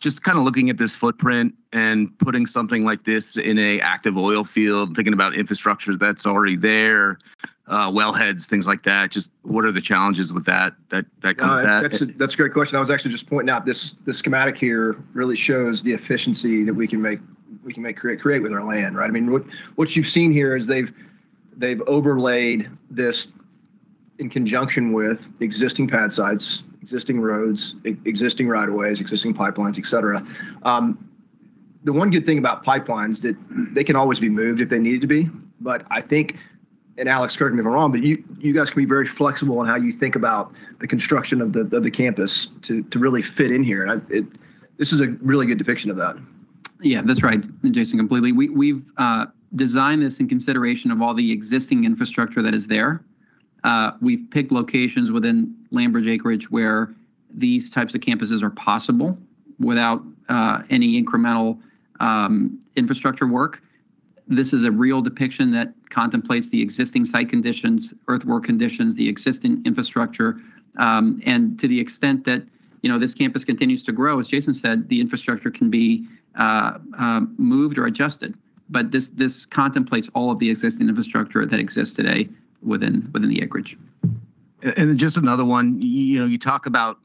Just kinda looking at this footprint and putting something like this in an active oil field, thinking about infrastructure that's already there, well heads, things like that. Just what are the challenges with that come with that? That's a great question. I was actually just pointing out this schematic here really shows the efficiency that we can create with our land, right? I mean, what you've seen here is they've overlaid this in conjunction with existing pad sites, existing roads, existing rights of way, existing pipelines, et cetera. The one good thing about pipelines that they can always be moved if they needed to be. I think, and Alex, correct me if I'm wrong, but you guys can be very flexible in how you think about the construction of the campus to really fit in here. This is a really good depiction of that. Yeah. That's right, Jason, completely. We've designed this in consideration of all the existing infrastructure that is there. We've picked locations within LandBridge acreage where these types of campuses are possible without any incremental infrastructure work. This is a real depiction that contemplates the existing site conditions, earthwork conditions, the existing infrastructure, and to the extent that, you know, this campus continues to grow, as Jason said, the infrastructure can be moved or adjusted. This contemplates all of the existing infrastructure that exists today within the acreage. Just another one. You know, you talk about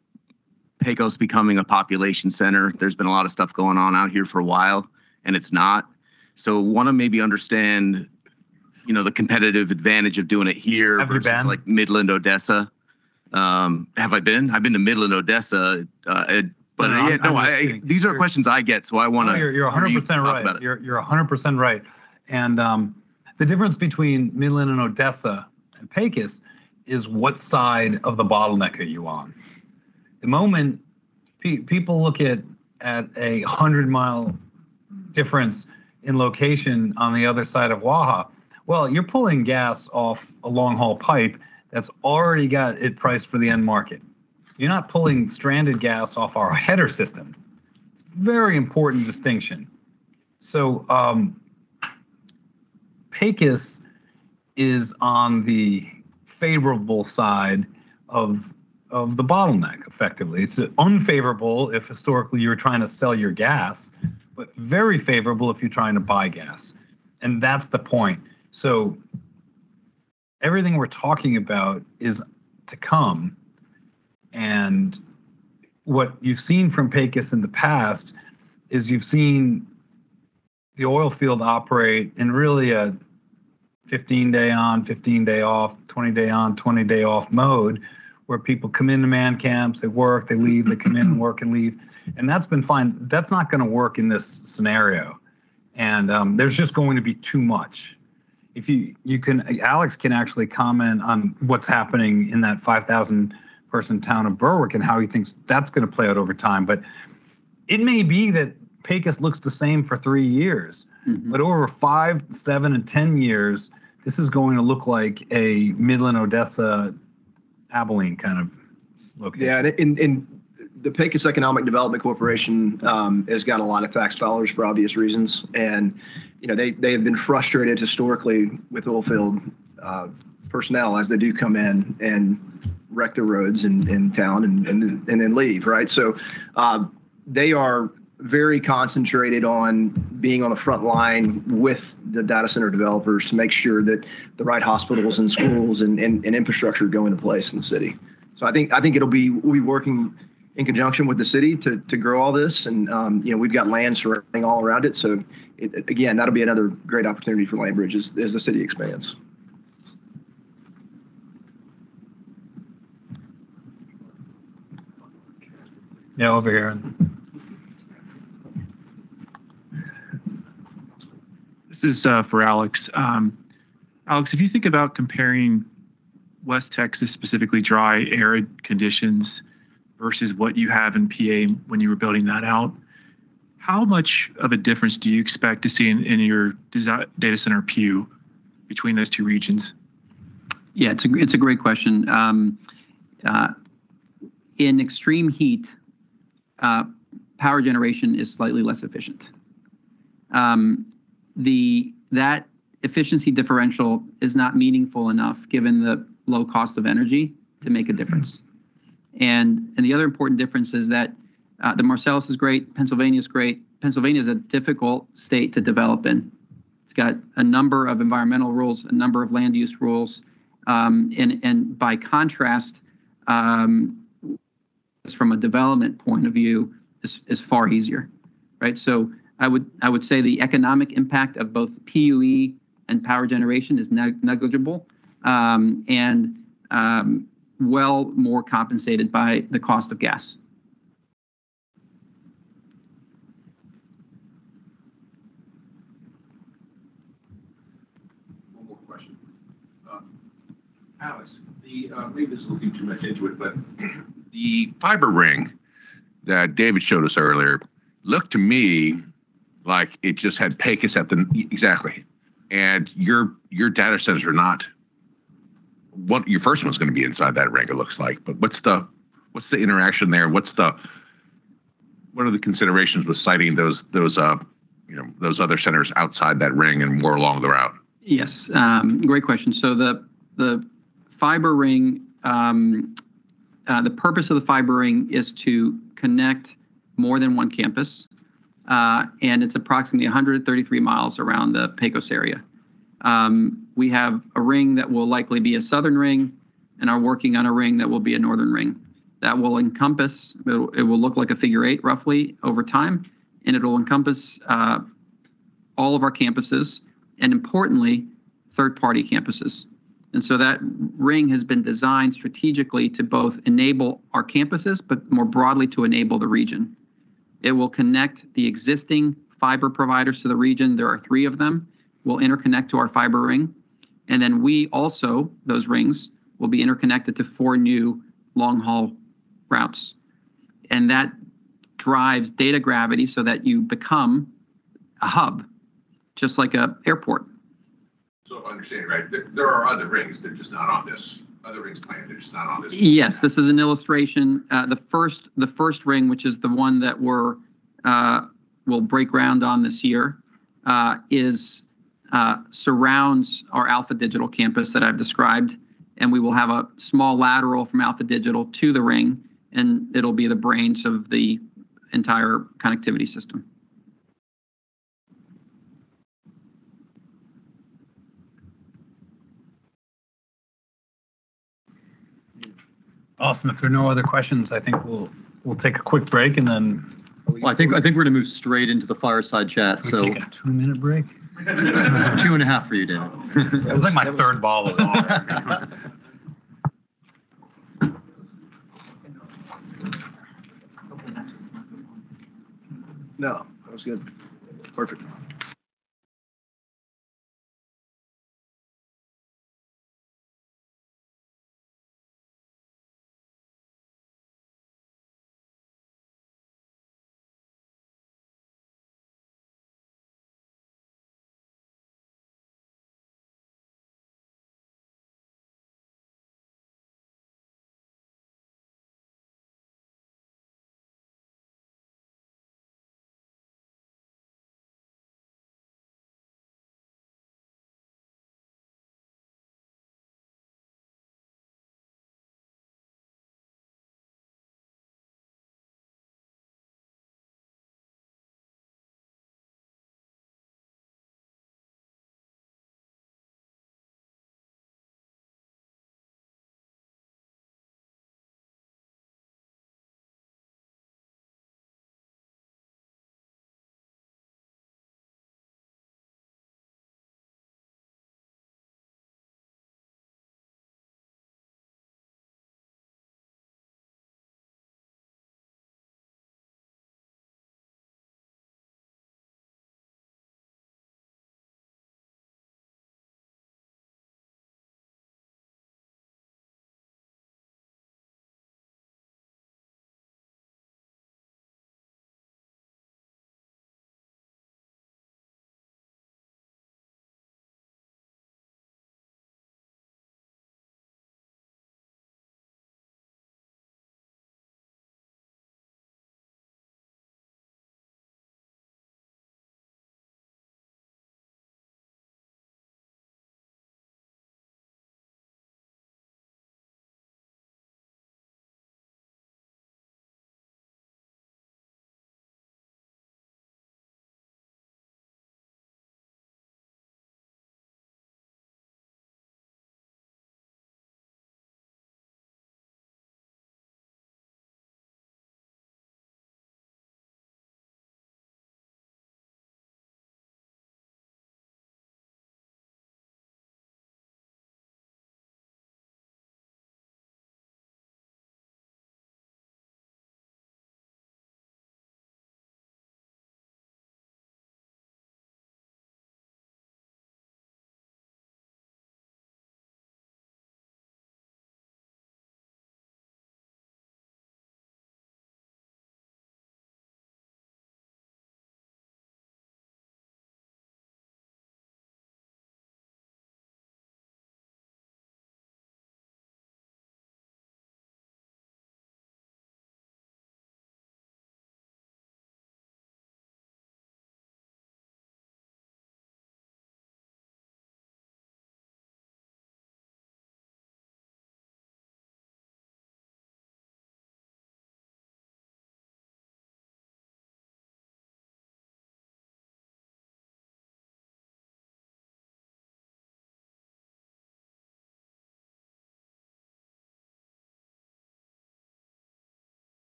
Pecos becoming a population center. There's been a lot of stuff going on out here for a while, and it's not. Wanna maybe understand, you know, the competitive advantage of doing it here. Have you been? versus like Midland-Odessa. Have I been? I've been to Midland-Odessa. Yeah. No, These are questions I get, so I wanna. No, you're 100% right. Hear you talk about it. You're 100% right. The difference between Midland and Odessa and Pecos is what side of the bottleneck are you on? The moment people look at a hundred-mile difference in location on the other side of Waha. Well, you're pulling gas off a long-haul pipe that's already got it priced for the end market. You're not pulling stranded gas off our header system. It's a very important distinction. Pecos is on the favorable side of the bottleneck, effectively. It's unfavorable if historically you're trying to sell your gas, but very favorable if you're trying to buy gas. That's the point. Everything we're talking about is to come, and what you've seen from Pecos in the past is the oil field operate in really a 15-day on, 15-day off, 20-day on, 20-day off mode, where people come into man camps, they work, they leave, they come in, work and leave. That's been fine. That's not gonna work in this scenario. There's just going to be too much. Alex can actually comment on what's happening in that 5,000-person town of Berwick and how he thinks that's gonna play out over time. It may be that Pecos looks the same for three years. Over five, seven and 10 years, this is going to look like a Midland, Odessa, Abilene kind of location. Yeah, the Pecos Economic Development Corporation has got a lot of tax dollars for obvious reasons. You know, they have been frustrated historically with oil field personnel as they do come in and wreck the roads in town and then leave, right? They are very concentrated on being on the front line with the data center developers to make sure that the right hospitals and schools and infrastructure go into place in the city. I think we're working in conjunction with the city to grow all this. You know, we've got land surveying all around it. Again, that'll be another great opportunity for LandBridge as the city expands. Yeah, over here. This is for Alex. Alex, if you think about comparing West Texas, specifically dry, arid conditions versus what you have in PA when you were building that out, how much of a difference do you expect to see in your data center PUE between those two regions? It's a great question. In extreme heat, power generation is slightly less efficient. That efficiency differential is not meaningful enough given the low cost of energy to make a difference. The other important difference is that the Marcellus is great, Pennsylvania is great. Pennsylvania is a difficult state to develop in. It's got a number of environmental rules, a number of land use rules. By contrast, just from a development point of view, is far easier, right? I would say the economic impact of both PUE and power generation is negligible, and well more compensated by the cost of gas. One more question. Alex, maybe this is looking too much into it, but the fiber ring that David showed us earlier looked to me like it just had Pecos at the. Exactly. Your data centers are not. Your first one's gonna be inside that ring, it looks like. What's the interaction there? What are the considerations with siting those, you know, those other centers outside that ring and more along the route? Yes. Great question. The fiber ring, the purpose of the fiber ring is to connect more than one campus, and it's approximately 133 mi around the Pecos area. We have a ring that will likely be a southern ring and are working on a ring that will be a northern ring. That will encompass it will look like a figure eight roughly over time, and it'll encompass all of our campuses and importantly third-party campuses. That ring has been designed strategically to both enable our campuses, but more broadly to enable the region. It will connect the existing fiber providers to the region. There are three of them. We'll interconnect to our fiber ring, and then we also, those rings, will be interconnected to four new long-haul routes. That drives data gravity so that you become a hub, just like an airport. I understand, right, there are other rings. They're just not on this. Other rings planned, they're just not on this. Yes. This is an illustration. The first ring, which is the one that we'll break ground on this year, surrounds our Alpha Digital Campus that I've described, and we will have a small lateral from Alpha Digital to the ring, and it'll be the brains of the entire connectivity system. Awesome. If there are no other questions, I think we'll take a quick break and then we- Well, I think we're gonna move straight into the fireside chat. Can we take a two-minute break? Two and a half for you, David. That was like my third bottle of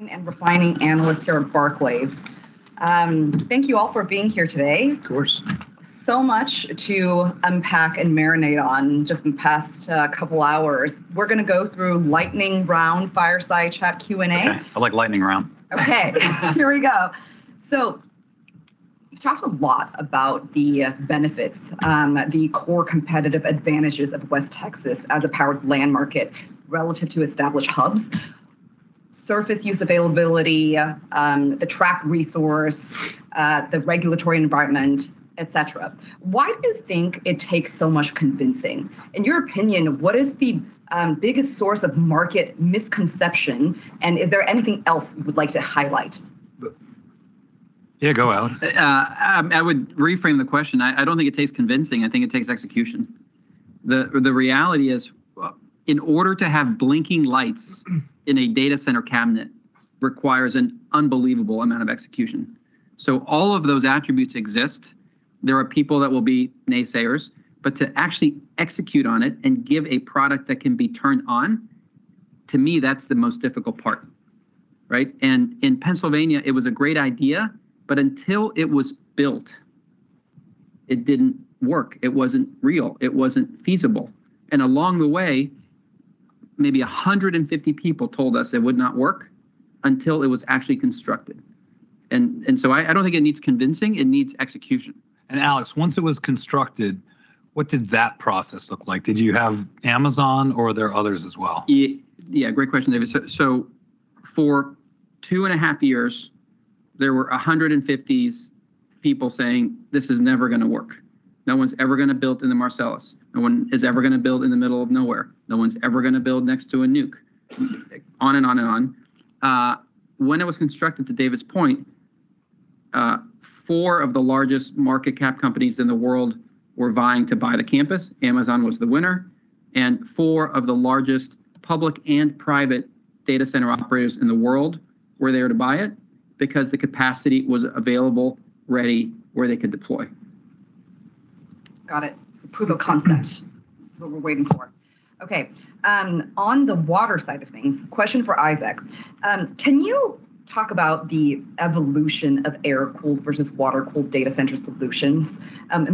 water. Refining analyst here at Barclays. Thank you all for being here today. Of course. Much to unpack and marinate on just in the past, couple hours. We're gonna go through lightning round fireside chat Q&A. Okay. I like lightning round. Okay. Here we go. You've talked a lot about the benefits, the core competitive advantages of West Texas as a powered land market relative to established hubs. Surface use availability, the tract resource, the regulatory environment, et cetera. Why do you think it takes so much convincing? In your opinion, what is the biggest source of market misconception, and is there anything else you would like to highlight? Yeah, go Alex. I would reframe the question. I don't think it takes convincing, I think it takes execution. The reality is, in order to have blinking lights in a data center cabinet requires an unbelievable amount of execution. So all of those attributes exist. There are people that will be naysayers, but to actually execute on it and give a product that can be turned on, to me, that's the most difficult part. Right? In Pennsylvania, it was a great idea, but until it was built, it didn't work. It wasn't real. It wasn't feasible. Along the way, maybe 150 people told us it would not work until it was actually constructed. I don't think it needs convincing, it needs execution. Alex, once it was constructed, what did that process look like? Did you have Amazon or are there others as well? Yeah, great question, David. For 2.5 years, there were 150 people saying, "This is never gonna work. No one's ever gonna build in the Marcellus. No one is ever gonna build in the middle of nowhere. No one's ever gonna build next to a nuke." On and on and on. When it was constructed, to David's point, four of the largest market cap companies in the world were vying to buy the campus. Amazon was the winner, and four of the largest public and private data center operators in the world were there to buy it because the capacity was available, ready, where they could deploy. Got it. It's a proof of concept. That's what we're waiting for. Okay. On the water side of things, question for Isaac. Can you talk about the evolution of air-cooled versus water-cooled data center solutions?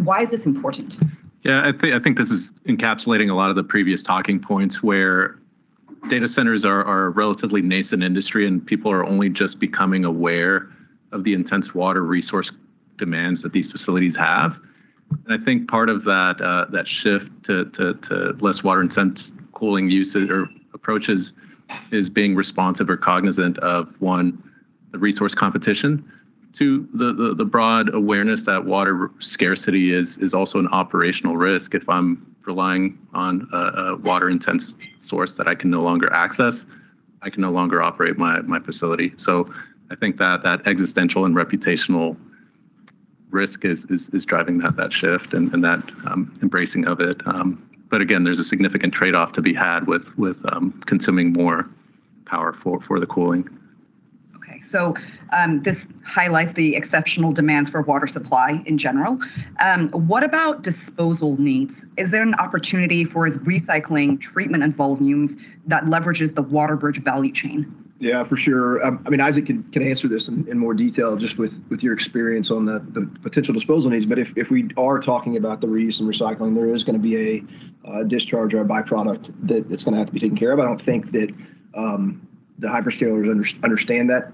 Why is this important? Yeah, I think this is encapsulating a lot of the previous talking points where data centers are a relatively nascent industry, and people are only just becoming aware of the intense water resource demands that these facilities have. I think part of that shift to less water-intense cooling usage or approaches is being responsive or cognizant of, one, the resource competition. Two, the broad awareness that water scarcity is also an operational risk. If I'm relying on a water-intense source that I can no longer access, I can no longer operate my facility. I think that existential and reputational risk is driving that shift and that embracing of it. But again, there's a significant trade-off to be had with consuming more power for the cooling. This highlights the exceptional demands for water supply in general. What about disposal needs? Is there an opportunity for recycling treatment and volumes that leverages the WaterBridge value chain? Yeah, for sure. I mean, Isaac can answer this in more detail just with your experience on the potential disposal needs. If we are talking about the reuse and recycling, there is gonna be a discharge or a byproduct that is gonna have to be taken care of. I don't think that the hyperscalers understand that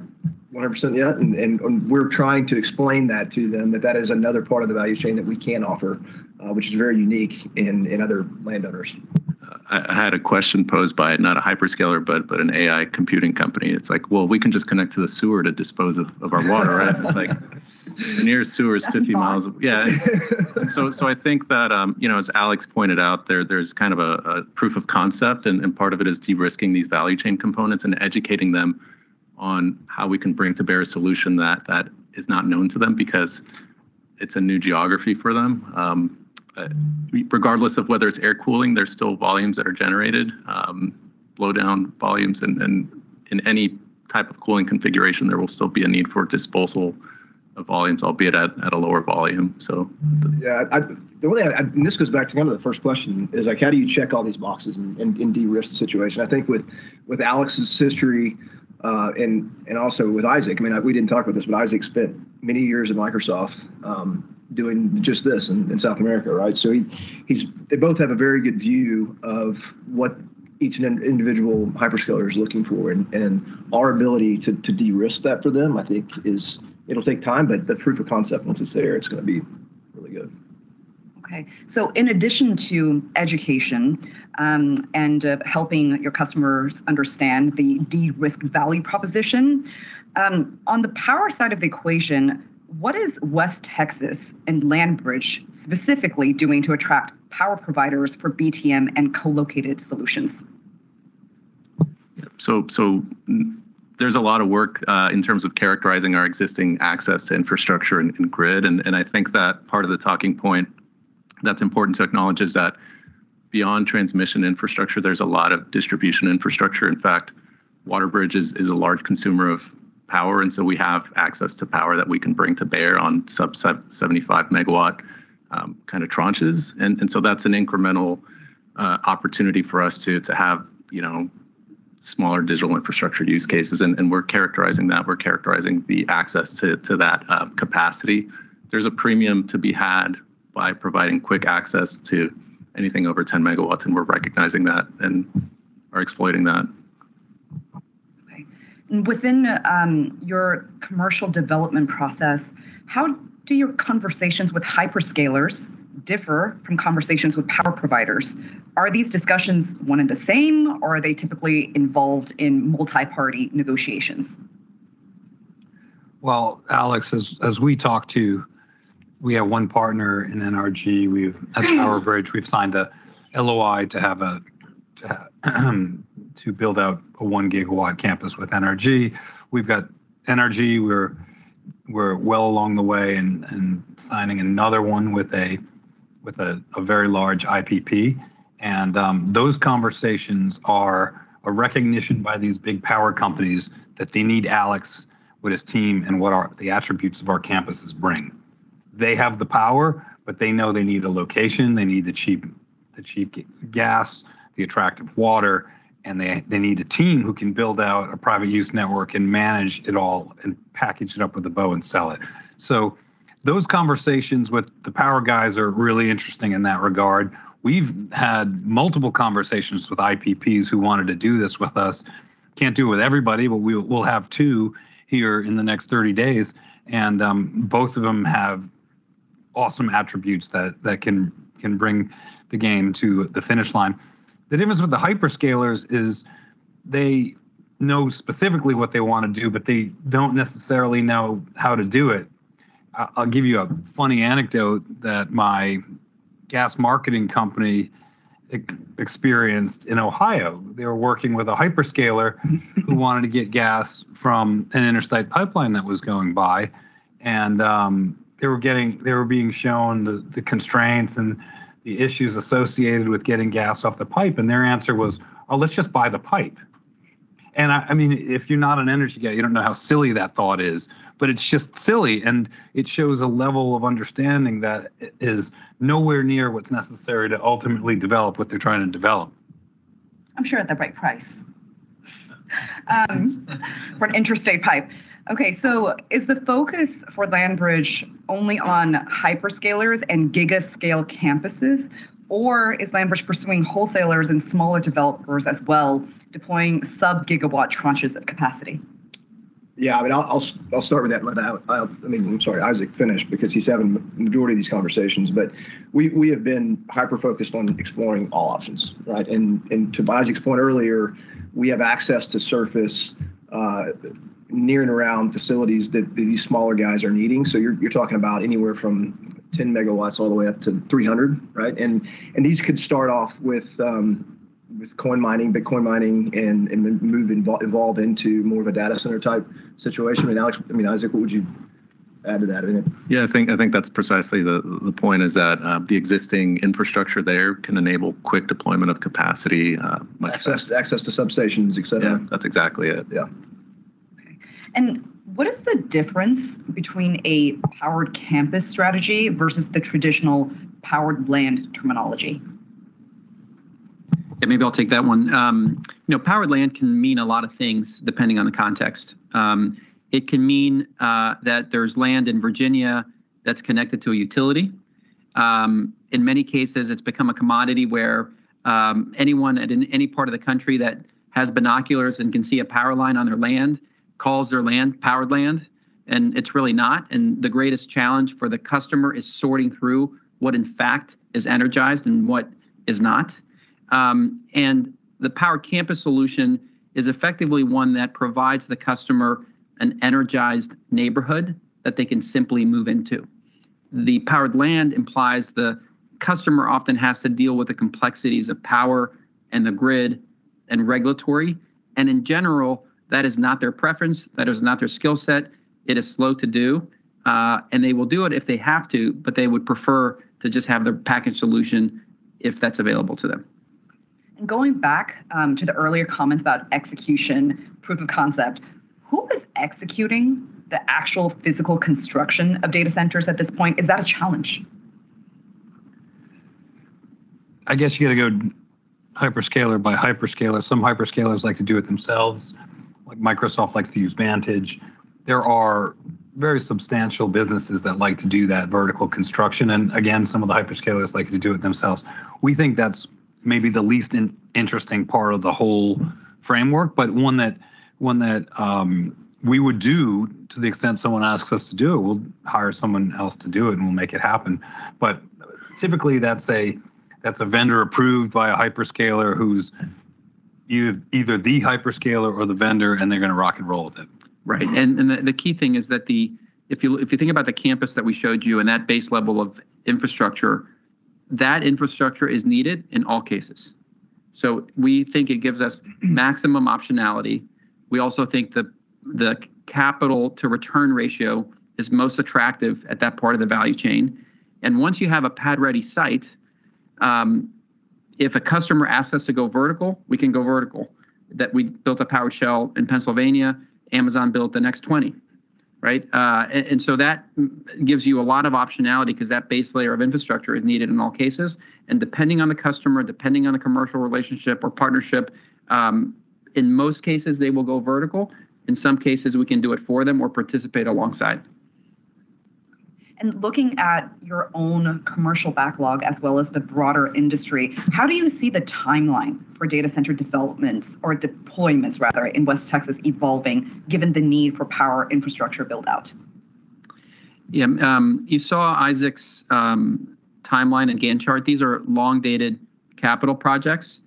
100% yet, and we're trying to explain that to them, that that is another part of the value chain that we can offer, which is very unique in other landowners. I had a question posed by not a hyperscaler, but an AI computing company, and it's like, "Well, we can just connect to the sewer to dispose of our water," right? It's like the nearest sewer is 50 mi. Yeah. I think that, you know, as Alex pointed out, there's kind of a proof of concept and part of it is de-risking these value chain components and educating them on how we can bring to bear a solution that is not known to them because it's a new geography for them. Regardless of whether it's air cooling, there's still volumes that are generated, blowdown volumes and in any type of cooling configuration, there will still be a need for disposal of volumes, albeit at a lower volume, so. Yeah, the only thing and this goes back to kind of the first question is, like, how do you check all these boxes and de-risk the situation? I think with Alex's history and also with Isaac, I mean, we didn't talk about this, but Isaac spent many years at Microsoft, doing just this in South America, right? They both have a very good view of what each individual hyperscaler is looking for and our ability to de-risk that for them, I think, is. It'll take time, but the proof of concept, once it's there, it's gonna be really good. Okay. In addition to education, and helping your customers understand the de-risk value proposition, on the power side of the equation, what is West Texas and LandBridge specifically doing to attract power providers for BTM and co-located solutions? There's a lot of work in terms of characterizing our existing access to infrastructure and grid, and I think that part of the talking point that's important to acknowledge is that beyond transmission infrastructure, there's a lot of distribution infrastructure. In fact, WaterBridge is a large consumer of power, and so we have access to power that we can bring to bear on sub-75 MW tranches. And so that's an incremental opportunity for us to have, you know, smaller digital infrastructure use cases, and we're characterizing that. We're characterizing the access to that capacity. There's a premium to be had by providing quick access to anything over 10 MW, and we're recognizing that and are exploiting that. Within your commercial development process, how do your conversations with hyperscalers differ from conversations with power providers? Are these discussions one and the same, or are they typically involved in multi-party negotiations? Alex, as we talked, we have one partner in NRG. At PowerBridge, we've signed a LOI to build out a 1 GW campus with NRG. We've got NRG, we're well along the way in signing another one with a very large IPP. Those conversations are a recognition by these big power companies that they need Alex with his team and what the attributes of our campuses bring. They have the power, but they know they need a location, they need the cheap gas, the attractive water, and they need a team who can build out a private use network and manage it all and package it up with a bow and sell it. Those conversations with the power guys are really interesting in that regard. We've had multiple conversations with IPPs who wanted to do this with us. Can't do it with everybody, but we'll have two here in the next 30 days, and both of them have awesome attributes that can bring the game to the finish line. The difference with the hyperscalers is they know specifically what they wanna do, but they don't necessarily know how to do it. I'll give you a funny anecdote that my gas marketing company experienced in Ohio. They were working with a hyperscaler who wanted to get gas from an interstate pipeline that was going by, and they were being shown the constraints and the issues associated with getting gas off the pipe, and their answer was, "Oh, let's just buy the pipe." I mean, if you're not an energy guy, you don't know how silly that thought is. It's just silly, and it shows a level of understanding that is nowhere near what's necessary to ultimately develop what they're trying to develop. I'm sure at the right price. For an interstate pipe. Okay. Is the focus for LandBridge only on hyperscalers and giga scale campuses, or is LandBridge pursuing wholesalers and smaller developers as well, deploying sub-gigawatt tranches of capacity? Yeah. I mean, I'll start with that. I mean, I'm sorry, Isaac, finish because he's having majority of these conversations. We have been hyper-focused on exploring all options, right? To Isaac's point earlier, we have access to surface near and around facilities that these smaller guys are needing. You're talking about anywhere from 10 MW all the way up to 300, right? These could start off with coin mining, Bitcoin mining, and then evolve into more of a data center type situation. Alex, I mean, Isaac, what would you add to that or anything? Yeah, I think that's precisely the point is that the existing infrastructure there can enable quick deployment of capacity, like Access to substations, et cetera. Yeah. That's exactly it. Yeah. Okay. What is the difference between a powered campus strategy versus the traditional powered land terminology? Yeah, maybe I'll take that one. You know, powered land can mean a lot of things depending on the context. It can mean that there's land in Virginia that's connected to a utility. In many cases, it's become a commodity where anyone in any part of the country that has binoculars and can see a power line on their land calls their land powered land, and it's really not. The greatest challenge for the customer is sorting through what in fact is energized and what is not. The power campus solution is effectively one that provides the customer an energized neighborhood that they can simply move into. The powered land implies the customer often has to deal with the complexities of power and the grid and regulatory, and in general, that is not their preference, that is not their skill set, it is slow to do, and they will do it if they have to, but they would prefer to just have the packaged solution if that's available to them. Going back to the earlier comments about execution proof of concept, who is executing the actual physical construction of data centers at this point? Is that a challenge? I guess you gotta go hyperscaler by hyperscaler. Some hyperscalers like to do it themselves. Like Microsoft likes to use Vantage. There are very substantial businesses that like to do that vertical construction and again, some of the hyperscalers like to do it themselves. We think that's maybe the least in-interesting part of the whole framework, but one that we would do to the extent someone asks us to do. We'll hire someone else to do it and we'll make it happen. Typically, that's a vendor approved by a hyperscaler who's either the hyperscaler or the vendor, and they're gonna rock and roll with it. Right. The key thing is that if you think about the campus that we showed you and that base level of infrastructure, that infrastructure is needed in all cases. We think it gives us maximum optionality. We also think the capital to return ratio is most attractive at that part of the value chain. Once you have a pad-ready site, if a customer asks us to go vertical, we can go vertical. That we built a power shell in Pennsylvania, Amazon built the next 20, right? That gives you a lot of optionality 'cause that base layer of infrastructure is needed in all cases. Depending on the customer, depending on the commercial relationship or partnership, in most cases, they will go vertical. In some cases, we can do it for them or participate alongside. Looking at your own commercial backlog as well as the broader industry, how do you see the timeline for data center developments or deployments rather in West Texas evolving given the need for power infrastructure build-out? Yeah, you saw Isaac's timeline and Gantt chart. These are long-dated capital projects,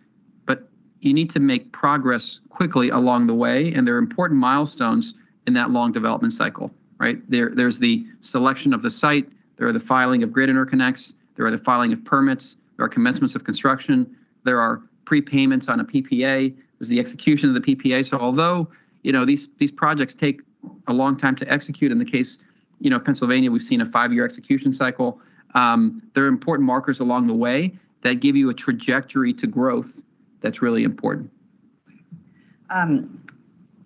but you need to make progress quickly along the way, and there are important milestones in that long development cycle, right? There's the selection of the site. There are the filing of grid interconnects. There are the filing of permits. There are commencements of construction. There are prepayments on a PPA. There's the execution of the PPA. Although, you know, these projects take a long time to execute, in the case, you know, of Pennsylvania, we've seen a five-year execution cycle, there are important markers along the way that give you a trajectory to growth that's really important.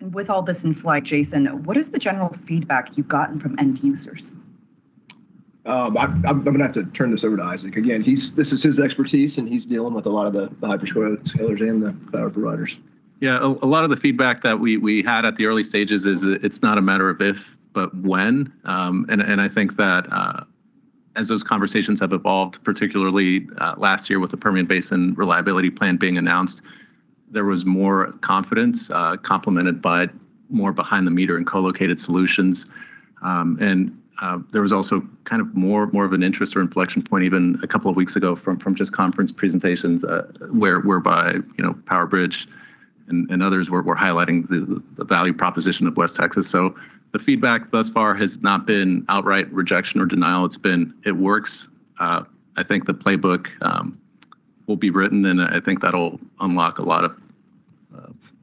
With all this in flight, Jason, what is the general feedback you've gotten from end users? I'm gonna have to turn this over to Isaac. Again, this is his expertise, and he's dealing with a lot of the hyperscalers and the power providers. Yeah. A lot of the feedback that we had at the early stages is that it's not a matter of if, but when. I think that as those conversations have evolved, particularly last year with the Permian Basin Reliability Plan being announced, there was more confidence, complemented by more behind the meter and co-located solutions. There was also kind of more of an interest or inflection point even a couple of weeks ago from just conference presentations, whereby, you know, PowerBridge and others were highlighting the value proposition of West Texas. The feedback thus far has not been outright rejection or denial. It's been, "It works." I think the playbook will be written, and I think that'll unlock a lot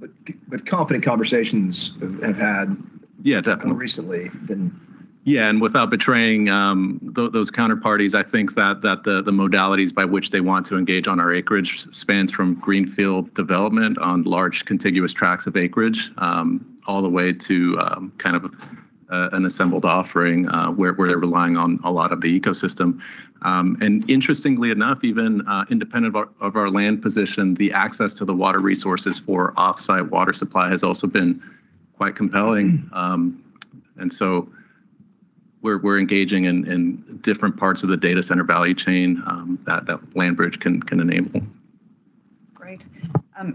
of. Confident conversations we've had. Yeah, definitely. More recently than- Yeah. Without betraying those counterparties, I think that the modalities by which they want to engage on our acreage spans from greenfield development on large contiguous tracts of acreage, all the way to kind of an assembled offering, where they're relying on a lot of the ecosystem. Interestingly enough, even independent of our land position, the access to the water resources for off-site water supply has also been quite compelling. We're engaging in different parts of the data center value chain that LandBridge can enable. Great.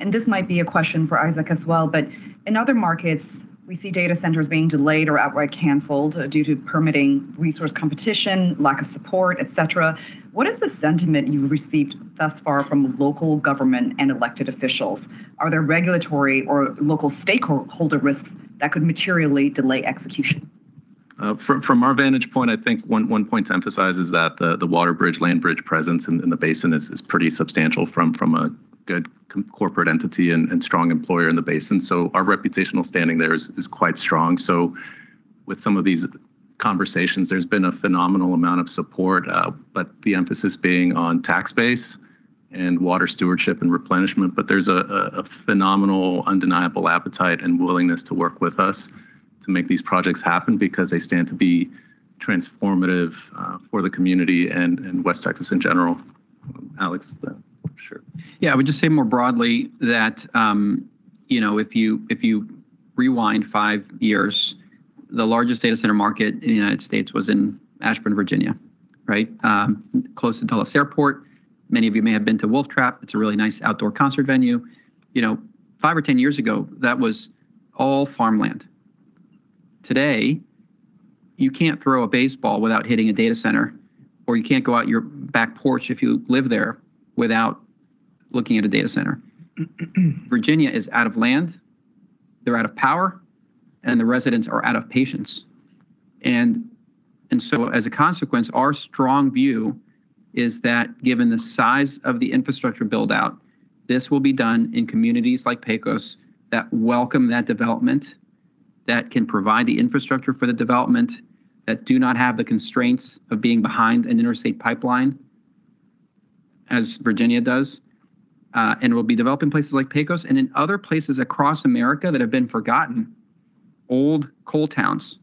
This might be a question for Isaac as well, but in other markets, we see data centers being delayed or outright canceled, due to permitting resource competition, lack of support, et cetera. What is the sentiment you've received thus far from local government and elected officials? Are there regulatory or local stakeholder risks that could materially delay execution? From our vantage point, I think one point to emphasize is that the WaterBridge-LandBridge presence in the basin is pretty substantial from a good corporate entity and strong employer in the basin. Our reputational standing there is quite strong. With some of these conversations, there's been a phenomenal amount of support, but the emphasis being on tax base and water stewardship and replenishment. There's a phenomenal undeniable appetite and willingness to work with us to make these projects happen because they stand to be transformative for the community and West Texas in general. Alex? Sure. Yeah. I would just say more broadly that, you know, if you, if you rewind five years, the largest data center market in the United States was in Ashburn, Virginia, right? Close to Dulles Airport. Many of you may have been to Wolf Trap. It's a really nice outdoor concert venue. You know, five or 10 years ago, that was all farmland. Today, you can't throw a baseball without hitting a data center, or you can't go out your back porch if you live there without looking at a data center. Virginia is out of land, they're out of power, and the residents are out of patience. As a consequence, our strong view is that given the size of the infrastructure build-out, this will be done in communities like Pecos that welcome that development, that can provide the infrastructure for the development, that do not have the constraints of being behind an interstate pipeline as Virginia does, and will be developing places like Pecos and in other places across America that have been forgotten. Old coal towns,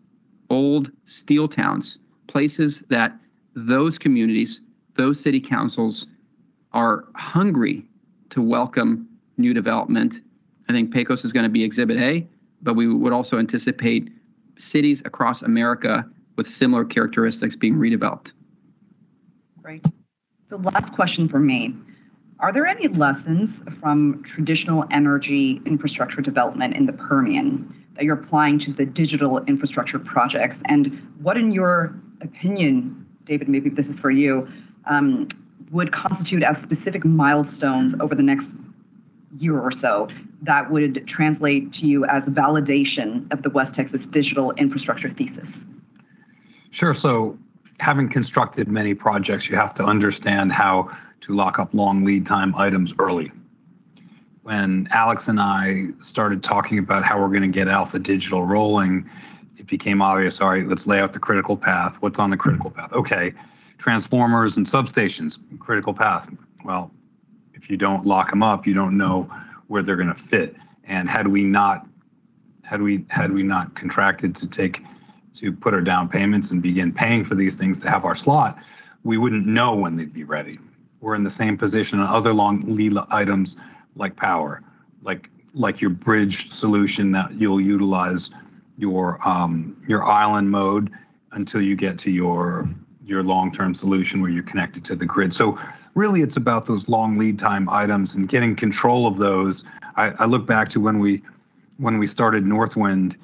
old steel towns, places that those communities, those city councils are hungry to welcome new development. I think Pecos is gonna be exhibit A, but we would also anticipate cities across America with similar characteristics being redeveloped. Great. Last question from me. Are there any lessons from traditional energy infrastructure development in the Permian that you're applying to the digital infrastructure projects? What, in your opinion, David, maybe this is for you, would constitute as specific milestones over the next year or so that would translate to you as validation of the West Texas digital infrastructure thesis? Sure. Having constructed many projects, you have to understand how to lock up long lead time items early. When Alex and I started talking about how we're gonna get Alpha Digital rolling, it became obvious, all right, let's lay out the critical path. What's on the critical path? Okay. Transformers and substations, critical path. Well, if you don't lock them up, you don't know where they're gonna fit. Had we not contracted to put our down payments and begin paying for these things to have our slot, we wouldn't know when they'd be ready. We're in the same position on other long lead items like power, like PowerBridge solution that you'll utilize your island mode until you get to your long-term solution where you're connected to the grid. Really it's about those long lead time items and getting control of those. I look back to when we started Northwind,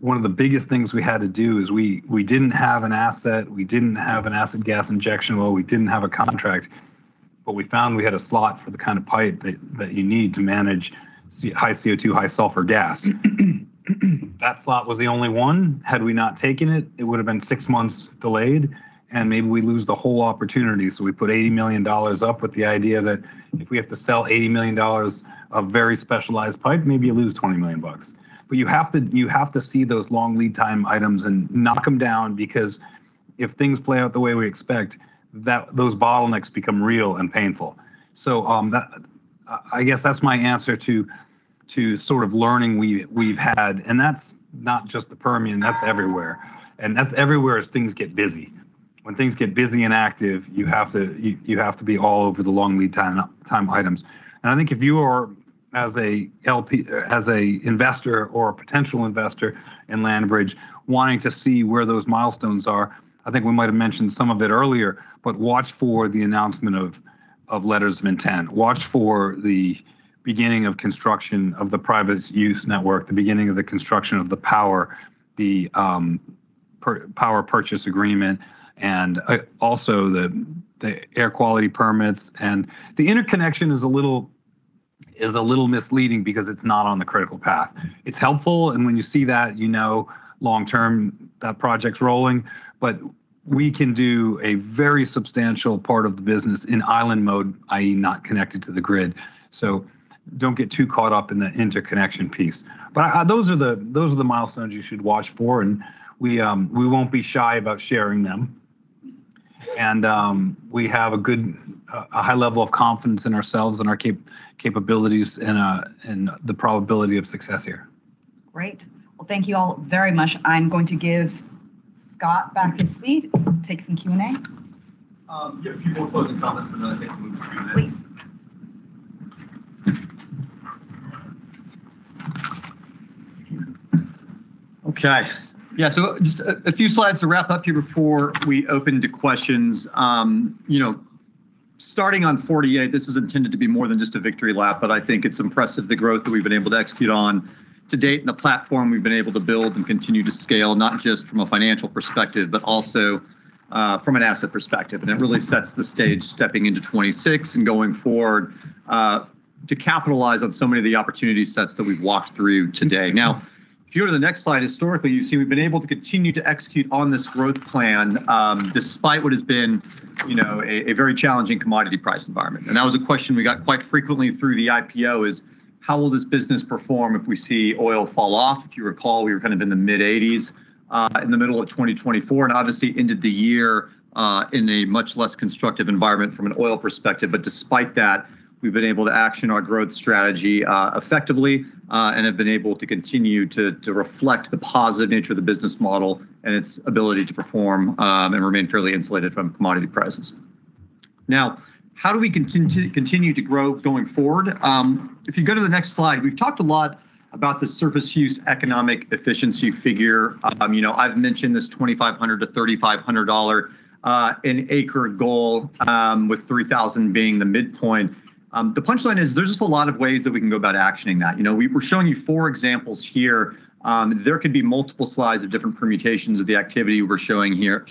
one of the biggest things we had to do is we didn't have an asset, we didn't have an acid gas injection well, we didn't have a contract, but we found we had a slot for the kind of pipe that you need to manage high CO2, high sulfur gas. That slot was the only one. Had we not taken it would have been six months delayed and maybe we lose the whole opportunity. We put $80 million up with the idea that if we have to sell $80 million of very specialized pipe, maybe you lose $20 million. You have to see those long lead time items and knock them down because if things play out the way we expect, those bottlenecks become real and painful. I guess that's my answer to sort of learning we've had. That's not just the Permian, that's everywhere. That's everywhere as things get busy. When things get busy and active, you have to be all over the long lead time items. I think if you are as an LP as an investor or a potential investor in LandBridge wanting to see where those milestones are, I think we might have mentioned some of it earlier, but watch for the announcement of letters of intent. Watch for the beginning of construction of the private use network, the beginning of the construction of the power, the power purchase agreement and also the air quality permits. The interconnection is a little misleading because it's not on the critical path. It's helpful, and when you see that, you know long-term, that project's rolling. We can do a very substantial part of the business in island mode, i.e. not connected to the grid. Don't get too caught up in the interconnection piece. Those are the milestones you should watch for, and we won't be shy about sharing them. We have a good high level of confidence in ourselves and our capabilities and the probability of success here. Great. Well, thank you all very much. I'm going to give Scott back his seat to take some Q&A. Yeah, a few more closing comments, and then I think we can move to Q&A. Please. Okay. Yeah, so just a few slides to wrap up here before we open to questions. You know, starting on 48, this is intended to be more than just a victory lap, but I think it's impressive the growth that we've been able to execute on to date and the platform we've been able to build and continue to scale, not just from a financial perspective, but also from an asset perspective. It really sets the stage stepping into 2026 and going forward to capitalize on so many of the opportunity sets that we've walked through today. Now, if you go to the next slide, historically, you see we've been able to continue to execute on this growth plan despite what has been, you know, a very challenging commodity price environment. That was a question we got quite frequently through the IPO is: How will this business perform if we see oil fall off? If you recall, we were kind of in the mid-80s in the middle of 2024, and obviously ended the year in a much less constructive environment from an oil perspective. Despite that, we've been able to action our growth strategy effectively, and have been able to continue to reflect the positive nature of the business model and its ability to perform, and remain fairly insulated from commodity prices. Now, how do we continue to grow going forward? If you go to the next slide, we've talked a lot about the surface use economic efficiency figure. You know, I've mentioned this $2,500-$3,500 an acre goal, with 3,000 being the midpoint. The punchline is there's just a lot of ways that we can go about actioning that. You know, we're showing you four examples here. There could be multiple slides of different permutations of the activity we're showing here.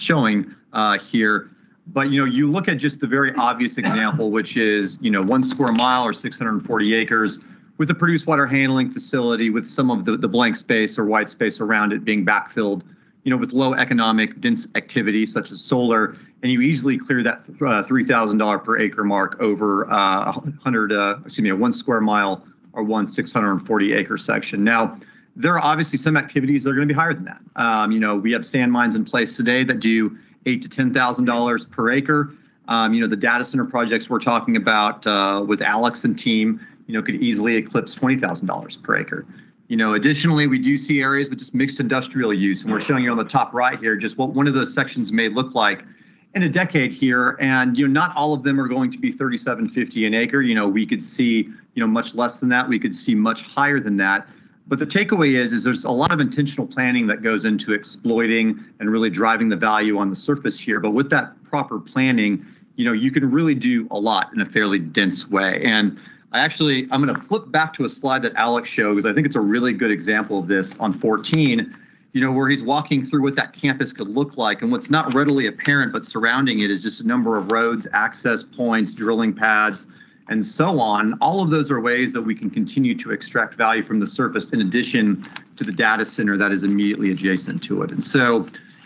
You know, you look at just the very obvious example, which is, you know, 1 sq mi or 640 acres with the produced water handling facility, with some of the blank space or white space around it being backfilled, you know, with low economic density activity such as solar, and you easily clear that $3,000 per acre mark over a 1 sq mi or one 640-acre section. Now, there are obviously some activities that are gonna be higher than that. You know, we have sand mines in place today that do $8,000-$10,000 per acre. You know, the data center projects we're talking about, with Alex and team, you know, could easily eclipse $20,000 per acre. You know, additionally, we do see areas with just mixed industrial use, and we're showing you on the top right here just what one of those sections may look like in a decade here. You know, not all of them are going to be $3,750 an acre. You know, we could see, you know, much less than that. We could see much higher than that. The takeaway is there's a lot of intentional planning that goes into exploiting and really driving the value on the surface here. With that proper planning, you know, you can really do a lot in a fairly dense way. I actually, I'm gonna flip back to a slide that Alex shows. I think it's a really good example of this on 14, you know, where he's walking through what that campus could look like. What's not readily apparent but surrounding it is just a number of roads, access points, drilling pads, and so on. All of those are ways that we can continue to extract value from the surface in addition to the data center that is immediately adjacent to it.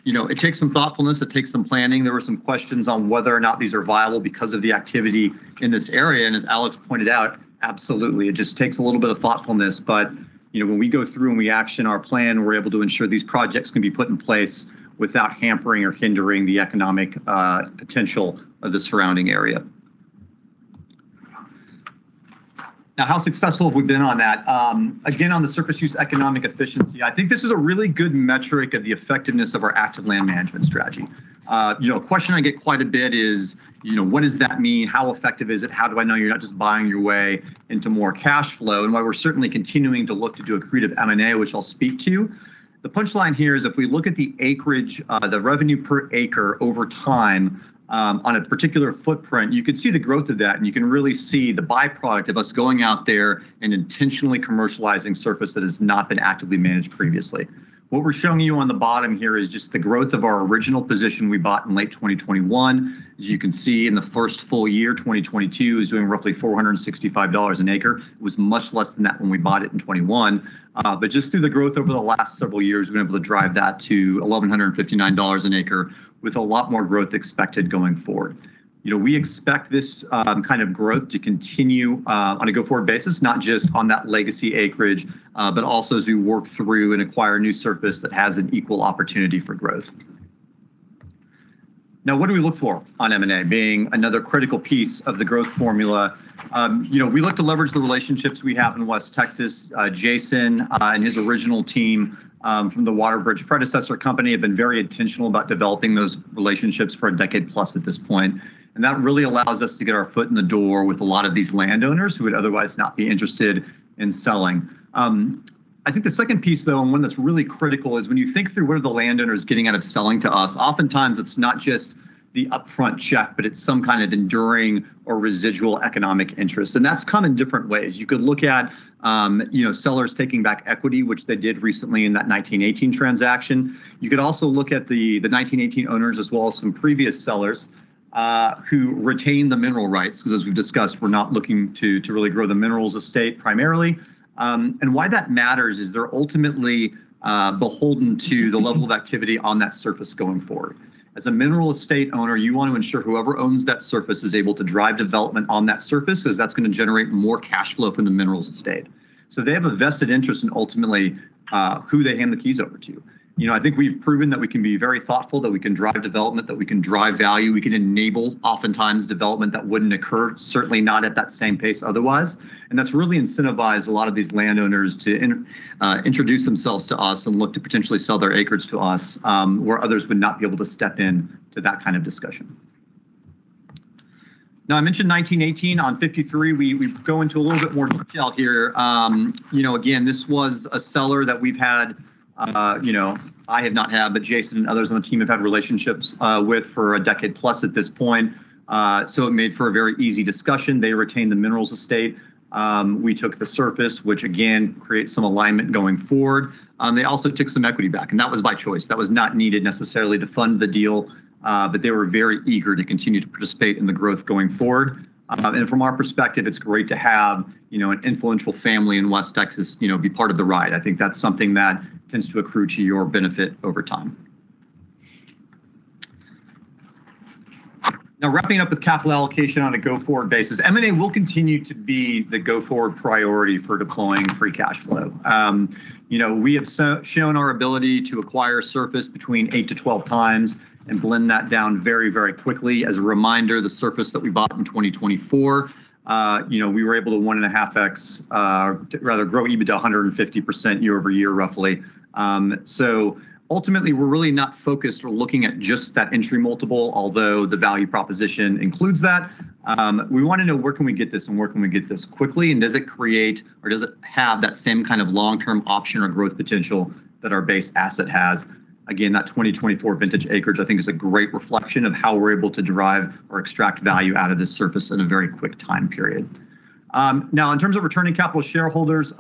You know, it takes some thoughtfulness. It takes some planning. There were some questions on whether or not these are viable because of the activity in this area. As Alex pointed out, absolutely, it just takes a little bit of thoughtfulness. You know, when we go through and we action our plan, we're able to ensure these projects can be put in place without hampering or hindering the economic potential of the surrounding area. Now, how successful have we been on that? Again, on the surface use economic efficiency, I think this is a really good metric of the effectiveness of our active land management strategy. You know, a question I get quite a bit is, you know, what does that mean? How effective is it? How do I know you're not just buying your way into more cash flow? While we're certainly continuing to look to do accretive M&A, which I'll speak to. The punchline here is if we look at the acreage, the revenue per acre over time on a particular footprint, you can see the growth of that, and you can really see the byproduct of us going out there and intentionally commercializing surface that has not been actively managed previously. What we're showing you on the bottom here is just the growth of our original position we bought in late 2021. As you can see, in the first full year, 2022 is doing roughly $465 an acre. It was much less than that when we bought it in 2021. Just through the growth over the last several years, we've been able to drive that to $1,159 an acre with a lot more growth expected going forward. You know, we expect this, kind of growth to continue, on a go-forward basis, not just on that legacy acreage, but also as we work through and acquire new surface that has an equal opportunity for growth. Now, what do we look for on M&A being another critical piece of the growth formula? You know, we look to leverage the relationships we have in West Texas. Jason and his original team from the WaterBridge predecessor company have been very intentional about developing those relationships for a decade plus at this point. That really allows us to get our foot in the door with a lot of these landowners who would otherwise not be interested in selling. I think the second piece, though, and one that's really critical is when you think through what are the landowners getting out of selling to us, oftentimes it's not just the upfront check, but it's some kind of enduring or residual economic interest. That's come in different ways. You could look at sellers taking back equity, which they did recently in that 1918 acquisition transaction. You could also look at the 1918 acquisition owners as well as some previous sellers who retained the mineral rights, because as we've discussed, we're not looking to really grow the minerals estate primarily. Why that matters is they're ultimately beholden to the level of activity on that surface going forward. As a mineral estate owner, you want to ensure whoever owns that surface is able to drive development on that surface, so that's gonna generate more cash flow from the minerals estate. They have a vested interest in ultimately who they hand the keys over to. You know, I think we've proven that we can be very thoughtful, that we can drive development, that we can drive value. We can enable oftentimes development that wouldn't occur, certainly not at that same pace otherwise. That's really incentivized a lot of these landowners to introduce themselves to us and look to potentially sell their acres to us, where others would not be able to step in to that kind of discussion. Now, I mentioned 1918 acquisition on 53. We go into a little bit more detail here. You know, again, this was a seller that we've had, you know, I have not had, but Jason and others on the team have had relationships with for a decade plus at this point. So it made for a very easy discussion. They retained the minerals estate. We took the surface, which again creates some alignment going forward. They also took some equity back, and that was by choice. That was not needed necessarily to fund the deal, but they were very eager to continue to participate in the growth going forward. From our perspective, it's great to have, you know, an influential family in West Texas, you know, be part of the ride. I think that's something that tends to accrue to your benefit over time. Now, wrapping up with capital allocation on a go-forward basis, M&A will continue to be the go-forward priority for deploying free cash flow. You know, we have shown our ability to acquire surface between 8-12 times and blend that down very, very quickly. As a reminder, the surface that we bought in 2024, you know, we were able to 1.5x, rather grow EBITDA 150% year-over-year, roughly. Ultimately, we're really not focused or looking at just that entry multiple, although the value proposition includes that. We wanna know where can we get this and where can we get this quickly, and does it create, or does it have that same kind of long-term option or growth potential that our base asset has. Again, that 2024 vintage acreage, I think is a great reflection of how we're able to derive or extract value out of this surface in a very quick time period. Now, in terms of returning capital to shareholders,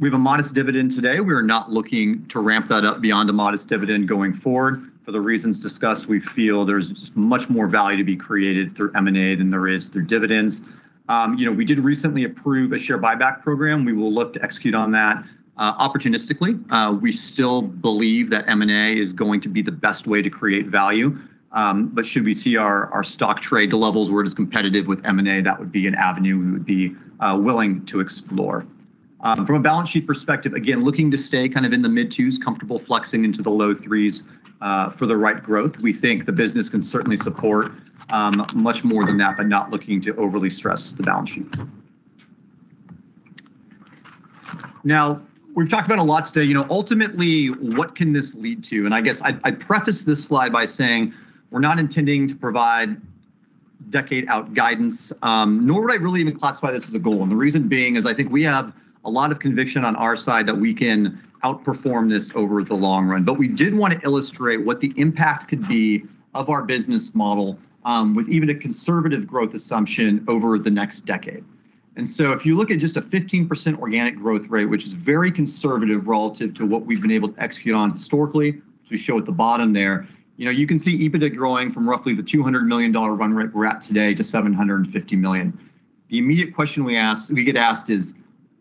we have a modest dividend today. We are not looking to ramp that up beyond a modest dividend going forward. For the reasons discussed, we feel there's much more value to be created through M&A than there is through dividends. You know, we did recently approve a share buyback program. We will look to execute on that, opportunistically. We still believe that M&A is going to be the best way to create value. Should we see our stock trade to levels where it is competitive with M&A, that would be an avenue we would be willing to explore. From a balance sheet perspective, again, looking to stay kind of in the mid-twos, comfortable flexing into the low threes, for the right growth. We think the business can certainly support much more than that, but not looking to overly stress the balance sheet. Now, we've talked about a lot today. You know, ultimately, what can this lead to? I guess I preface this slide by saying we're not intending to provide decade-out guidance, nor would I really even classify this as a goal. The reason being is I think we have a lot of conviction on our side that we can outperform this over the long run. We did wanna illustrate what the impact could be of our business model, with even a conservative growth assumption over the next decade. If you look at just a 15% organic growth rate, which is very conservative relative to what we've been able to execute on historically, which we show at the bottom there, you know, you can see EBITDA growing from roughly the $200 million run rate we're at today to $750 million. The immediate question we get asked is,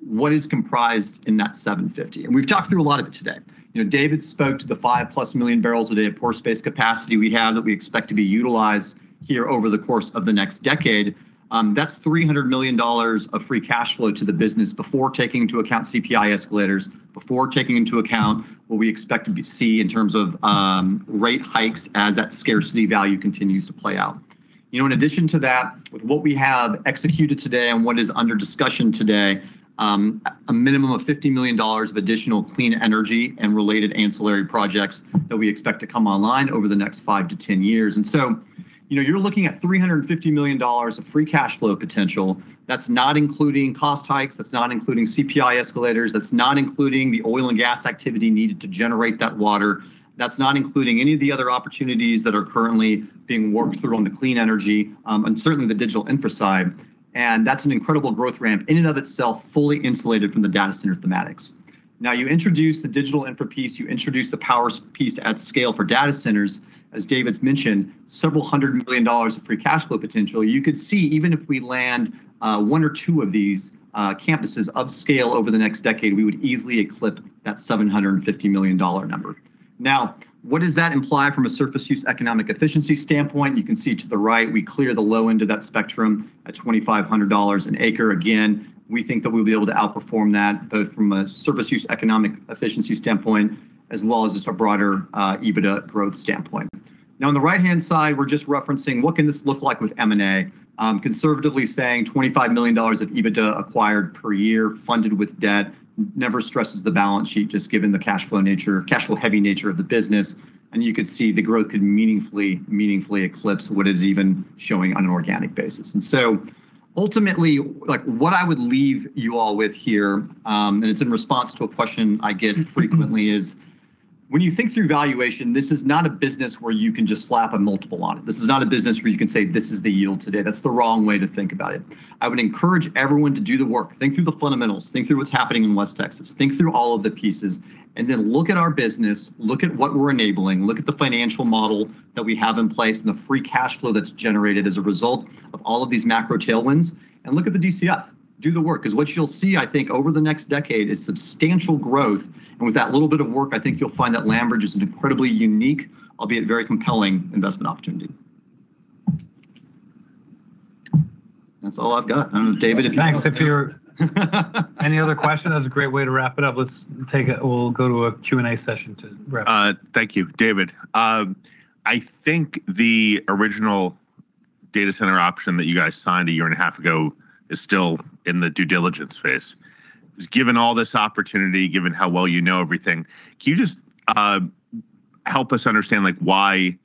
what is comprised in that 750? We've talked through a lot of it today. You know, David spoke to the 5+ MMbpd of pore space capacity we have that we expect to be utilized here over the course of the next decade. That's $300 million of free cash flow to the business before taking into account CPI escalators, before taking into account what we expect to see in terms of rate hikes as that scarcity value continues to play out. You know, in addition to that, with what we have executed today and what is under discussion today, a minimum of $50 million of additional clean energy and related ancillary projects that we expect to come online over the next five to 10 years. You know, you're looking at $350 million of free cash flow potential. That's not including cost hikes. That's not including CPI escalators. That's not including the oil and gas activity needed to generate that water. That's not including any of the other opportunities that are currently being worked through on the clean energy, and certainly the digital infra side. That's an incredible growth ramp in and of itself, fully insulated from the data center thematics. Now, you introduce the digital infra piece, you introduce the power piece at scale for data centers, as David's mentioned, several hundred million dollars of free cash flow potential. You could see even if we land, one or two of these, campuses upscale over the next decade, we would easily eclipse that $750 million number. Now, what does that imply from a surface use economic efficiency standpoint? You can see to the right, we clear the low end of that spectrum at $2,500 an acre. Again, we think that we'll be able to outperform that both from a surface use economic efficiency standpoint as well as just a broader, EBITDA growth standpoint. Now, on the right-hand side, we're just referencing what can this look like with M&A. Conservatively saying $25 million of EBITDA acquired per year, funded with debt, never stresses the balance sheet, just given the cash flow heavy nature of the business. You could see the growth could meaningfully eclipse what is even showing on an organic basis. Ultimately, like, what I would leave you all with here, and it's in response to a question I get frequently, is when you think through valuation, this is not a business where you can just slap a multiple on it. This is not a business where you can say, "This is the yield today." That's the wrong way to think about it. I would encourage everyone to do the work, think through the fundamentals, think through what's happening in West Texas, think through all of the pieces, and then look at our business, look at what we're enabling, look at the financial model that we have in place, and the free cash flow that's generated as a result of all of these macro tailwinds, and look at the DCF. Do the work, 'cause what you'll see, I think, over the next decade is substantial growth. With that little bit of work, I think you'll find that LandBridge is an incredibly unique, albeit very compelling investment opportunity. That's all I've got. I don't know, David. Thanks. Any other questions? That was a great way to wrap it up. We'll go to a Q&A session to wrap. Thank you, David. I think the original data center option that you guys signed a year and a half ago is still in the due diligence phase. Given all this opportunity, given how well you know everything, can you just help us understand, like, why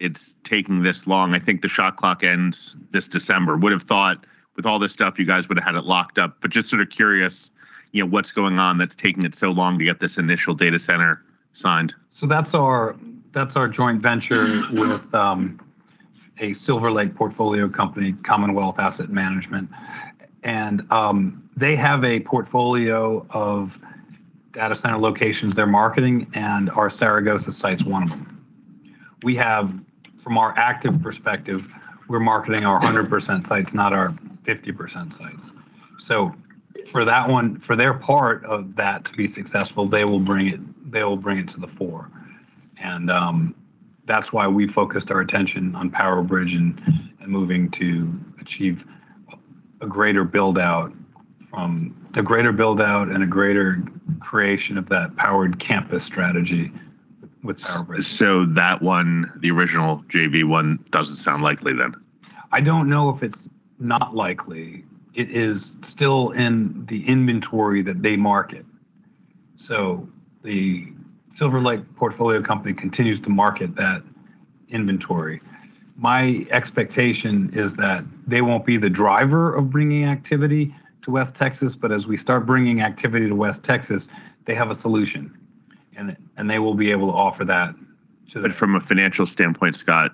it's taking this long? I think the shot clock ends this December. Would've thought with all this stuff, you guys would've had it locked up, but just sort of curious, you know, what's going on that's taking it so long to get this initial data center signed. That's our joint venture with a Silver Lake portfolio company, Commonwealth Asset Management, and they have a portfolio of data center locations they're marketing, and our Zaragoza site's one of them. We have, from our active perspective, we're marketing our 100% sites, not our 50% sites. For their part of that to be successful, they will bring it to the fore, and that's why we focused our attention on PowerBridge and moving to achieve a greater build-out and a greater creation of that powered campus strategy with PowerBridge. That one, the original JV one, doesn't sound likely then? I don't know if it's not likely. It is still in the inventory that they market. The Silver Lake portfolio company continues to market that inventory. My expectation is that they won't be the driver of bringing activity to West Texas, but as we start bringing activity to West Texas, they have a solution, and they will be able to offer that to the. From a financial standpoint, Scott,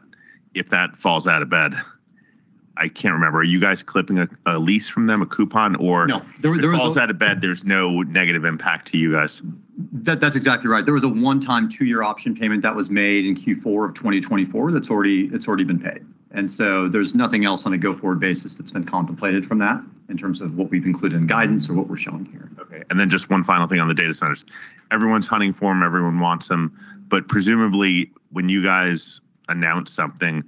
if that falls out of bed, I can't remember, are you guys clipping a lease from them, a coupon or- No. If it falls out of bed, there's no negative impact to you guys. That, that's exactly right. There was a one-time two-year option payment that was made in Q4 of 2024 that's already been paid, and so there's nothing else on a go-forward basis that's been contemplated from that in terms of what we've included in guidance or what we're showing here. Okay. Just one final thing on the data centers. Everyone's hunting for them, everyone wants them, but presumably, when you guys announce something,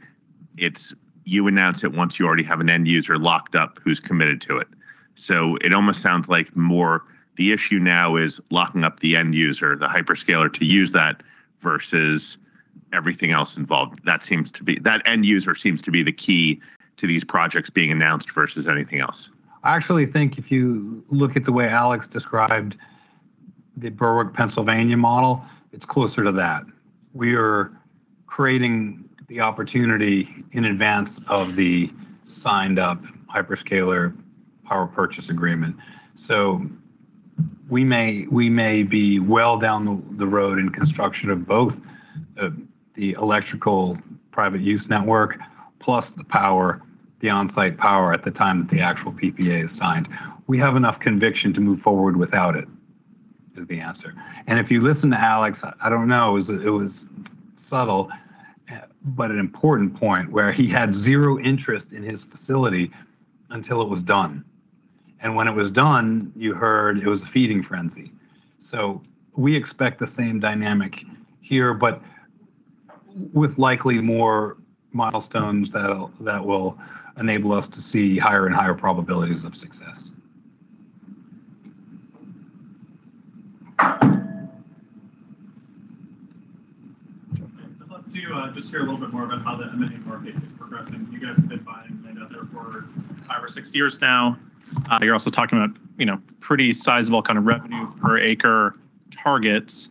you announce it once you already have an end user locked up who's committed to it. It almost sounds like more the issue now is locking up the end user, the hyperscaler to use that versus everything else involved. That end user seems to be the key to these projects being announced versus anything else. I actually think if you look at the way Alex described the Berwick, Pennsylvania model, it's closer to that. We are creating the opportunity in advance of the signed-up hyperscaler power purchase agreement. We may be well down the road in construction of both the electrical private use network plus the power, the onsite power at the time that the actual PPA is signed. We have enough conviction to move forward without it, is the answer. If you listen to Alex, it was subtle, but an important point where he had zero interest in his facility until it was done, and when it was done, you heard it was a feeding frenzy. We expect the same dynamic here, but with likely more milestones that will enable us to see higher and higher probabilities of success. I'd love to just hear a little bit more about how the M&A market is progressing. You guys have been buying land out there for five or six years now. You're also talking about, you know, pretty sizable kind of revenue per acre targets.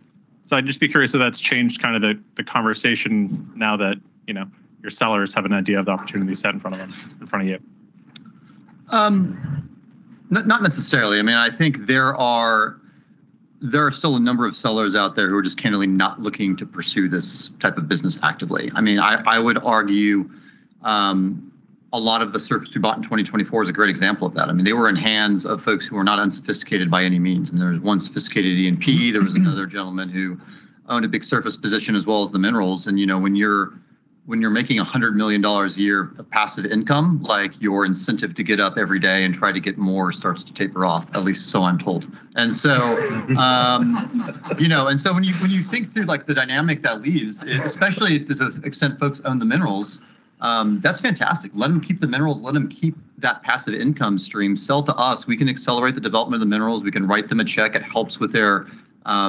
I'd just be curious if that's changed kind of the conversation now that, you know, your sellers have an idea of the opportunity set in front of them in front of you. Not necessarily. I mean, I think there are still a number of sellers out there who are just candidly not looking to pursue this type of business actively. I mean, I would argue, a lot of the surface we bought in 2024 is a great example of that. I mean, they were in hands of folks who are not unsophisticated by any means. There was one sophisticated E&P. There was another gentleman who owned a big surface position as well as the minerals. You know, when you're making $100 million a year of passive income, like, your incentive to get up every day and try to get more starts to taper off, at least so I'm told. When you think through, like, the dynamic that leaves, especially to the extent folks own the minerals, that's fantastic. Let them keep the minerals, let them keep that passive income stream. Sell to us, we can accelerate the development of the minerals. We can write them a check. It helps with their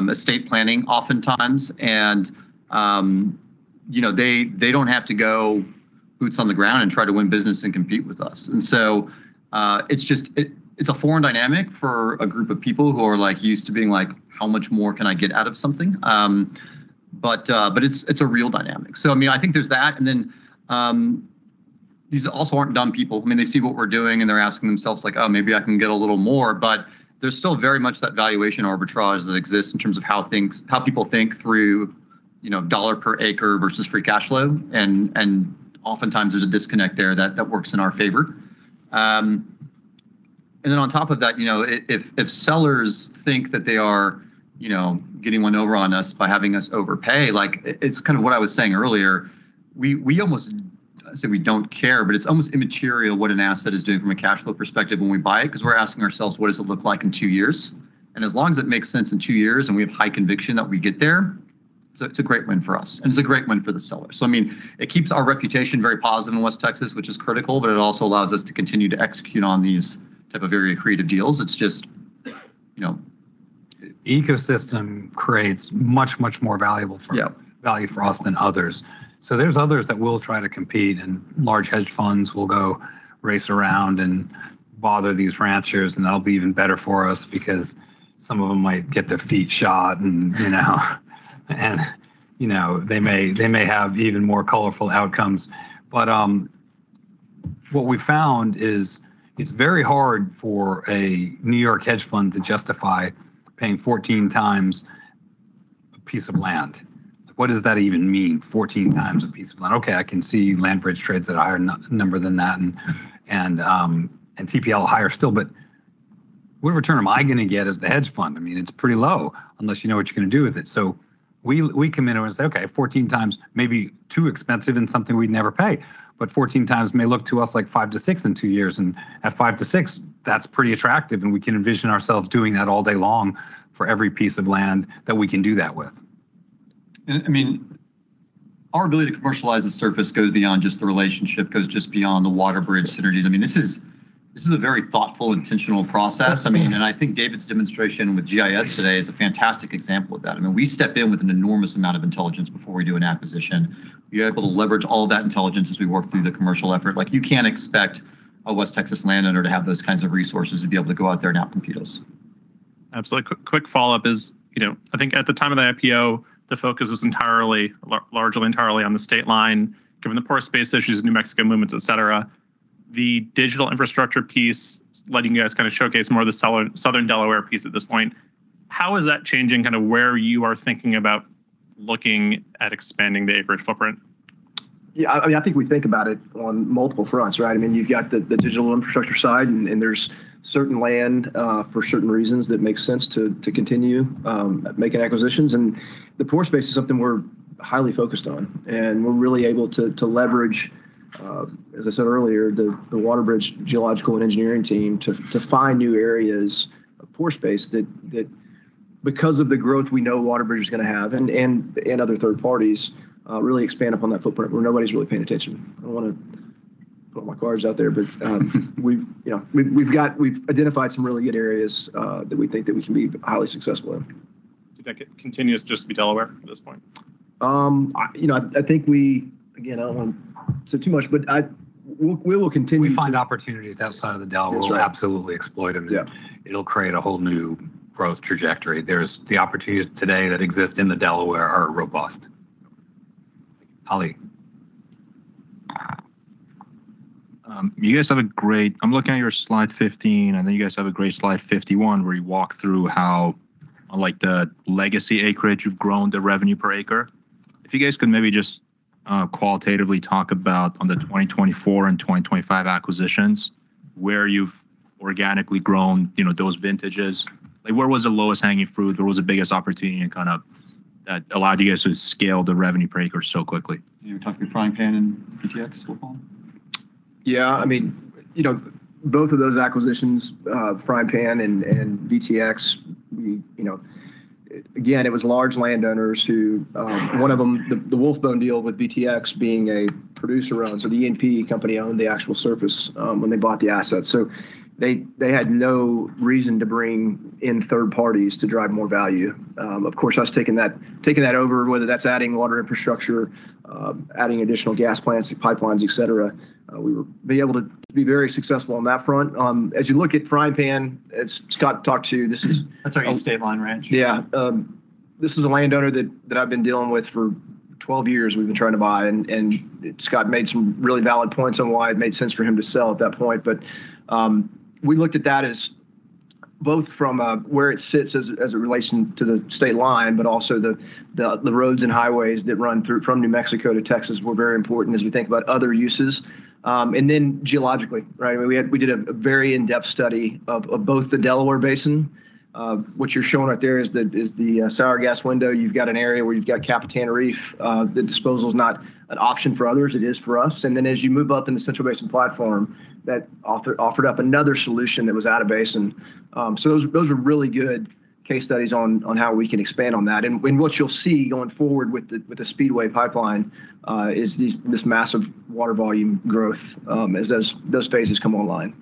estate planning oftentimes. They don't have to go boots on the ground and try to win business and compete with us. It's just a foreign dynamic for a group of people who are, like, used to being like, "How much more can I get out of something?" It's a real dynamic. I mean, I think there's that, and then these also aren't dumb people. I mean, they see what we're doing, and they're asking themselves like, "Oh, maybe I can get a little more." There's still very much that valuation arbitrage that exists in terms of how people think through, you know, dollar per acre versus free cash flow. Oftentimes there's a disconnect there that works in our favor. On top of that, you know, if sellers think that they are, you know, getting one over on us by having us overpay, like, it's kind of what I was saying earlier, we almost say we don't care, but it's almost immaterial what an asset is doing from a cash flow perspective when we buy it, because we're asking ourselves, "What does it look like in two years?" As long as it makes sense in two years and we have high conviction that we get there, it's a great win for us, and it's a great win for the seller. I mean, it keeps our reputation very positive in West Texas, which is critical, but it also allows us to continue to execute on these type of very accretive deals. It's just, you know. Ecosystem creates much more value. Value for us than others. There's others that will try to compete, and large hedge funds will go race around and bother these ranchers, and that'll be even better for us because some of them might get their feet shot and, you know. You know, they may have even more colorful outcomes. But what we found is it's very hard for a New York hedge fund to justify paying 14x a piece of land. What does that even mean, 14x a piece of land? Okay, I can see LandBridge trades at a higher number than that and TPL higher still, but what return am I gonna get as the hedge fund? I mean, it's pretty low, unless you know what you're gonna do with it. We come in and we say, "Okay, 14x may be too expensive and something we'd never pay." 14x may look to us like 5-6 in two years, and at 5-6, that's pretty attractive, and we can envision ourselves doing that all day long for every piece of land that we can do that with. I mean, our ability to commercialize the surface goes beyond just the relationship, goes just beyond the WaterBridge synergies. I mean, this is a very thoughtful, intentional process. I mean, I think David's demonstration with GIS today is a fantastic example of that. I mean, we step in with an enormous amount of intelligence before we do an acquisition. We are able to leverage all that intelligence as we work through the commercial effort. Like, you can't expect a West Texas landowner to have those kinds of resources to be able to go out there and outcompete us. Absolutely. Quick follow-up is, you know, I think at the time of the IPO, the focus was entirely, largely entirely on the state line, given the pore space issues, New Mexico movements, et cetera. The digital infrastructure piece, letting you guys kinda showcase more of the Southern Delaware piece at this point, how is that changing kinda where you are thinking about looking at expanding the acreage footprint? Yeah, I think we think about it on multiple fronts, right? I mean, you've got the digital infrastructure side, and there's certain land for certain reasons that makes sense to continue making acquisitions. The pore space is something we're highly focused on, and we're really able to leverage, as I said earlier, the WaterBridge geological and engineering team to find new areas of pore space that because of the growth we know WaterBridge is gonna have, and other third parties really expand upon that footprint where nobody's really paying attention. I don't wanna put my cards out there, but, you know, we've identified some really good areas that we think that we can be highly successful in. Do you think it continues just to be Delaware at this point? You know, I think again, I don't wanna say too much, but we will continue to. We find opportunities outside of the Delaware. That's right. We'll absolutely exploit them. Yeah. It'll create a whole new growth trajectory. There's the opportunities today that exist in the Delaware are robust. Ali. I'm looking at your slide 15, and then you guys have a great slide 51, where you walk through how, unlike the legacy acreage, you've grown the revenue per acre. If you guys could maybe just qualitatively talk about on the 2024 and 2025 acquisitions, where you've organically grown, you know, those vintages. Like, where was the lowest hanging fruit? Where was the biggest opportunity and kind of that allowed you guys to scale the revenue per acre so quickly? You talking Frying Pan and VTX, we'll call them? Yeah. I mean, you know, both of those acquisitions, Frying Pan and VTX, we, you know. Again, it was large landowners who, one of them, the Wolfbone deal with VTX being a producer-owned. The E&P company owned the actual surface when they bought the assets. They had no reason to bring in third parties to drive more value. Of course, us taking that over, whether that's adding water infrastructure, adding additional gas plants, pipelines, et cetera, we were able to be very successful on that front. As you look at Frying Pan, as Scott talked to you, this is. I talked to you at State Line Ranch. This is a landowner that I've been dealing with for 12 years. We've been trying to buy and Scott made some really valid points on why it made sense for him to sell at that point. We looked at that from where it sits as a relation to the state line, but also the roads and highways that run through from New Mexico to Texas were very important as we think about other uses. Then geologically, right? We did a very in-depth study of both the Delaware Basin. What you're showing right there is the sour gas window. You've got an area where you've got Capitan Reef. The disposal's not an option for others, it is for us. As you move up in the Central Basin Platform, that offered up another solution that was out of basin. Those were really good case studies on how we can expand on that. What you'll see going forward with the Speedway pipeline is this massive water volume growth as those phases come online.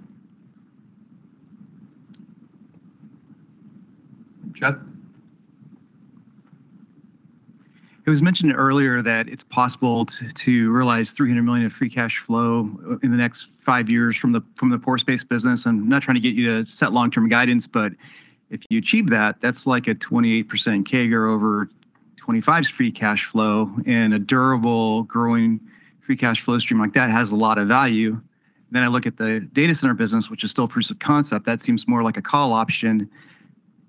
Chad? It was mentioned earlier that it's possible to realize $300 million of free cash flow in the next five years from the pore space business. I'm not trying to get you to set long-term guidance, but if you achieve that's like a 28% CAGR over 2025's free cash flow. A durable growing free cash flow stream like that has a lot of value. I look at the data center business, which is still proof of concept, that seems more like a call option.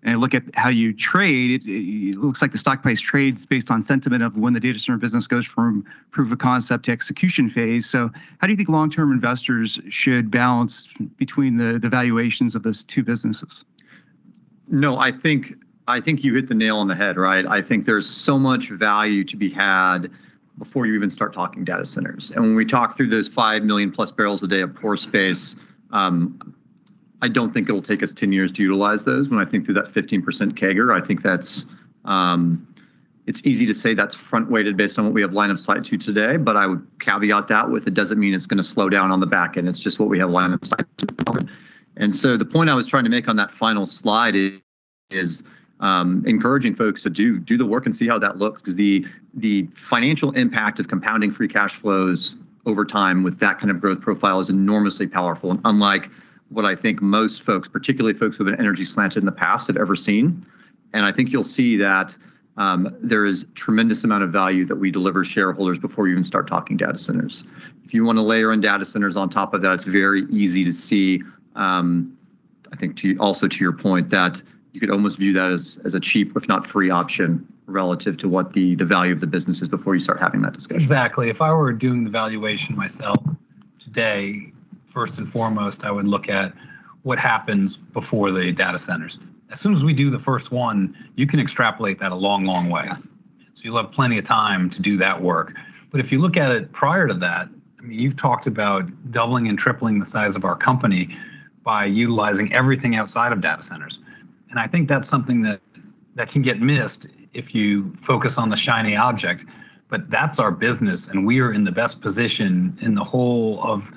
I look at how you trade, it looks like the stock price trades based on sentiment of when the data center business goes from proof of concept to execution phase. How do you think long-term investors should balance between the valuations of those two businesses? No, I think you hit the nail on the head, right? I think there's so much value to be had before you even start talking data centers. When we talk through those 5 million plus barrels a day of pore space, I don't think it'll take us 10 years to utilize those. When I think through that 15% CAGR, I think that's easy to say that's front-weighted based on what we have lined up slide two today, but I would caveat that with it doesn't mean it's gonna slow down on the back end. It's just what we have lined up slide and so the point I was trying to make on that final slide is, encouraging folks to do the work and see how that looks, 'cause the financial impact of compounding free cash flows over time with that kind of growth profile is enormously powerful, and unlike what I think most folks, particularly folks with an energy slant in the past, have ever seen. I think you'll see that, there is tremendous amount of value that we deliver shareholders before you even start talking data centers. If you wanna layer in data centers on top of that, it's very easy to see. I think, too, also to your point, that you could almost view that as a cheap, if not free, option relative to what the value of the business is before you start having that discussion. Exactly. If I were doing the valuation myself today, first and foremost, I would look at what happens before the data centers. As soon as we do the first one, you can extrapolate that a long, long way. Yeah. You'll have plenty of time to do that work. If you look at it prior to that, I mean, you've talked about doubling and tripling the size of our company by utilizing everything outside of data centers, and I think that's something that can get missed if you focus on the shiny object. That's our business, and we are in the best position in the whole of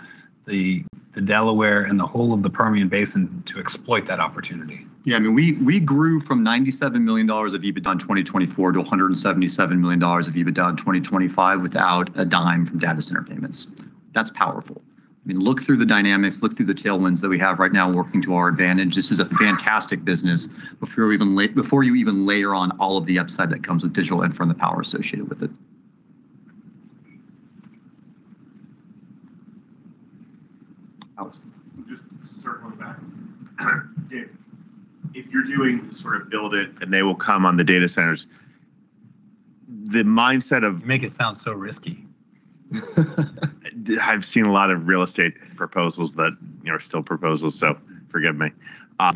the Delaware and the whole of the Permian Basin to exploit that opportunity. Yeah. I mean, we grew from $97 million of EBITDA in 2024 to $177 million of EBITDA in 2025 without a dime from data center payments. That's powerful. I mean, look through the dynamics, look through the tailwinds that we have right now working to our advantage. This is a fantastic business before you even layer on all of the upside that comes with digital and from the power associated with it. Alex. Just circling back. Dave, if you're doing sort of build it and they will come on the data centers, the mindset of You make it sound so risky. I've seen a lot of real estate proposals that, you know, are still proposals, so forgive me.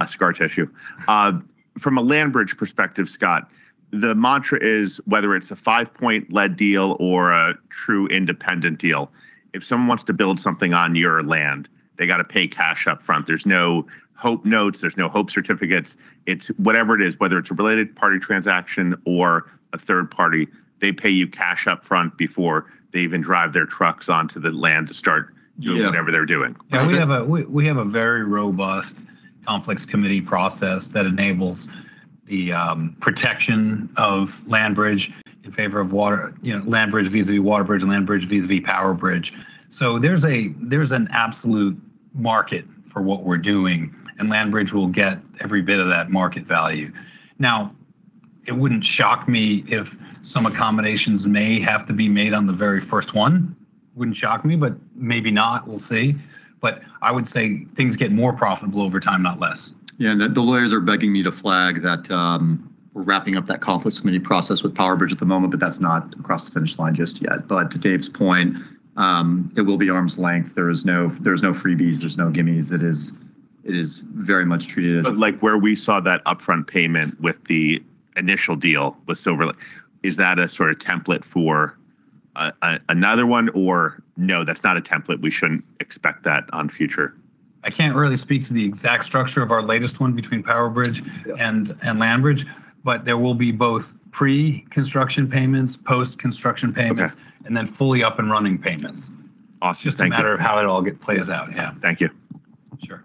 Scar tissue. From a LandBridge perspective, Scott, the mantra is, whether it's a Five Point-led deal or a true independent deal, if someone wants to build something on your land, they gotta pay cash up front. There's no hope notes, there's no hope certificates. It's whatever it is, whether it's a related party transaction or a third party, they pay you cash up front before they even drive their trucks onto the land to start doing whatever they're doing. We have a very robust conflicts committee process that enables the protection of LandBridge in favor of WaterBridge, you know, LandBridge vis-à-vis WaterBridge and LandBridge vis-à-vis PowerBridge. There's an absolute market for what we're doing, and LandBridge will get every bit of that market value. Now, it wouldn't shock me if some accommodations may have to be made on the very first one. Wouldn't shock me, but maybe not. We'll see. I would say things get more profitable over time, not less. Yeah, the lawyers are begging me to flag that we're wrapping up that conflicts committee process with PowerBridge at the moment, but that's not across the finish line just yet. To David's point, it will be arm's length. There's no freebies, no gimmes. It is very much treated as. Like, where we saw that upfront payment with the initial deal with Silver, is that a sort of template for a another one? Or no, that's not a template, we shouldn't expect that on future? I can't really speak to the exact structure of our latest one between PowerBridge and LandBridge, but there will be both pre-construction payments, post-construction payments. Okay. Fully up-and-running payments. Awesome. Thank you. Just a matter of how it all plays out. Yeah. Thank you. Sure.